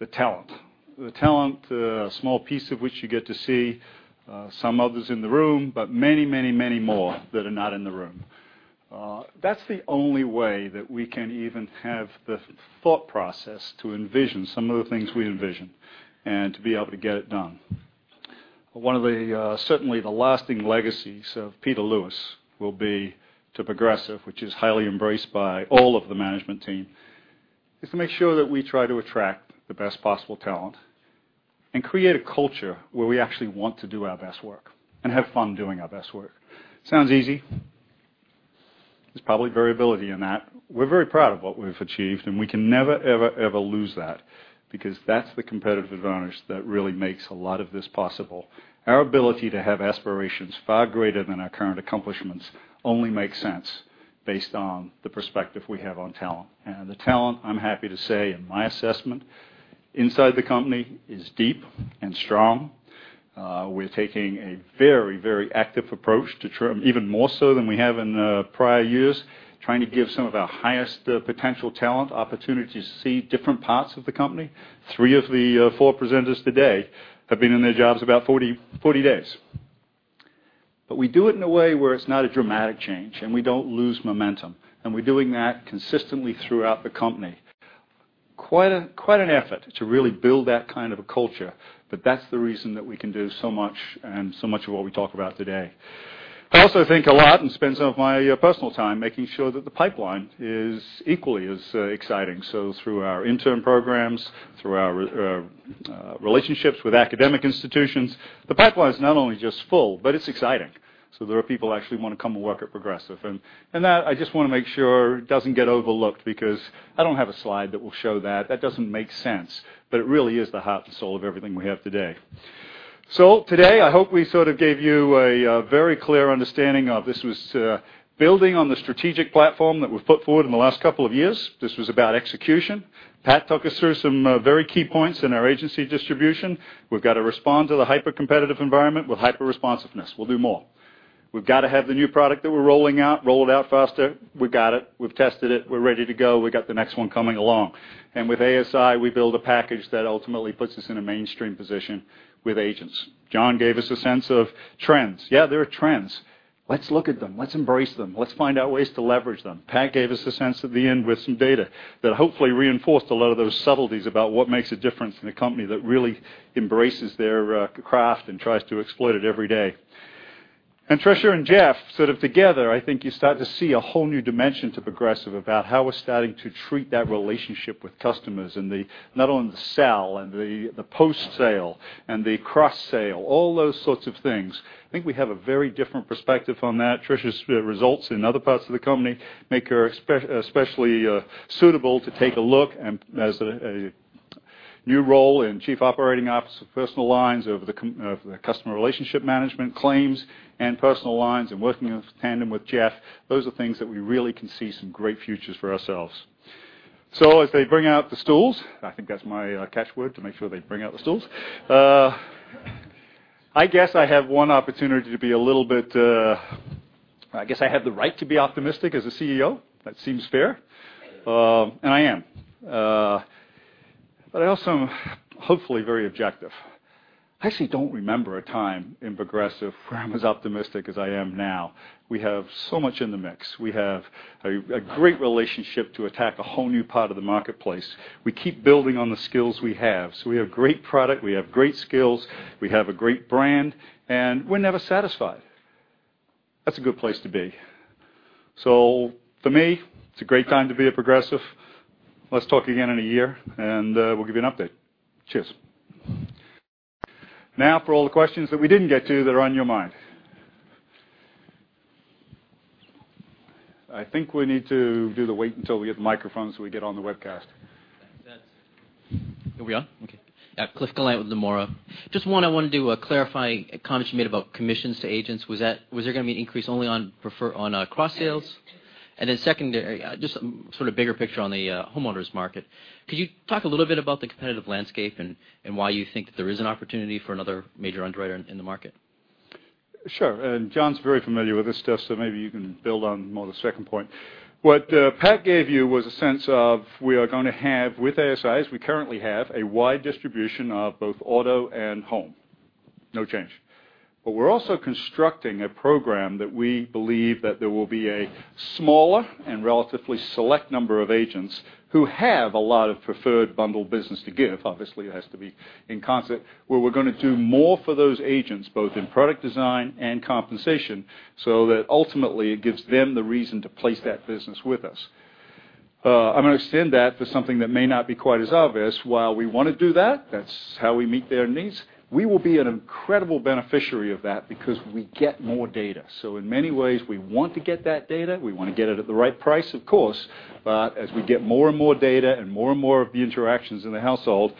the talent. The talent, a small piece of which you get to see, some others in the room, but many more that are not in the room. That's the only way that we can even have the thought process to envision some of the things we envision and to be able to get it done. One of certainly the lasting legacies of Peter Lewis will be to Progressive, which is highly embraced by all of the management team, is to make sure that we try to attract the best possible talent and create a culture where we actually want to do our best work and have fun doing our best work. Sounds easy. There's probably variability in that. We're very proud of what we've achieved, and we can never ever lose that because that's the competitive advantage that really makes a lot of this possible. Our ability to have aspirations far greater than our current accomplishments only makes sense based on the perspective we have on talent. The talent, I'm happy to say, in my assessment inside the company is deep and strong. We're taking a very active approach to term even more so than we have in prior years, trying to give some of our highest potential talent opportunities to see different parts of the company. Three of the four presenters today have been in their jobs about 40 days. We do it in a way where it's not a dramatic change, and we don't lose momentum. We're doing that consistently throughout the company. Quite an effort to really build that kind of a culture. That's the reason that we can do so much and so much of what we talk about today. I also think a lot and spend some of my personal time making sure that the pipeline is equally as exciting. Through our intern programs, through our relationships with academic institutions, the pipeline is not only just full, but it's exciting. There are people who actually want to come and work at Progressive, and that I just want to make sure doesn't get overlooked because I don't have a slide that will show that. That doesn't make sense. It really is the heart and soul of everything we have today. Today, I hope we sort of gave you a very clear understanding of this was building on the strategic platform that we've put forward in the last couple of years. This was about execution. Pat took us through some very key points in our agency distribution. We've got to respond to the hyper-competitive environment with hyper-responsiveness. We'll do more. We've got to have the new product that we're rolling out, rolled out faster. We've got it. We've tested it. We're ready to go. We've got the next one coming along. With ASI, we build a package that ultimately puts us in a mainstream position with agents. John gave us a sense of trends. Yeah, there are trends. Let's look at them. Let's embrace them. Let's find out ways to leverage them. Pat gave us a sense at the end with some data that hopefully reinforced a lot of those subtleties about what makes a difference in a company that really embraces their craft and tries to exploit it every day. Tricia and Jeff, sort of together, I think you start to see a whole new dimension to Progressive about how we're starting to treat that relationship with customers and not only the sell and the post-sale and the cross-sale, all those sorts of things. I think we have a very different perspective on that. Tricia's results in other parts of the company make her especially suitable to take a look as a new role in Chief Operating Officer Personal Lines of the customer relationship management claims and personal lines and working in tandem with Jeff. Those are things that we really can see some great futures for ourselves. As they bring out the stools, I think that's my catchword to make sure they bring out the stools. I guess I have one opportunity to be a little bit I guess I have the right to be optimistic as a CEO. That seems fair. I am. I also am, hopefully, very objective. I actually don't remember a time in Progressive where I'm as optimistic as I am now. We have so much in the mix. We have a great relationship to attack a whole new part of the marketplace. We keep building on the skills we have. We have great product, we have great skills, we have a great brand, and we're never satisfied. That's a good place to be. For me, it's a great time to be at Progressive. Let's talk again in a year, we'll give you an update. Cheers. For all the questions that we didn't get to that are on your mind. I think we need to do the wait until we get the microphones so we get on the webcast. Are we on? Okay. Yeah. Cliff Gallant with Nomura. Just one, I wanted to clarify a comment you made about commissions to agents. Was there going to be an increase only on cross-sales? Secondary, just sort of bigger picture on the homeowners market. Could you talk a little bit about the competitive landscape and why you think that there is an opportunity for another major underwriter in the market? Sure. John's very familiar with this stuff, maybe you can build on more of the second point. What Pat gave you was a sense of we are going to have, with ASIs, we currently have a wide distribution of both auto and home. No change. We're also constructing a program that we believe that there will be a smaller and relatively select number of agents who have a lot of preferred bundled business to give, obviously it has to be in concept, where we're going to do more for those agents, both in product design and compensation, that ultimately it gives them the reason to place that business with us. I'm going to extend that to something that may not be quite as obvious. While we want to do that's how we meet their needs, we will be an incredible beneficiary of that because we get more data. In many ways, we want to get that data. We want to get it at the right price, of course. As we get more and more data and more and more of the interactions in the household,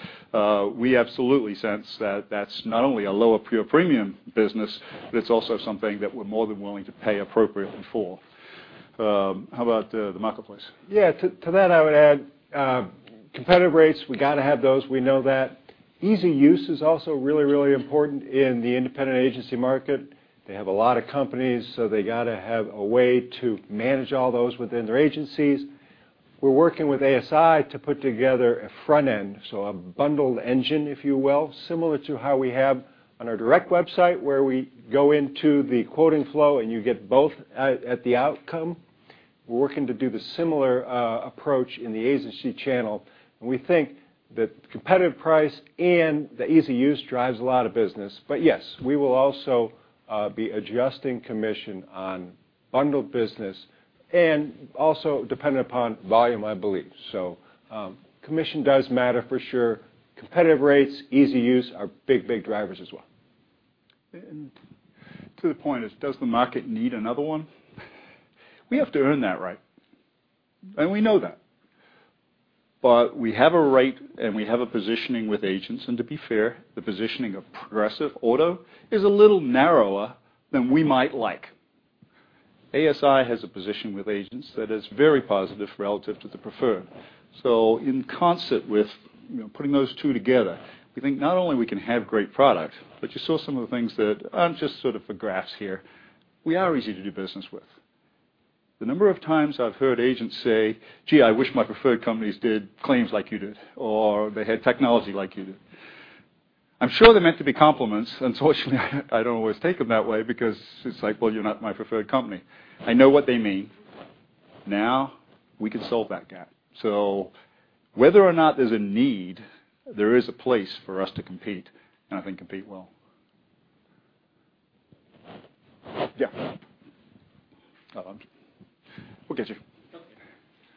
we absolutely sense that that's not only a lower pure premium business, but it's also something that we're more than willing to pay appropriately for. How about the marketplace? To that I would add competitive rates, we got to have those. We know that. Easy use is also really, really important in the independent agency market. They have a lot of companies, so they got to have a way to manage all those within their agencies. We're working with ASI to put together a front end, so a bundled engine, if you will, similar to how we have on our direct website, where we go into the quoting flow and you get both at the outcome. We're working to do the similar approach in the agency channel. We think that competitive price and the easy use drives a lot of business. Yes, we will also be adjusting commission on bundled business and also dependent upon volume, I believe. Commission does matter for sure. Competitive rates, easy use are big, big drivers as well. To the point is, does the market need another one? We have to earn that right, and we know that. We have a right and we have a positioning with agents, and to be fair, the positioning of Progressive auto is a little narrower than we might like. ASI has a position with agents that is very positive relative to the preferred. In concert with putting those two together, we think not only we can have great product, but you saw some of the things that aren't just sort of for graphs here. We are easy to do business with. The number of times I've heard agents say, "Gee, I wish my preferred companies did claims like you do," or, "They had technology like you do." I'm sure they're meant to be compliments. Unfortunately, I don't always take them that way because it's like, well, you're not my preferred company. I know what they mean. Now we can solve that gap. Whether or not there's a need, there is a place for us to compete, and I think compete well. Yeah. Oh. We'll get you.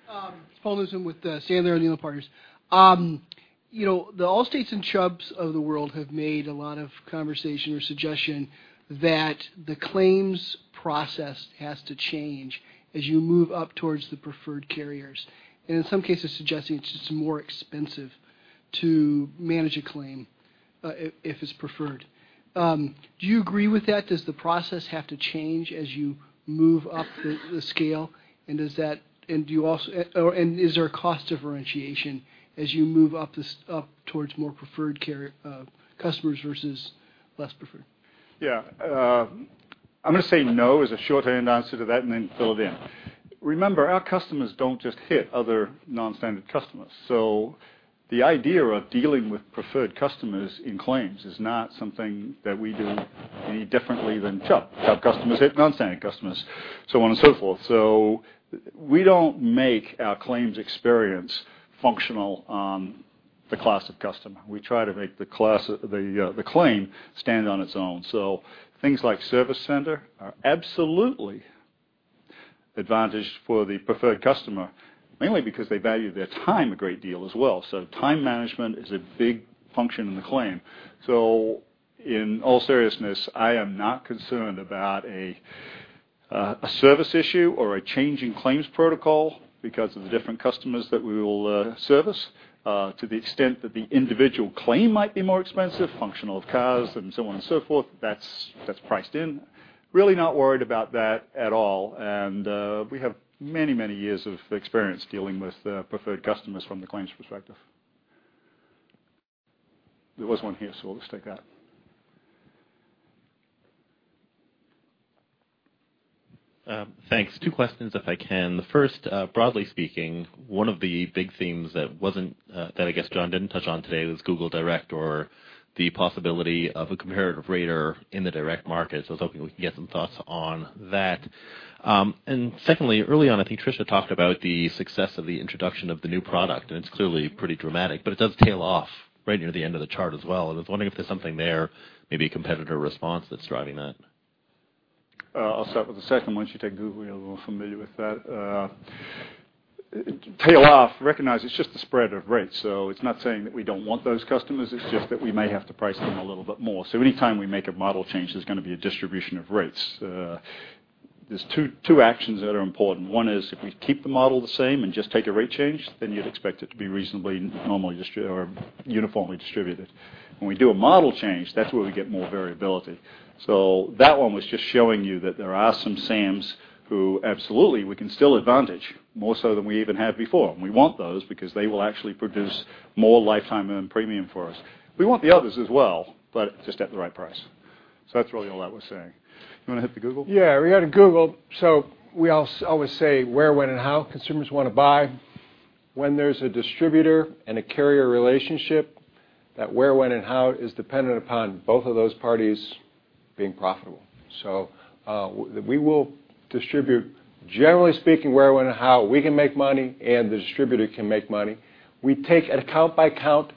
Okay. Paul Newsome with Sandler O'Neill Partners. The Allstate and Chubbs of the world have made a lot of conversation or suggestion that the claims process has to change as you move up towards the preferred carriers. In some cases suggesting it's just more expensive to manage a claim, if it's preferred. Do you agree with that? Does the process have to change as you move up the scale? Is there a cost differentiation as you move up towards more preferred customers versus less preferred? I'm going to say no as a shorthand answer to that, and then fill it in. Remember, our customers don't just hit other non-standard customers. The idea of dealing with preferred customers in claims is not something that we do any differently than Chubb. Chubb customers hit non-standard customers, so on and so forth. We don't make our claims experience functional on the class of customer. We try to make the claim stand on its own. Things like service center are absolutely advantage for the preferred customer, mainly because they value their time a great deal as well. Time management is a big function in the claim. In all seriousness, I am not concerned about a service issue or a change in claims protocol because of the different customers that we will service. To the extent that the individual claim might be more expensive, functional cars and so on and so forth, that's priced in. Really not worried about that at all, and we have many, many years of experience dealing with preferred customers from the claims perspective. There was one here, so we'll just take that. Thanks. Two questions, if I can. The first, broadly speaking, one of the big themes that, I guess John didn't touch on today, was Google Direct or the possibility of a comparative rater in the direct market. I was hoping we could get some thoughts on that. Secondly, early on, I think Tricia talked about the success of the introduction of the new product, and it's clearly pretty dramatic, but it does tail off right near the end of the chart as well. I was wondering if there's something there, maybe a competitor response that's driving that. I'll start with the second one. Why don't you take Google? You're a little familiar with that. Tail off, recognize it's just a spread of rates. It's not saying that we don't want those customers, it's just that we may have to price them a little bit more. Any time we make a model change, there's going to be a distribution of rates. There's two actions that are important. One is if we keep the model the same and just take a rate change, you'd expect it to be reasonably normally distributed or uniformly distributed. When we do a model change, that's where we get more variability. That one was just showing you that there are some SAMs who absolutely we can still advantage more so than we even have before. We want those because they will actually produce more lifetime earned premium for us. We want the others as well, but just at the right price. That's really all that was saying. You want to hit the Google? Yeah, we go to Google. We always say where, when, and how consumers want to buy. When there's a distributor and a carrier relationship, that where, when, and how is dependent upon both of those parties being profitable. We will distribute, generally speaking, where, when, and how we can make money and the distributor can make money. We take an account by account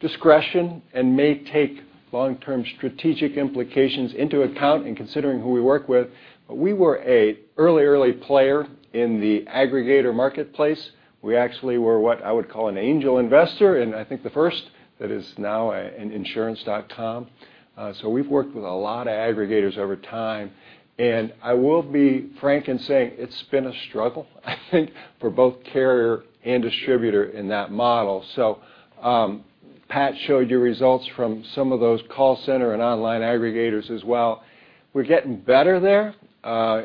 discretion and may take long-term strategic implications into account in considering who we work with. We were an early player in the aggregator marketplace. We actually were what I would call an angel investor, and I think the first that is now an insurance.com. We've worked with a lot of aggregators over time, and I will be frank in saying it's been a struggle I think for both carrier and distributor in that model. Pat showed you results from some of those call center and online aggregators as well. We're getting better there.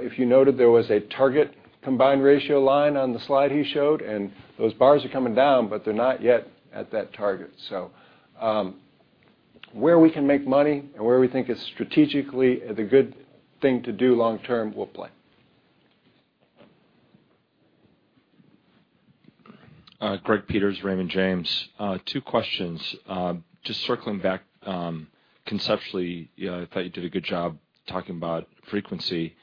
If you noted, there was a target combined ratio line on the slide he showed, and those bars are coming down, but they're not yet at that target. Where we can make money and where we think it's strategically the good thing to do long term, we'll play. Greg Peters, Raymond James. Two questions. Just circling back, conceptually, I thought you did a good job talking about frequency.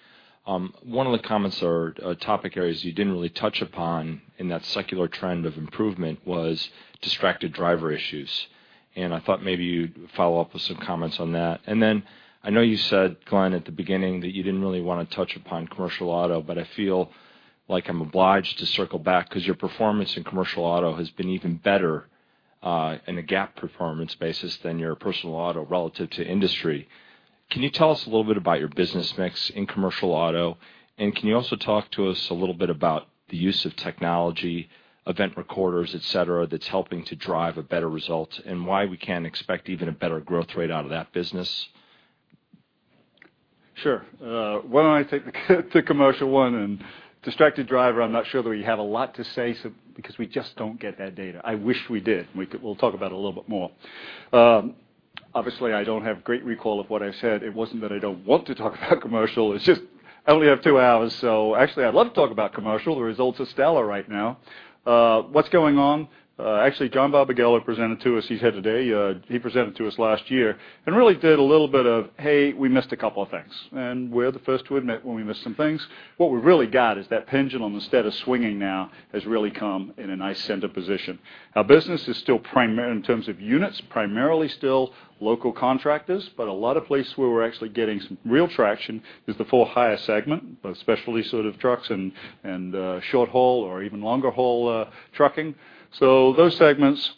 One of the comments or topic areas you didn't really touch upon in that secular trend of improvement was distracted driver issues. I thought maybe you'd follow up with some comments on that. I know you said, Glenn, at the beginning that you didn't really want to touch upon commercial auto, but I feel like I'm obliged to circle back because your performance in commercial auto has been even better in a GAAP performance basis than your personal auto relative to industry. Can you tell us a little bit about your business mix in commercial auto? Can you also talk to us a little bit about the use of technology, event recorders, et cetera, that's helping to drive a better result, why we can't expect even a better growth rate out of that business? Sure. Why don't I take the commercial one, distracted driver I'm not sure that we have a lot to say because we just don't get that data. I wish we did. We'll talk about it a little bit more. Obviously, I don't have great recall of what I said. It wasn't that I don't want to talk about commercial. It's just I only have two hours, actually I'd love to talk about commercial. The results are stellar right now. What's going on? Actually, John Barbagallo presented to us. He's here today. He presented to us last year really did a little bit of, hey, we missed a couple of things, we're the first to admit when we miss some things. What we really got is that pendulum, instead of swinging now, has really come in a nice center position. Our business is still, in terms of units, primarily still local contractors, a lot of places where we're actually getting some real traction is the for-hire segment, especially sort of trucks and short haul or even longer haul trucking. Those segments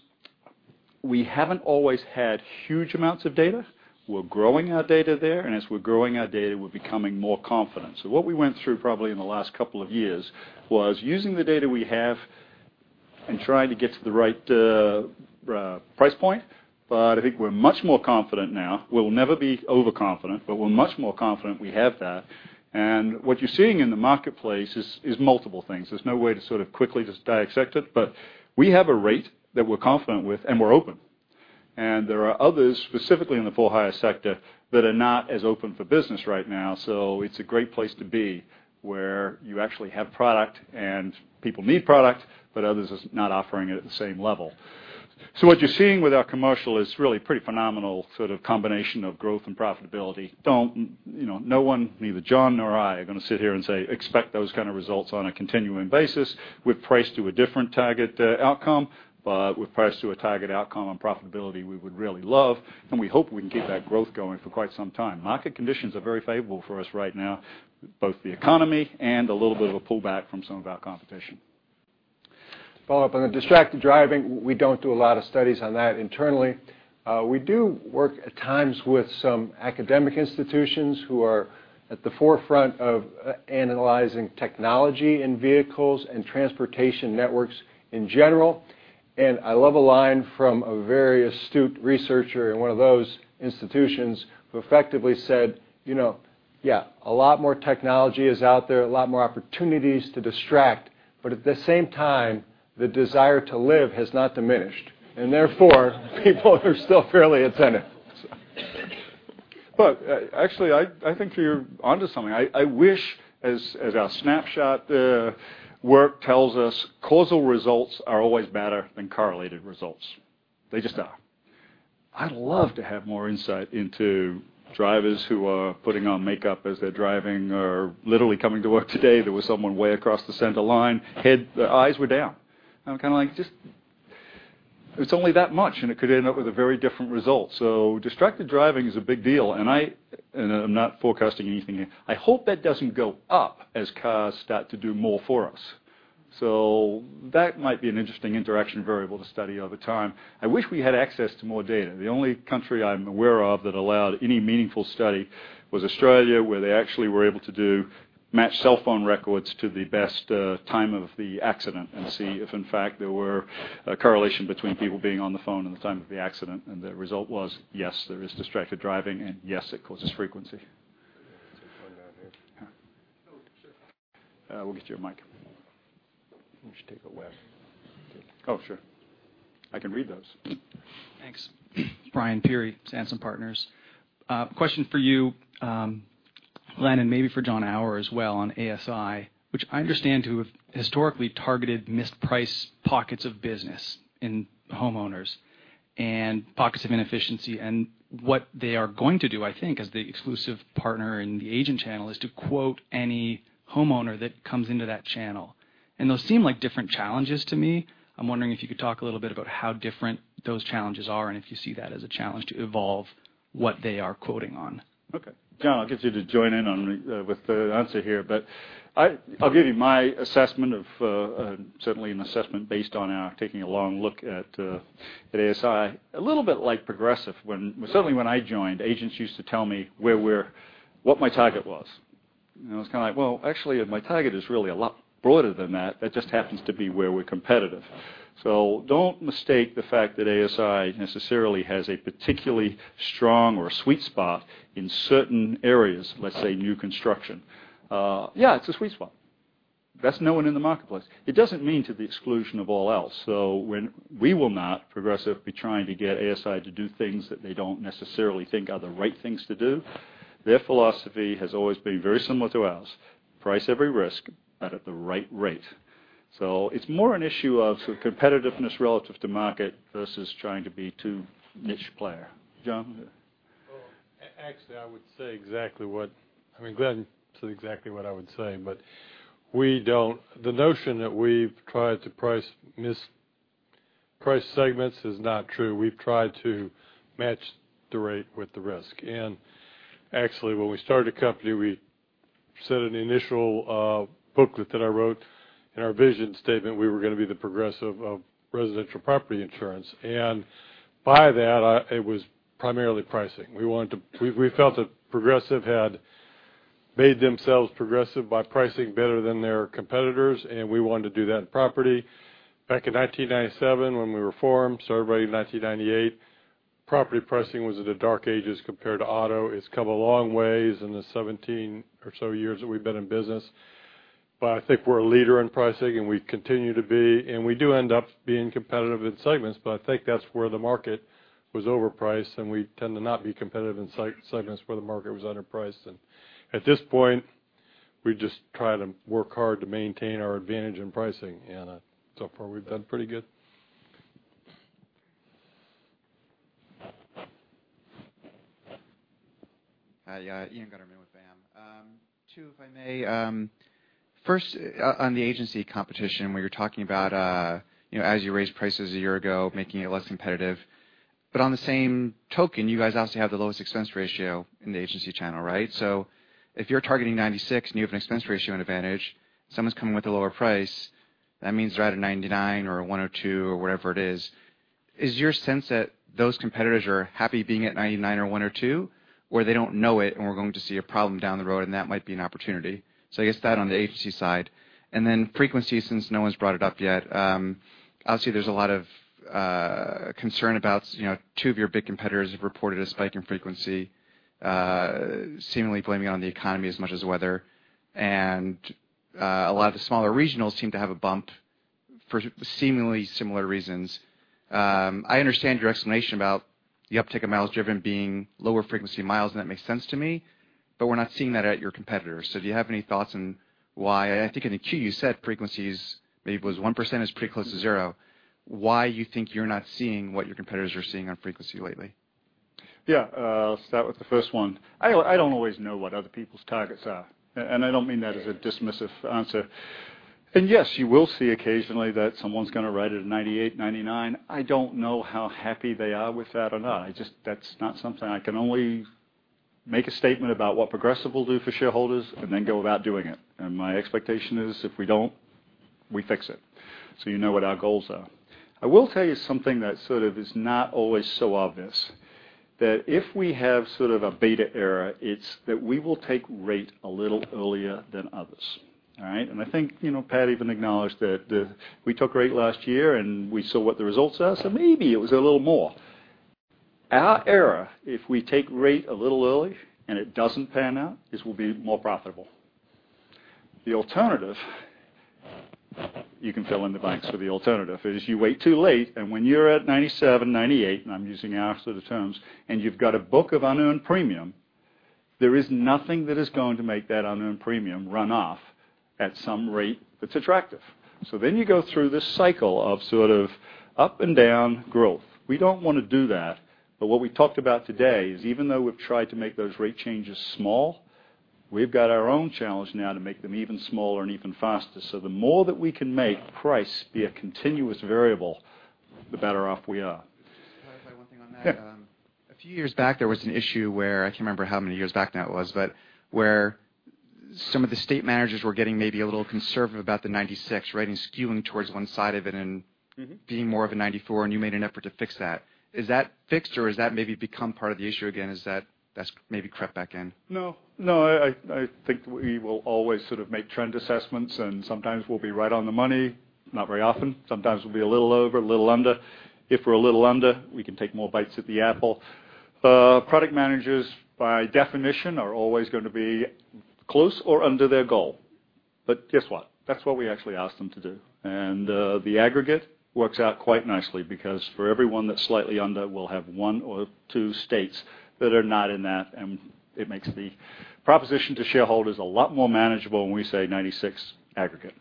we haven't always had huge amounts of data. We're growing our data there, as we're growing our data, we're becoming more confident. What we went through probably in the last couple of years was using the data we have trying to get to the right price point. I think we're much more confident now. We'll never be overconfident, we're much more confident we have that. What you're seeing in the marketplace is multiple things. There's no way to sort of quickly just dissect it, we have a rate that we're confident with, we're open. There are others, specifically in the for-hire sector, that are not as open for business right now. It's a great place to be, where you actually have product people need product, others are not offering it at the same level. What you're seeing with our commercial is really pretty phenomenal sort of combination of growth profitability. No one, neither John nor I, are going to sit here say, expect those kind of results on a continuing basis. We've priced to a different target outcome, we've priced to a target outcome on profitability we would really love, we hope we can keep that growth going for quite some time. Market conditions are very favorable for us right now, both the economy a little bit of a pullback from some of our competition. To follow up on the distracted driving, we don't do a lot of studies on that internally. We do work at times with some academic institutions who are at the forefront of analyzing technology in vehicles and transportation networks in general. I love a line from a very astute researcher in one of those institutions who effectively said, yeah, a lot more technology is out there, a lot more opportunities to distract, but at the same time, the desire to live has not diminished. Therefore people are still fairly attentive. Actually, I think you're onto something. I wish, as our Snapshot work tells us, causal results are always better than correlated results. They just are. I'd love to have more insight into drivers who are putting on makeup as they're driving, or literally coming to work today, there was someone way across the center line, the eyes were down. I'm kind of like It's only that much, and it could end up with a very different result. Distracted driving is a big deal, and I'm not forecasting anything here. I hope that doesn't go up as cars start to do more for us. That might be an interesting interaction variable to study over time. I wish we had access to more data. The only country I'm aware of that allowed any meaningful study was Australia, where they actually were able to match cell phone records to the best time of the accident and see if, in fact, there were a correlation between people being on the phone and the time of the accident, and the result was, yes, there is distracted driving, and yes, it causes frequency. We've got one down here. Yeah. Oh, sure. We'll get you a mic. You should take a lap. Oh, sure. I can read those. Thanks. Brian Peery, Sansum Partners. Question for you, Glenn, and maybe for John Auer as well on ASI, which I understand to have historically targeted mispriced pockets of business in homeowners and pockets of inefficiency and what they are going to do, I think, as the exclusive partner in the agent channel is to quote any homeowner that comes into that channel. Those seem like different challenges to me. I'm wondering if you could talk a little bit about how different those challenges are and if you see that as a challenge to evolve what they are quoting on. Okay. John, I'll get you to join in with the answer here. I'll give you my assessment of, certainly an assessment based on our taking a long look at ASI. Certainly when I joined, agents used to tell me what my target was. I was kind of like, "Well, actually, my target is really a lot broader than that. That just happens to be where we're competitive." Don't mistake the fact that ASI necessarily has a particularly strong or sweet spot in certain areas, let's say new construction. Yeah, it's a sweet spot. Best known in the marketplace. It doesn't mean to the exclusion of all else. We will not, Progressive, be trying to get ASI to do things that they don't necessarily think are the right things to do. Their philosophy has always been very similar to ours, price every risk, but at the right rate. It's more an issue of competitiveness relative to market versus trying to be too niche player. John? Well, actually, I mean, Glenn said exactly what I would say, the notion that we've tried to price segments is not true. We've tried to match the rate with the risk. Actually, when we started the company, we set an initial booklet that I wrote. In our vision statement, we were going to be the Progressive of residential property insurance. By that, it was primarily pricing. We felt that Progressive had made themselves progressive by pricing better than their competitors, and we wanted to do that in property. Back in 1997 when we were formed, started writing in 1998, property pricing was at the dark ages compared to auto. It's come a long ways in the 17 or so years that we've been in business. I think we're a leader in pricing. We continue to be. We do end up being competitive in segments. I think that's where the market was overpriced. We tend to not be competitive in segments where the market was underpriced then. At this point, we just try to work hard to maintain our advantage in pricing. So far, we've done pretty good. Hi, Ian Gutterman with BAM. Two, if I may. First, on the agency competition, where you're talking about as you raised prices a year ago, making it less competitive. On the same token, you guys obviously have the lowest expense ratio in the agency channel, right? If you're targeting 96 and you have an expense ratio advantage, someone's coming with a lower price, that means they're at a 99 or 102 or whatever it is. Is your sense that those competitors are happy being at 99 or 102, or they don't know it and we're going to see a problem down the road and that might be an opportunity? I guess that on the agency side. Frequency, since no one's brought it up yet. Obviously, there's a lot of concern about two of your big competitors have reported a spike in frequency, seemingly blaming it on the economy as much as weather. A lot of the smaller regionals seem to have a bump for seemingly similar reasons. I understand your explanation about the uptick in miles driven being lower frequency miles. That makes sense to me. We're not seeing that at your competitors. Do you have any thoughts on why? I think in the Q you said frequency is, maybe it was 1% is pretty close to zero. Why you think you're not seeing what your competitors are seeing on frequency lately? Yeah. I'll start with the first one. I don't always know what other people's targets are. I don't mean that as a dismissive answer. Yes, you will see occasionally that someone's going to write at a 98, 99. I don't know how happy they are with that or not. That's not something I can only make a statement about what Progressive will do for shareholders, go about doing it. My expectation is if we don't, we fix it. You know what our goals are. I will tell you something that sort of is not always so obvious, that if we have sort of a beta error, it's that we will take rate a little earlier than others. All right? I think Pat even acknowledged that we took rate last year, and we saw what the results are, maybe it was a little more. Our error, if we take rate a little early and it doesn't pan out, is we'll be more profitable. The alternative You can fill in the blanks for the alternative, is you wait too late, and when you're at 97, 98, and I'm using absolute terms, and you've got a book of unearned premium, there is nothing that is going to make that unearned premium run off at some rate that's attractive. You go through this cycle of sort of up and down growth. We don't want to do that, what we talked about today is even though we've tried to make those rate changes small, we've got our own challenge now to make them even smaller and even faster. The more that we can make price be a continuous variable, the better off we are. Just to clarify one thing on that. Yeah. A few years back, there was an issue where, I can't remember how many years back now it was, where some of the state managers were getting maybe a little conservative about the 96, right? skewing towards one side of it. Being more of a 94, you made an effort to fix that. Is that fixed or has that maybe become part of the issue again, is that that's maybe crept back in? No. I think we will always sort of make trend assessments sometimes we'll be right on the money, not very often. Sometimes we'll be a little over, a little under. If we're a little under, we can take more bites at the apple. Product managers, by definition, are always going to be close or under their goal. Guess what? That's what we actually ask them to do. The aggregate works out quite nicely because for every one that's slightly under, we'll have one or two states that are not in that, and it makes the proposition to shareholders a lot more manageable when we say 96 aggregate.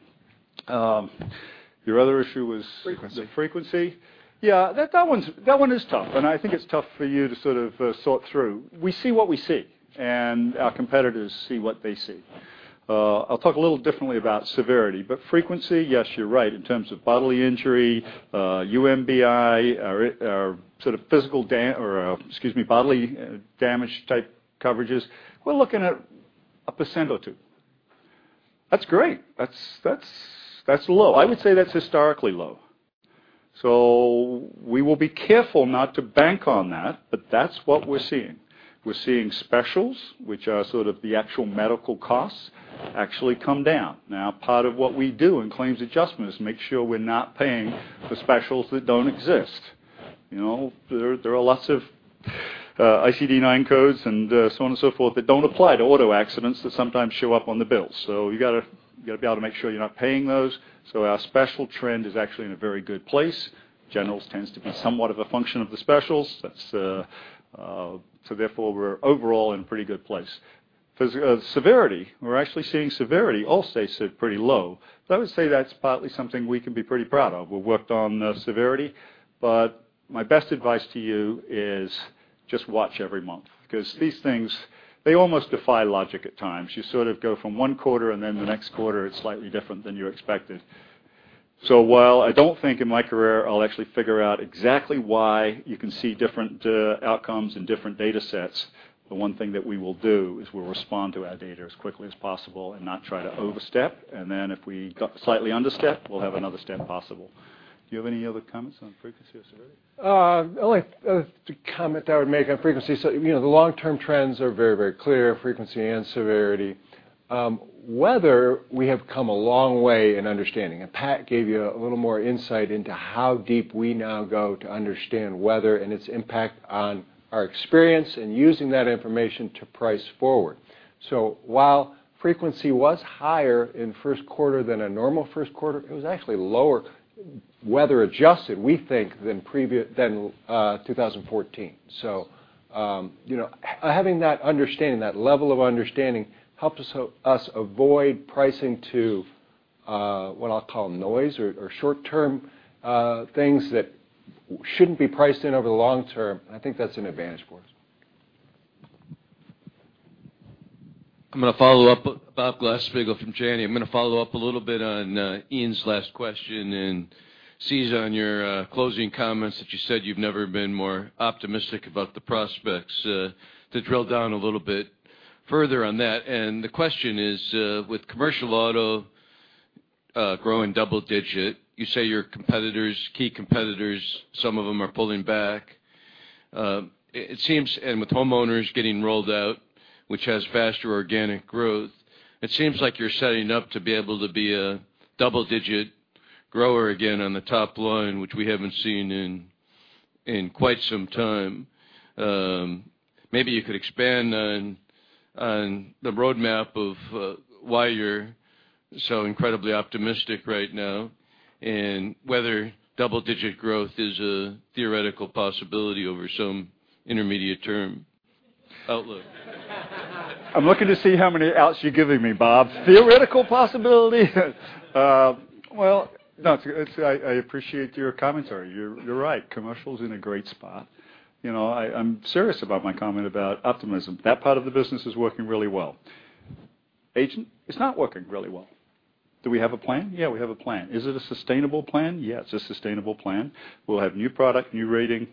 Your other issue was- Frequency the frequency. Yeah, that one is tough, I think it's tough for you to sort of sort through. We see what we see, our competitors see what they see. Right. I'll talk a little differently about severity, frequency, yes, you're right. In terms of bodily injury, UMBI or sort of physical or, excuse me, bodily damage type coverages, we're looking at a percent or two. That's great. That's low. I would say that's historically low. We will be careful not to bank on that, but that's what we're seeing. We're seeing specials, which are sort of the actual medical costs, actually come down. Now, part of what we do in claims adjustment is make sure we're not paying for specials that don't exist. There are lots of ICD9 codes and so on and so forth that don't apply to auto accidents that sometimes show up on the bills. You got to be able to make sure you're not paying those. Our special trend is actually in a very good place. Generals tends to be somewhat of a function of the specials. Therefore, we're overall in a pretty good place. Severity, we're actually seeing severity also sit pretty low. I would say that's partly something we can be pretty proud of. We've worked on severity, but my best advice to you is just watch every month. Because these things, they almost defy logic at times. You sort of go from one quarter and then the next quarter it's slightly different than you expected. While I don't think in my career I'll actually figure out exactly why you can see different outcomes and different data sets, the one thing that we will do is we'll respond to our data as quickly as possible and not try to overstep. If we got slightly understepped, we'll have another step possible. Do you have any other comments on frequency or severity? The only comment I would make on frequency, the long-term trends are very, very clear, frequency and severity. Weather, we have come a long way in understanding, and Pat gave you a little more insight into how deep we now go to understand weather and its impact on our experience and using that information to price forward. While frequency was higher in first quarter than a normal first quarter, it was actually lower weather adjusted, we think, than 2014. Having that understanding, that level of understanding helped us avoid pricing to what I'll call noise or short-term things that shouldn't be priced in over the long term. I think that's an advantage for us. I'm going to follow up. Bob Glasspiegel from Janney. I'm going to follow up a little bit on Ian's last question and Cesar on your closing comments that you said you've never been more optimistic about the prospects to drill down a little bit further on that. The question is, with commercial auto growing double digit, you say your key competitors, some of them are pulling back. With homeowners getting rolled out, which has faster organic growth, it seems like you're setting up to be able to be a double-digit grower again on the top line, which we haven't seen in quite some time. Maybe you could expand on the roadmap of why you're so incredibly optimistic right now, and whether double-digit growth is a theoretical possibility over some intermediate term outlook. I'm looking to see how many outs you're giving me, Bob. Theoretical possibility. No, I appreciate your commentary. You're right. Commercial's in a great spot. I'm serious about my comment about optimism. That part of the business is working really well. Agent is not working really well. Do we have a plan? Yeah, we have a plan. Is it a sustainable plan? Yeah, it's a sustainable plan. We'll have new product, new rating,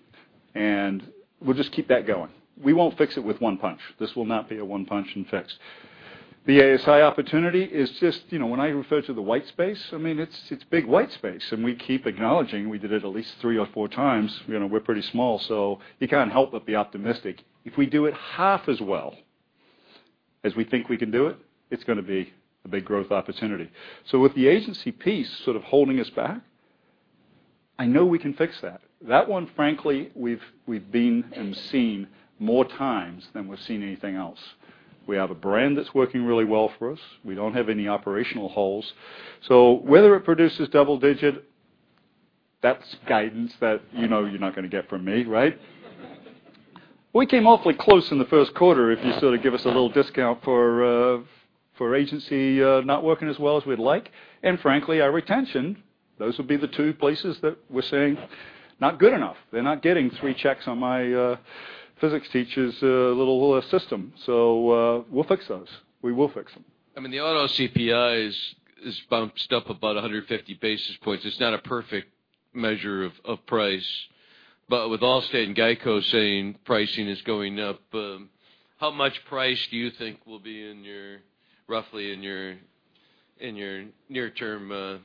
and we'll just keep that going. We won't fix it with one punch. This will not be a one punch and fix. The ASI opportunity is just when I refer to the white space, it's big white space. We keep acknowledging, we did it at least three or four times. We're pretty small, so you can't help but be optimistic. If we do it half as well as we think we can do it's going to be a big growth opportunity. With the agency piece sort of holding us back I know we can fix that. That one, frankly, we've been and seen more times than we've seen anything else. We have a brand that's working really well for us. We don't have any operational holes. Whether it produces double digit, that's guidance that you know you're not going to get from me, right? We came awfully close in the first quarter if you give us a little discount for agency not working as well as we'd like. Frankly, our retention, those would be the two places that we're saying not good enough. They're not getting three checks on my physics teacher's little system. We'll fix those. We will fix them. I mean, the auto CPI is bounced up about 150 basis points. It's not a perfect measure of price. With The Allstate Corporation and GEICO saying pricing is going up, how much price do you think will be roughly in your near-term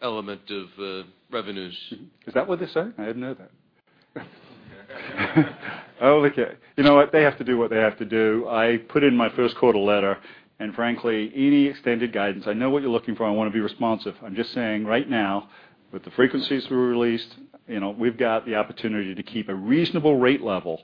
element of revenues? Is that what they're saying? I didn't know that. Okay. You know what? They have to do what they have to do. I put in my first quarter letter, frankly, any extended guidance, I know what you're looking for, and I want to be responsive. I'm just saying right now, with the frequencies we released, we've got the opportunity to keep a reasonable rate level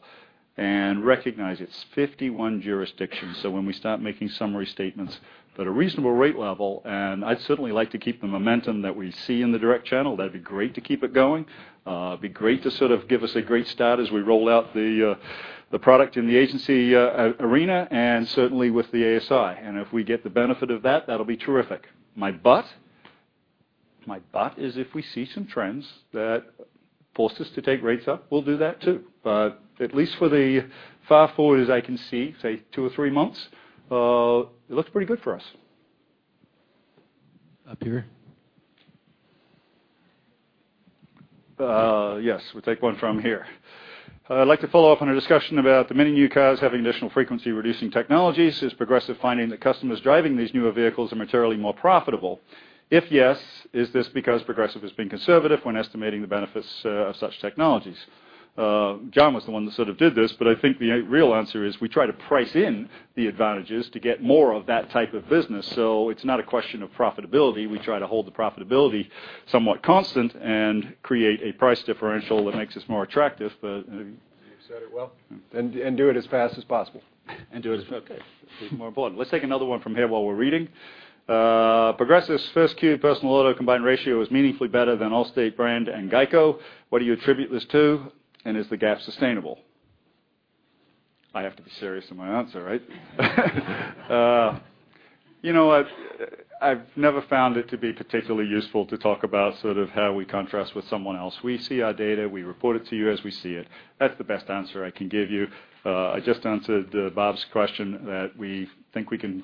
and recognize it's 51 jurisdictions, when we start making summary statements, but a reasonable rate level, I'd certainly like to keep the momentum that we see in the direct channel. That'd be great to keep it going. It'd be great to give us a great start as we roll out the product in the agency arena and certainly with the ASI. If we get the benefit of that'll be terrific. My but is if we see some trends that force us to take rates up, we'll do that, too. At least for the far forward as I can see, say two or three months, it looks pretty good for us. Up here. Yes, we'll take one from here. I'd like to follow up on a discussion about the many new cars having additional frequency-reducing technologies. Is Progressive finding that customers driving these newer vehicles are materially more profitable? If yes, is this because Progressive has been conservative when estimating the benefits of such technologies? John was the one that did this. I think the real answer is we try to price in the advantages to get more of that type of business. It's not a question of profitability. We try to hold the profitability somewhat constant and create a price differential that makes us more attractive. You said it well. Do it as fast as possible. Okay. More important. Let's take another one from here while we're reading. Progressive's first Q personal auto combined ratio is meaningfully better than Allstate brand and GEICO. What do you attribute this to? Is the gap sustainable? I have to be serious in my answer, right? I've never found it to be particularly useful to talk about how we contrast with someone else. We see our data, we report it to you as we see it. That's the best answer I can give you. I just answered Bob's question that we think we can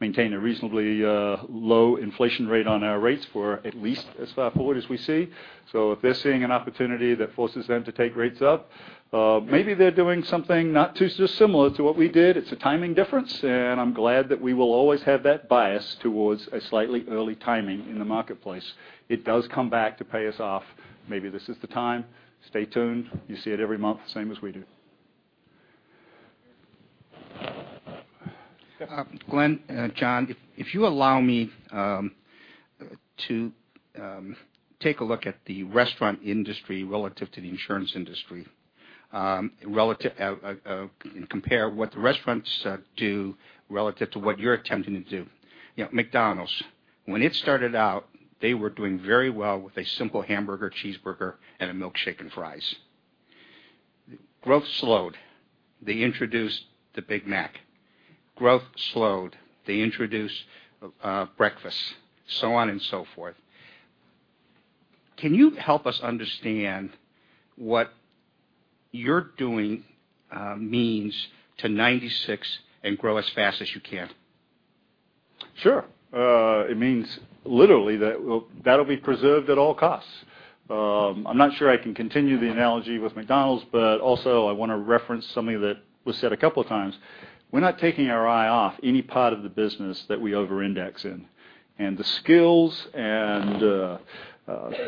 maintain a reasonably low inflation rate on our rates for at least as far forward as we see. If they're seeing an opportunity that forces them to take rates up, maybe they're doing something not too dissimilar to what we did. It's a timing difference, I'm glad that we will always have that bias towards a slightly early timing in the marketplace. It does come back to pay us off. Maybe this is the time. Stay tuned. You see it every month, same as we do. Scott. Glenn, John, if you allow me to take a look at the restaurant industry relative to the insurance industry, compare what the restaurants do relative to what you're attempting to do. McDonald's, when it started out, they were doing very well with a simple hamburger, cheeseburger, a milkshake, and fries. Growth slowed. They introduced the Big Mac. Growth slowed. They introduced breakfast, so on and so forth. Can you help us understand what you're doing means to 96 and grow as fast as you can? Sure. It means literally that will be preserved at all costs. I'm not sure I can continue the analogy with McDonald's, also I want to reference something that was said a couple of times. We're not taking our eye off any part of the business that we over-index in. The skills and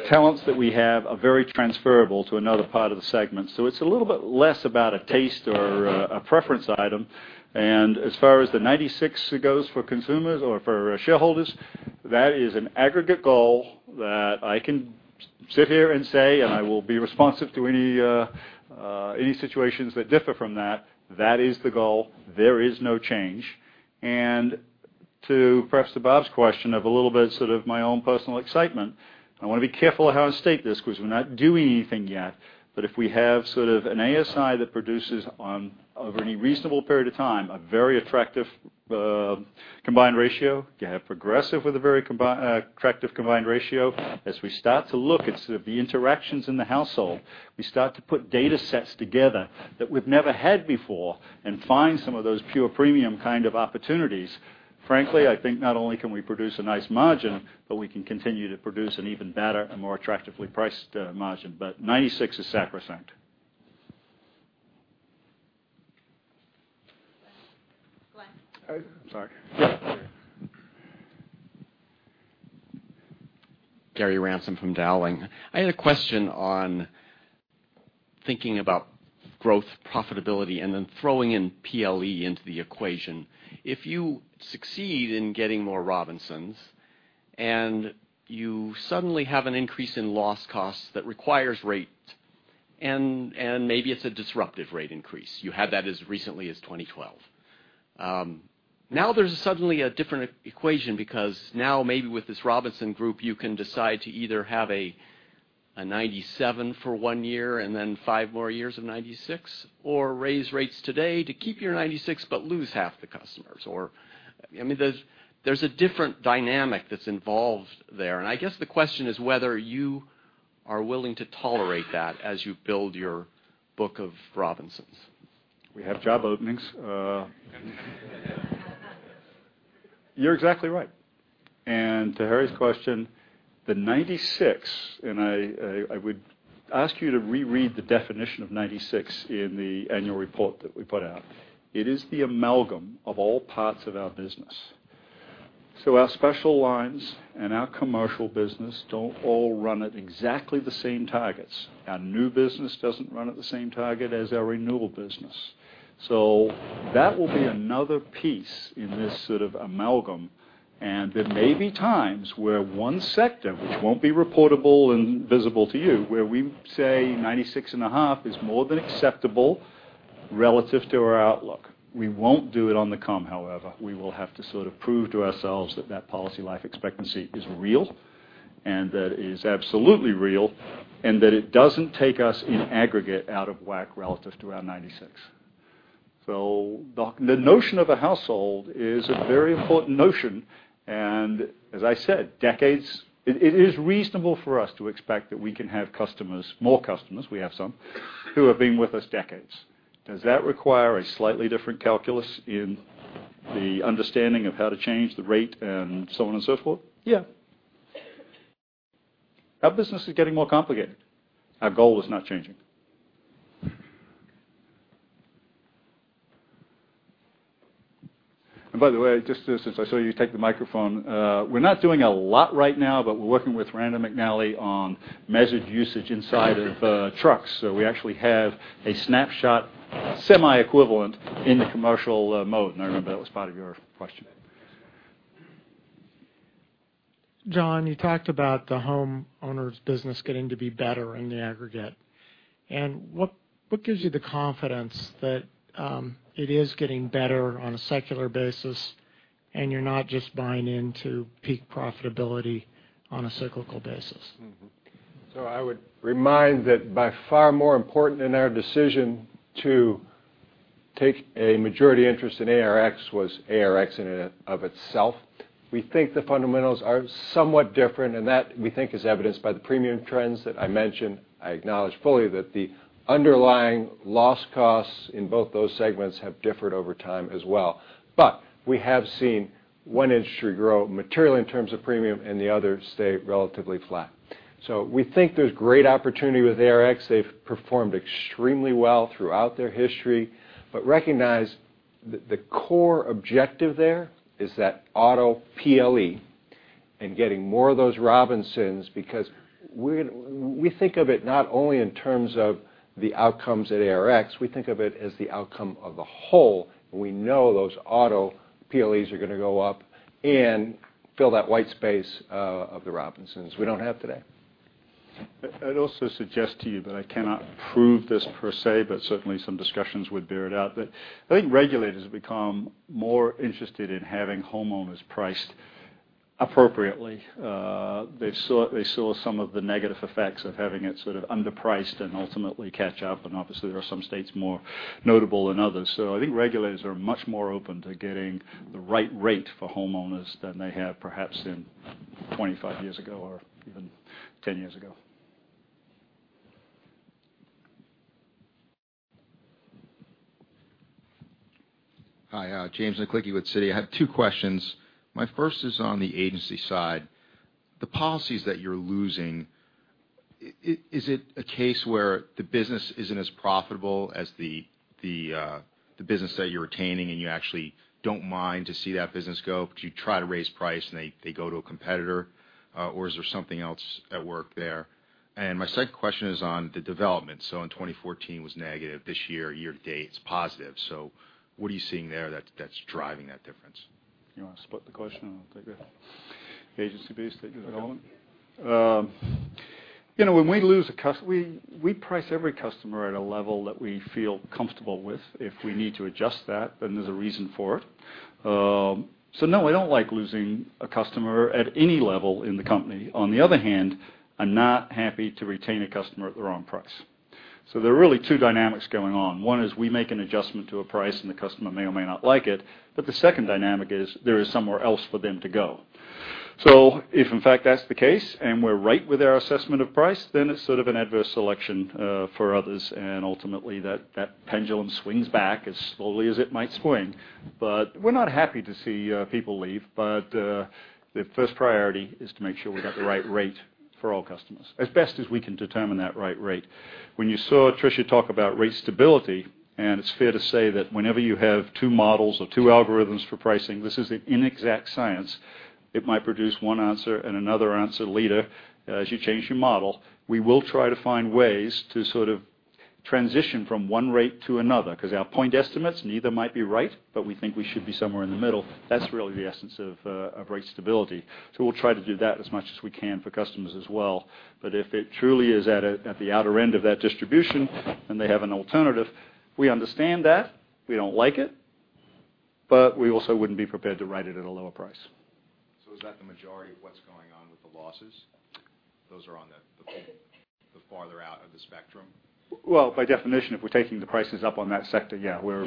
talents that we have are very transferable to another part of the segment. It's a little bit less about a taste or a preference item. As far as the 96 goes for consumers or for shareholders, that is an aggregate goal that I can sit here and say, I will be responsive to any situations that differ from that. That is the goal. There is no change. To perhaps to Bob's question of a little bit my own personal excitement, I want to be careful of how I state this because we're not doing anything yet. If we have an ASI that produces over any reasonable period of time, a very attractive combined ratio, you have Progressive with a very attractive combined ratio. As we start to look at the interactions in the household, we start to put data sets together that we've never had before and find some of those pure premium kind of opportunities. Frankly, I think not only can we produce a nice margin, but we can continue to produce an even better and more attractively priced margin. 96 is sacrosanct. Glenn. Sorry. Gary Ransom from Dowling. I had a question on Thinking about growth, profitability, and then throwing in PLE into the equation. If you succeed in getting more Robinsons and you suddenly have an increase in loss costs that requires rate, and maybe it's a disruptive rate increase. You had that as recently as 2012. There's suddenly a different equation because now maybe with this Robinson group, you can decide to either have a 97 for one year and then five more years of 96, or raise rates today to keep your 96 but lose half the customers. There's a different dynamic that's involved there, and I guess the question is whether you are willing to tolerate that as you build your book of Robinsons. We have job openings. You're exactly right. To Harry's question, the 96, and I would ask you to reread the definition of 96 in the annual report that we put out. It is the amalgam of all parts of our business. Our special lines and our commercial business don't all run at exactly the same targets. Our new business doesn't run at the same target as our renewal business. That will be another piece in this sort of amalgam, and there may be times where one sector, which won't be reportable and visible to you, where we say 96 and a half is more than acceptable relative to our outlook. We won't do it on the comm, however. We will have to sort of prove to ourselves that policy life expectancy is real, that it is absolutely real, and that it doesn't take us in aggregate out of whack relative to our 96%. The notion of a household is a very important notion, and as I said, decades. It is reasonable for us to expect that we can have more customers, we have some, who have been with us decades. Does that require a slightly different calculus in the understanding of how to change the rate and so on and so forth? Yeah. Our business is getting more complicated. Our goal is not changing. By the way, just since I saw you take the microphone, we're not doing a lot right now, but we're working with Rand McNally on measured usage inside of trucks. We actually have a Snapshot semi-equivalent in the commercial mode. I remember that was part of your question. John, you talked about the homeowners' business getting to be better in the aggregate. What gives you the confidence that it is getting better on a secular basis, and you're not just buying into peak profitability on a cyclical basis? I would remind that by far more important in our decision to take a majority interest in ARX was ARX in and of itself. We think the fundamentals are somewhat different, and that, we think, is evidenced by the premium trends that I mentioned. I acknowledge fully that the underlying loss costs in both those segments have differed over time as well. We have seen one industry grow materially in terms of premium and the other stay relatively flat. We think there's great opportunity with ARX. They've performed extremely well throughout their history. Recognize the core objective there is that auto PLE and getting more of those Robinsons because we think of it not only in terms of the outcomes at ARX, we think of it as the outcome of the whole. We know those auto PLEs are going to go up and fill that white space of the Robinsons we don't have today. I'd also suggest to you that I cannot prove this per se, but certainly some discussions would bear it out, but I think regulators become more interested in having homeowners priced appropriately. They saw some of the negative effects of having it sort of underpriced and ultimately catch up, and obviously, there are some states more notable than others. I think regulators are much more open to getting the right rate for homeowners than they have perhaps than 25 years ago or even 10 years ago. Hi, James McLickie with Citi. I have two questions. My first is on the agency side. The policies that you're losing, is it a case where the business isn't as profitable as the business that you're retaining, and you actually don't mind to see that business go, but you try to raise price, and they go to a competitor? Is there something else at work there? My second question is on the development. In 2014 was negative. This year to date, it's positive. What are you seeing there that's driving that difference? You want to split the question and I'll take the agency piece that you're developing? We price every customer at a level that we feel comfortable with. If we need to adjust that, there's a reason for it. No, I don't like losing a customer at any level in the company. On the other hand, I'm not happy to retain a customer at the wrong price. There are really two dynamics going on. One is we make an adjustment to a price, and the customer may or may not like it, but the second dynamic is there is somewhere else for them to go. If in fact, that's the case and we're right with our assessment of price, then it's sort of an adverse selection for others, and ultimately that pendulum swings back as slowly as it might swing. We're not happy to see people leave, but the first priority is to make sure we got the right rate for all customers, as best as we can determine that right rate. When you saw Tricia talk about rate stability, and it's fair to say that whenever you have two models or two algorithms for pricing, this is an inexact science. It might produce one answer and another answer later as you change your model. We will try to find ways to sort of. Transition from one rate to another. Our point estimates, neither might be right, but we think we should be somewhere in the middle. That's really the essence of rate stability. We'll try to do that as much as we can for customers as well. If it truly is at the outer end of that distribution and they have an alternative, we understand that. We don't like it, we also wouldn't be prepared to write it at a lower price. Is that the majority of what's going on with the losses? Those are on the farther out of the spectrum? Well, by definition, if we're taking the prices up on that sector, yeah, we're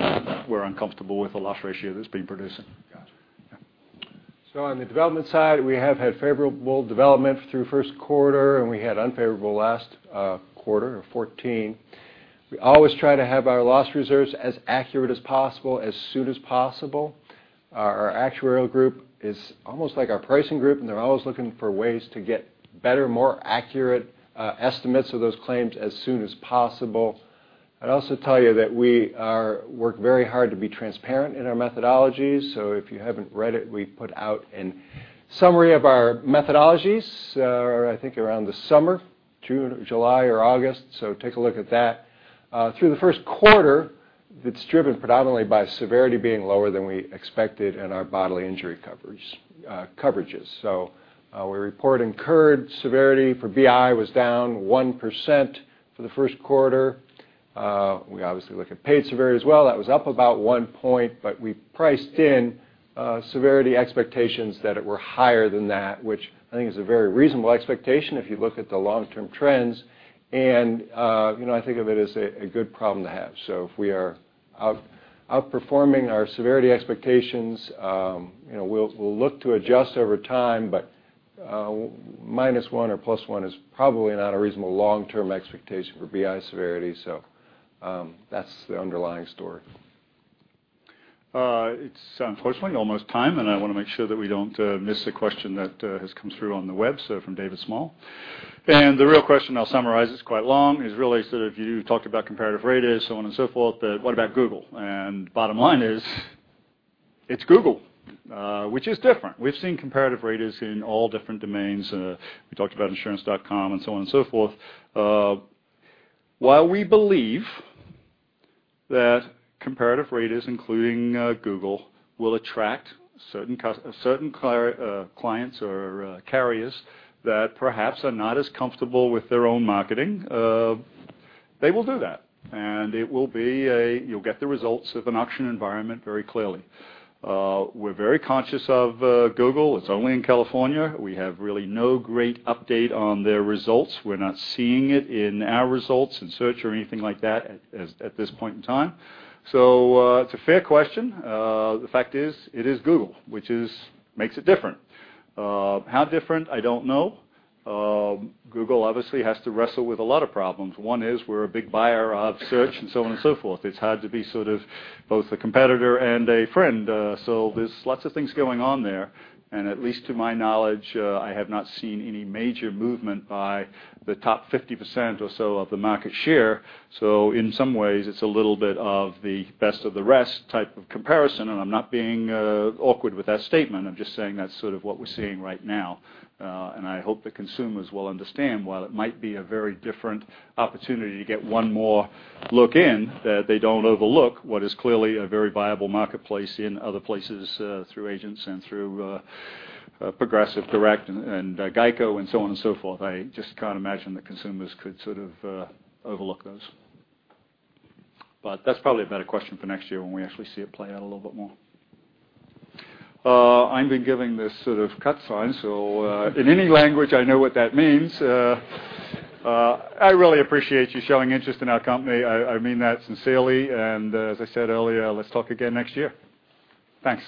uncomfortable with the loss ratio that it's been producing. Got you. On the development side, we have had favorable development through first quarter, and we had unfavorable last quarter, or 2014. We always try to have our loss reserves as accurate as possible, as soon as possible. Our actuarial group is almost like our pricing group, and they're always looking for ways to get better, more accurate estimates of those claims as soon as possible. I'd also tell you that we work very hard to be transparent in our methodologies, if you haven't read it, we put out a summary of our methodologies, I think around the summer. June, July, or August. Take a look at that. Through the first quarter, it's driven predominantly by severity being lower than we expected in our bodily injury coverages. We report incurred severity for BI was down 1% for the first quarter. We obviously look at paid severity as well. That was up about one point, but we priced in severity expectations that it were higher than that. Which I think is a very reasonable expectation if you look at the long-term trends, and I think of it as a good problem to have. If we are outperforming our severity expectations, we'll look to adjust over time. Minus one or plus one is probably not a reasonable long-term expectation for BI severity. That's the underlying story. It's unfortunately almost time, and I want to make sure that we don't miss a question that has come through on the web. From David Small. The real question, I'll summarize, it's quite long, is really sort of you talked about comparative raters, so on and so forth, but what about Google? Bottom line is it's Google. Which is different. We've seen comparative raters in all different domains. We talked about insurance.com and so on and so forth. While we believe that comparative raters, including Google, will attract certain clients or carriers that perhaps are not as comfortable with their own marketing, they will do that. You'll get the results of an auction environment very clearly. We're very conscious of Google. It's only in California. We have really no great update on their results. We're not seeing it in our results, in search or anything like that at this point in time. It's a fair question. The fact is, it is Google, which makes it different. How different? I don't know. Google obviously has to wrestle with a lot of problems. One is we're a big buyer of search and so on and so forth. It's hard to be sort of both a competitor and a friend. There's lots of things going on there, at least to my knowledge, I have not seen any major movement by the top 50% or so of the market share. In some ways, it's a little bit of the best of the rest type of comparison, I'm not being awkward with that statement. I'm just saying that's sort of what we're seeing right now. I hope the consumers will understand, while it might be a very different opportunity to get one more look in, that they don't overlook what is clearly a very viable marketplace in other places through agents and through Progressive direct and GEICO and so on and so forth. I just can't imagine that consumers could sort of overlook those. That's probably a better question for next year when we actually see it play out a little bit more. I've been given this sort of cut sign, so in any language, I know what that means. I really appreciate you showing interest in our company. I mean that sincerely, and as I said earlier, let's talk again next year. Thanks.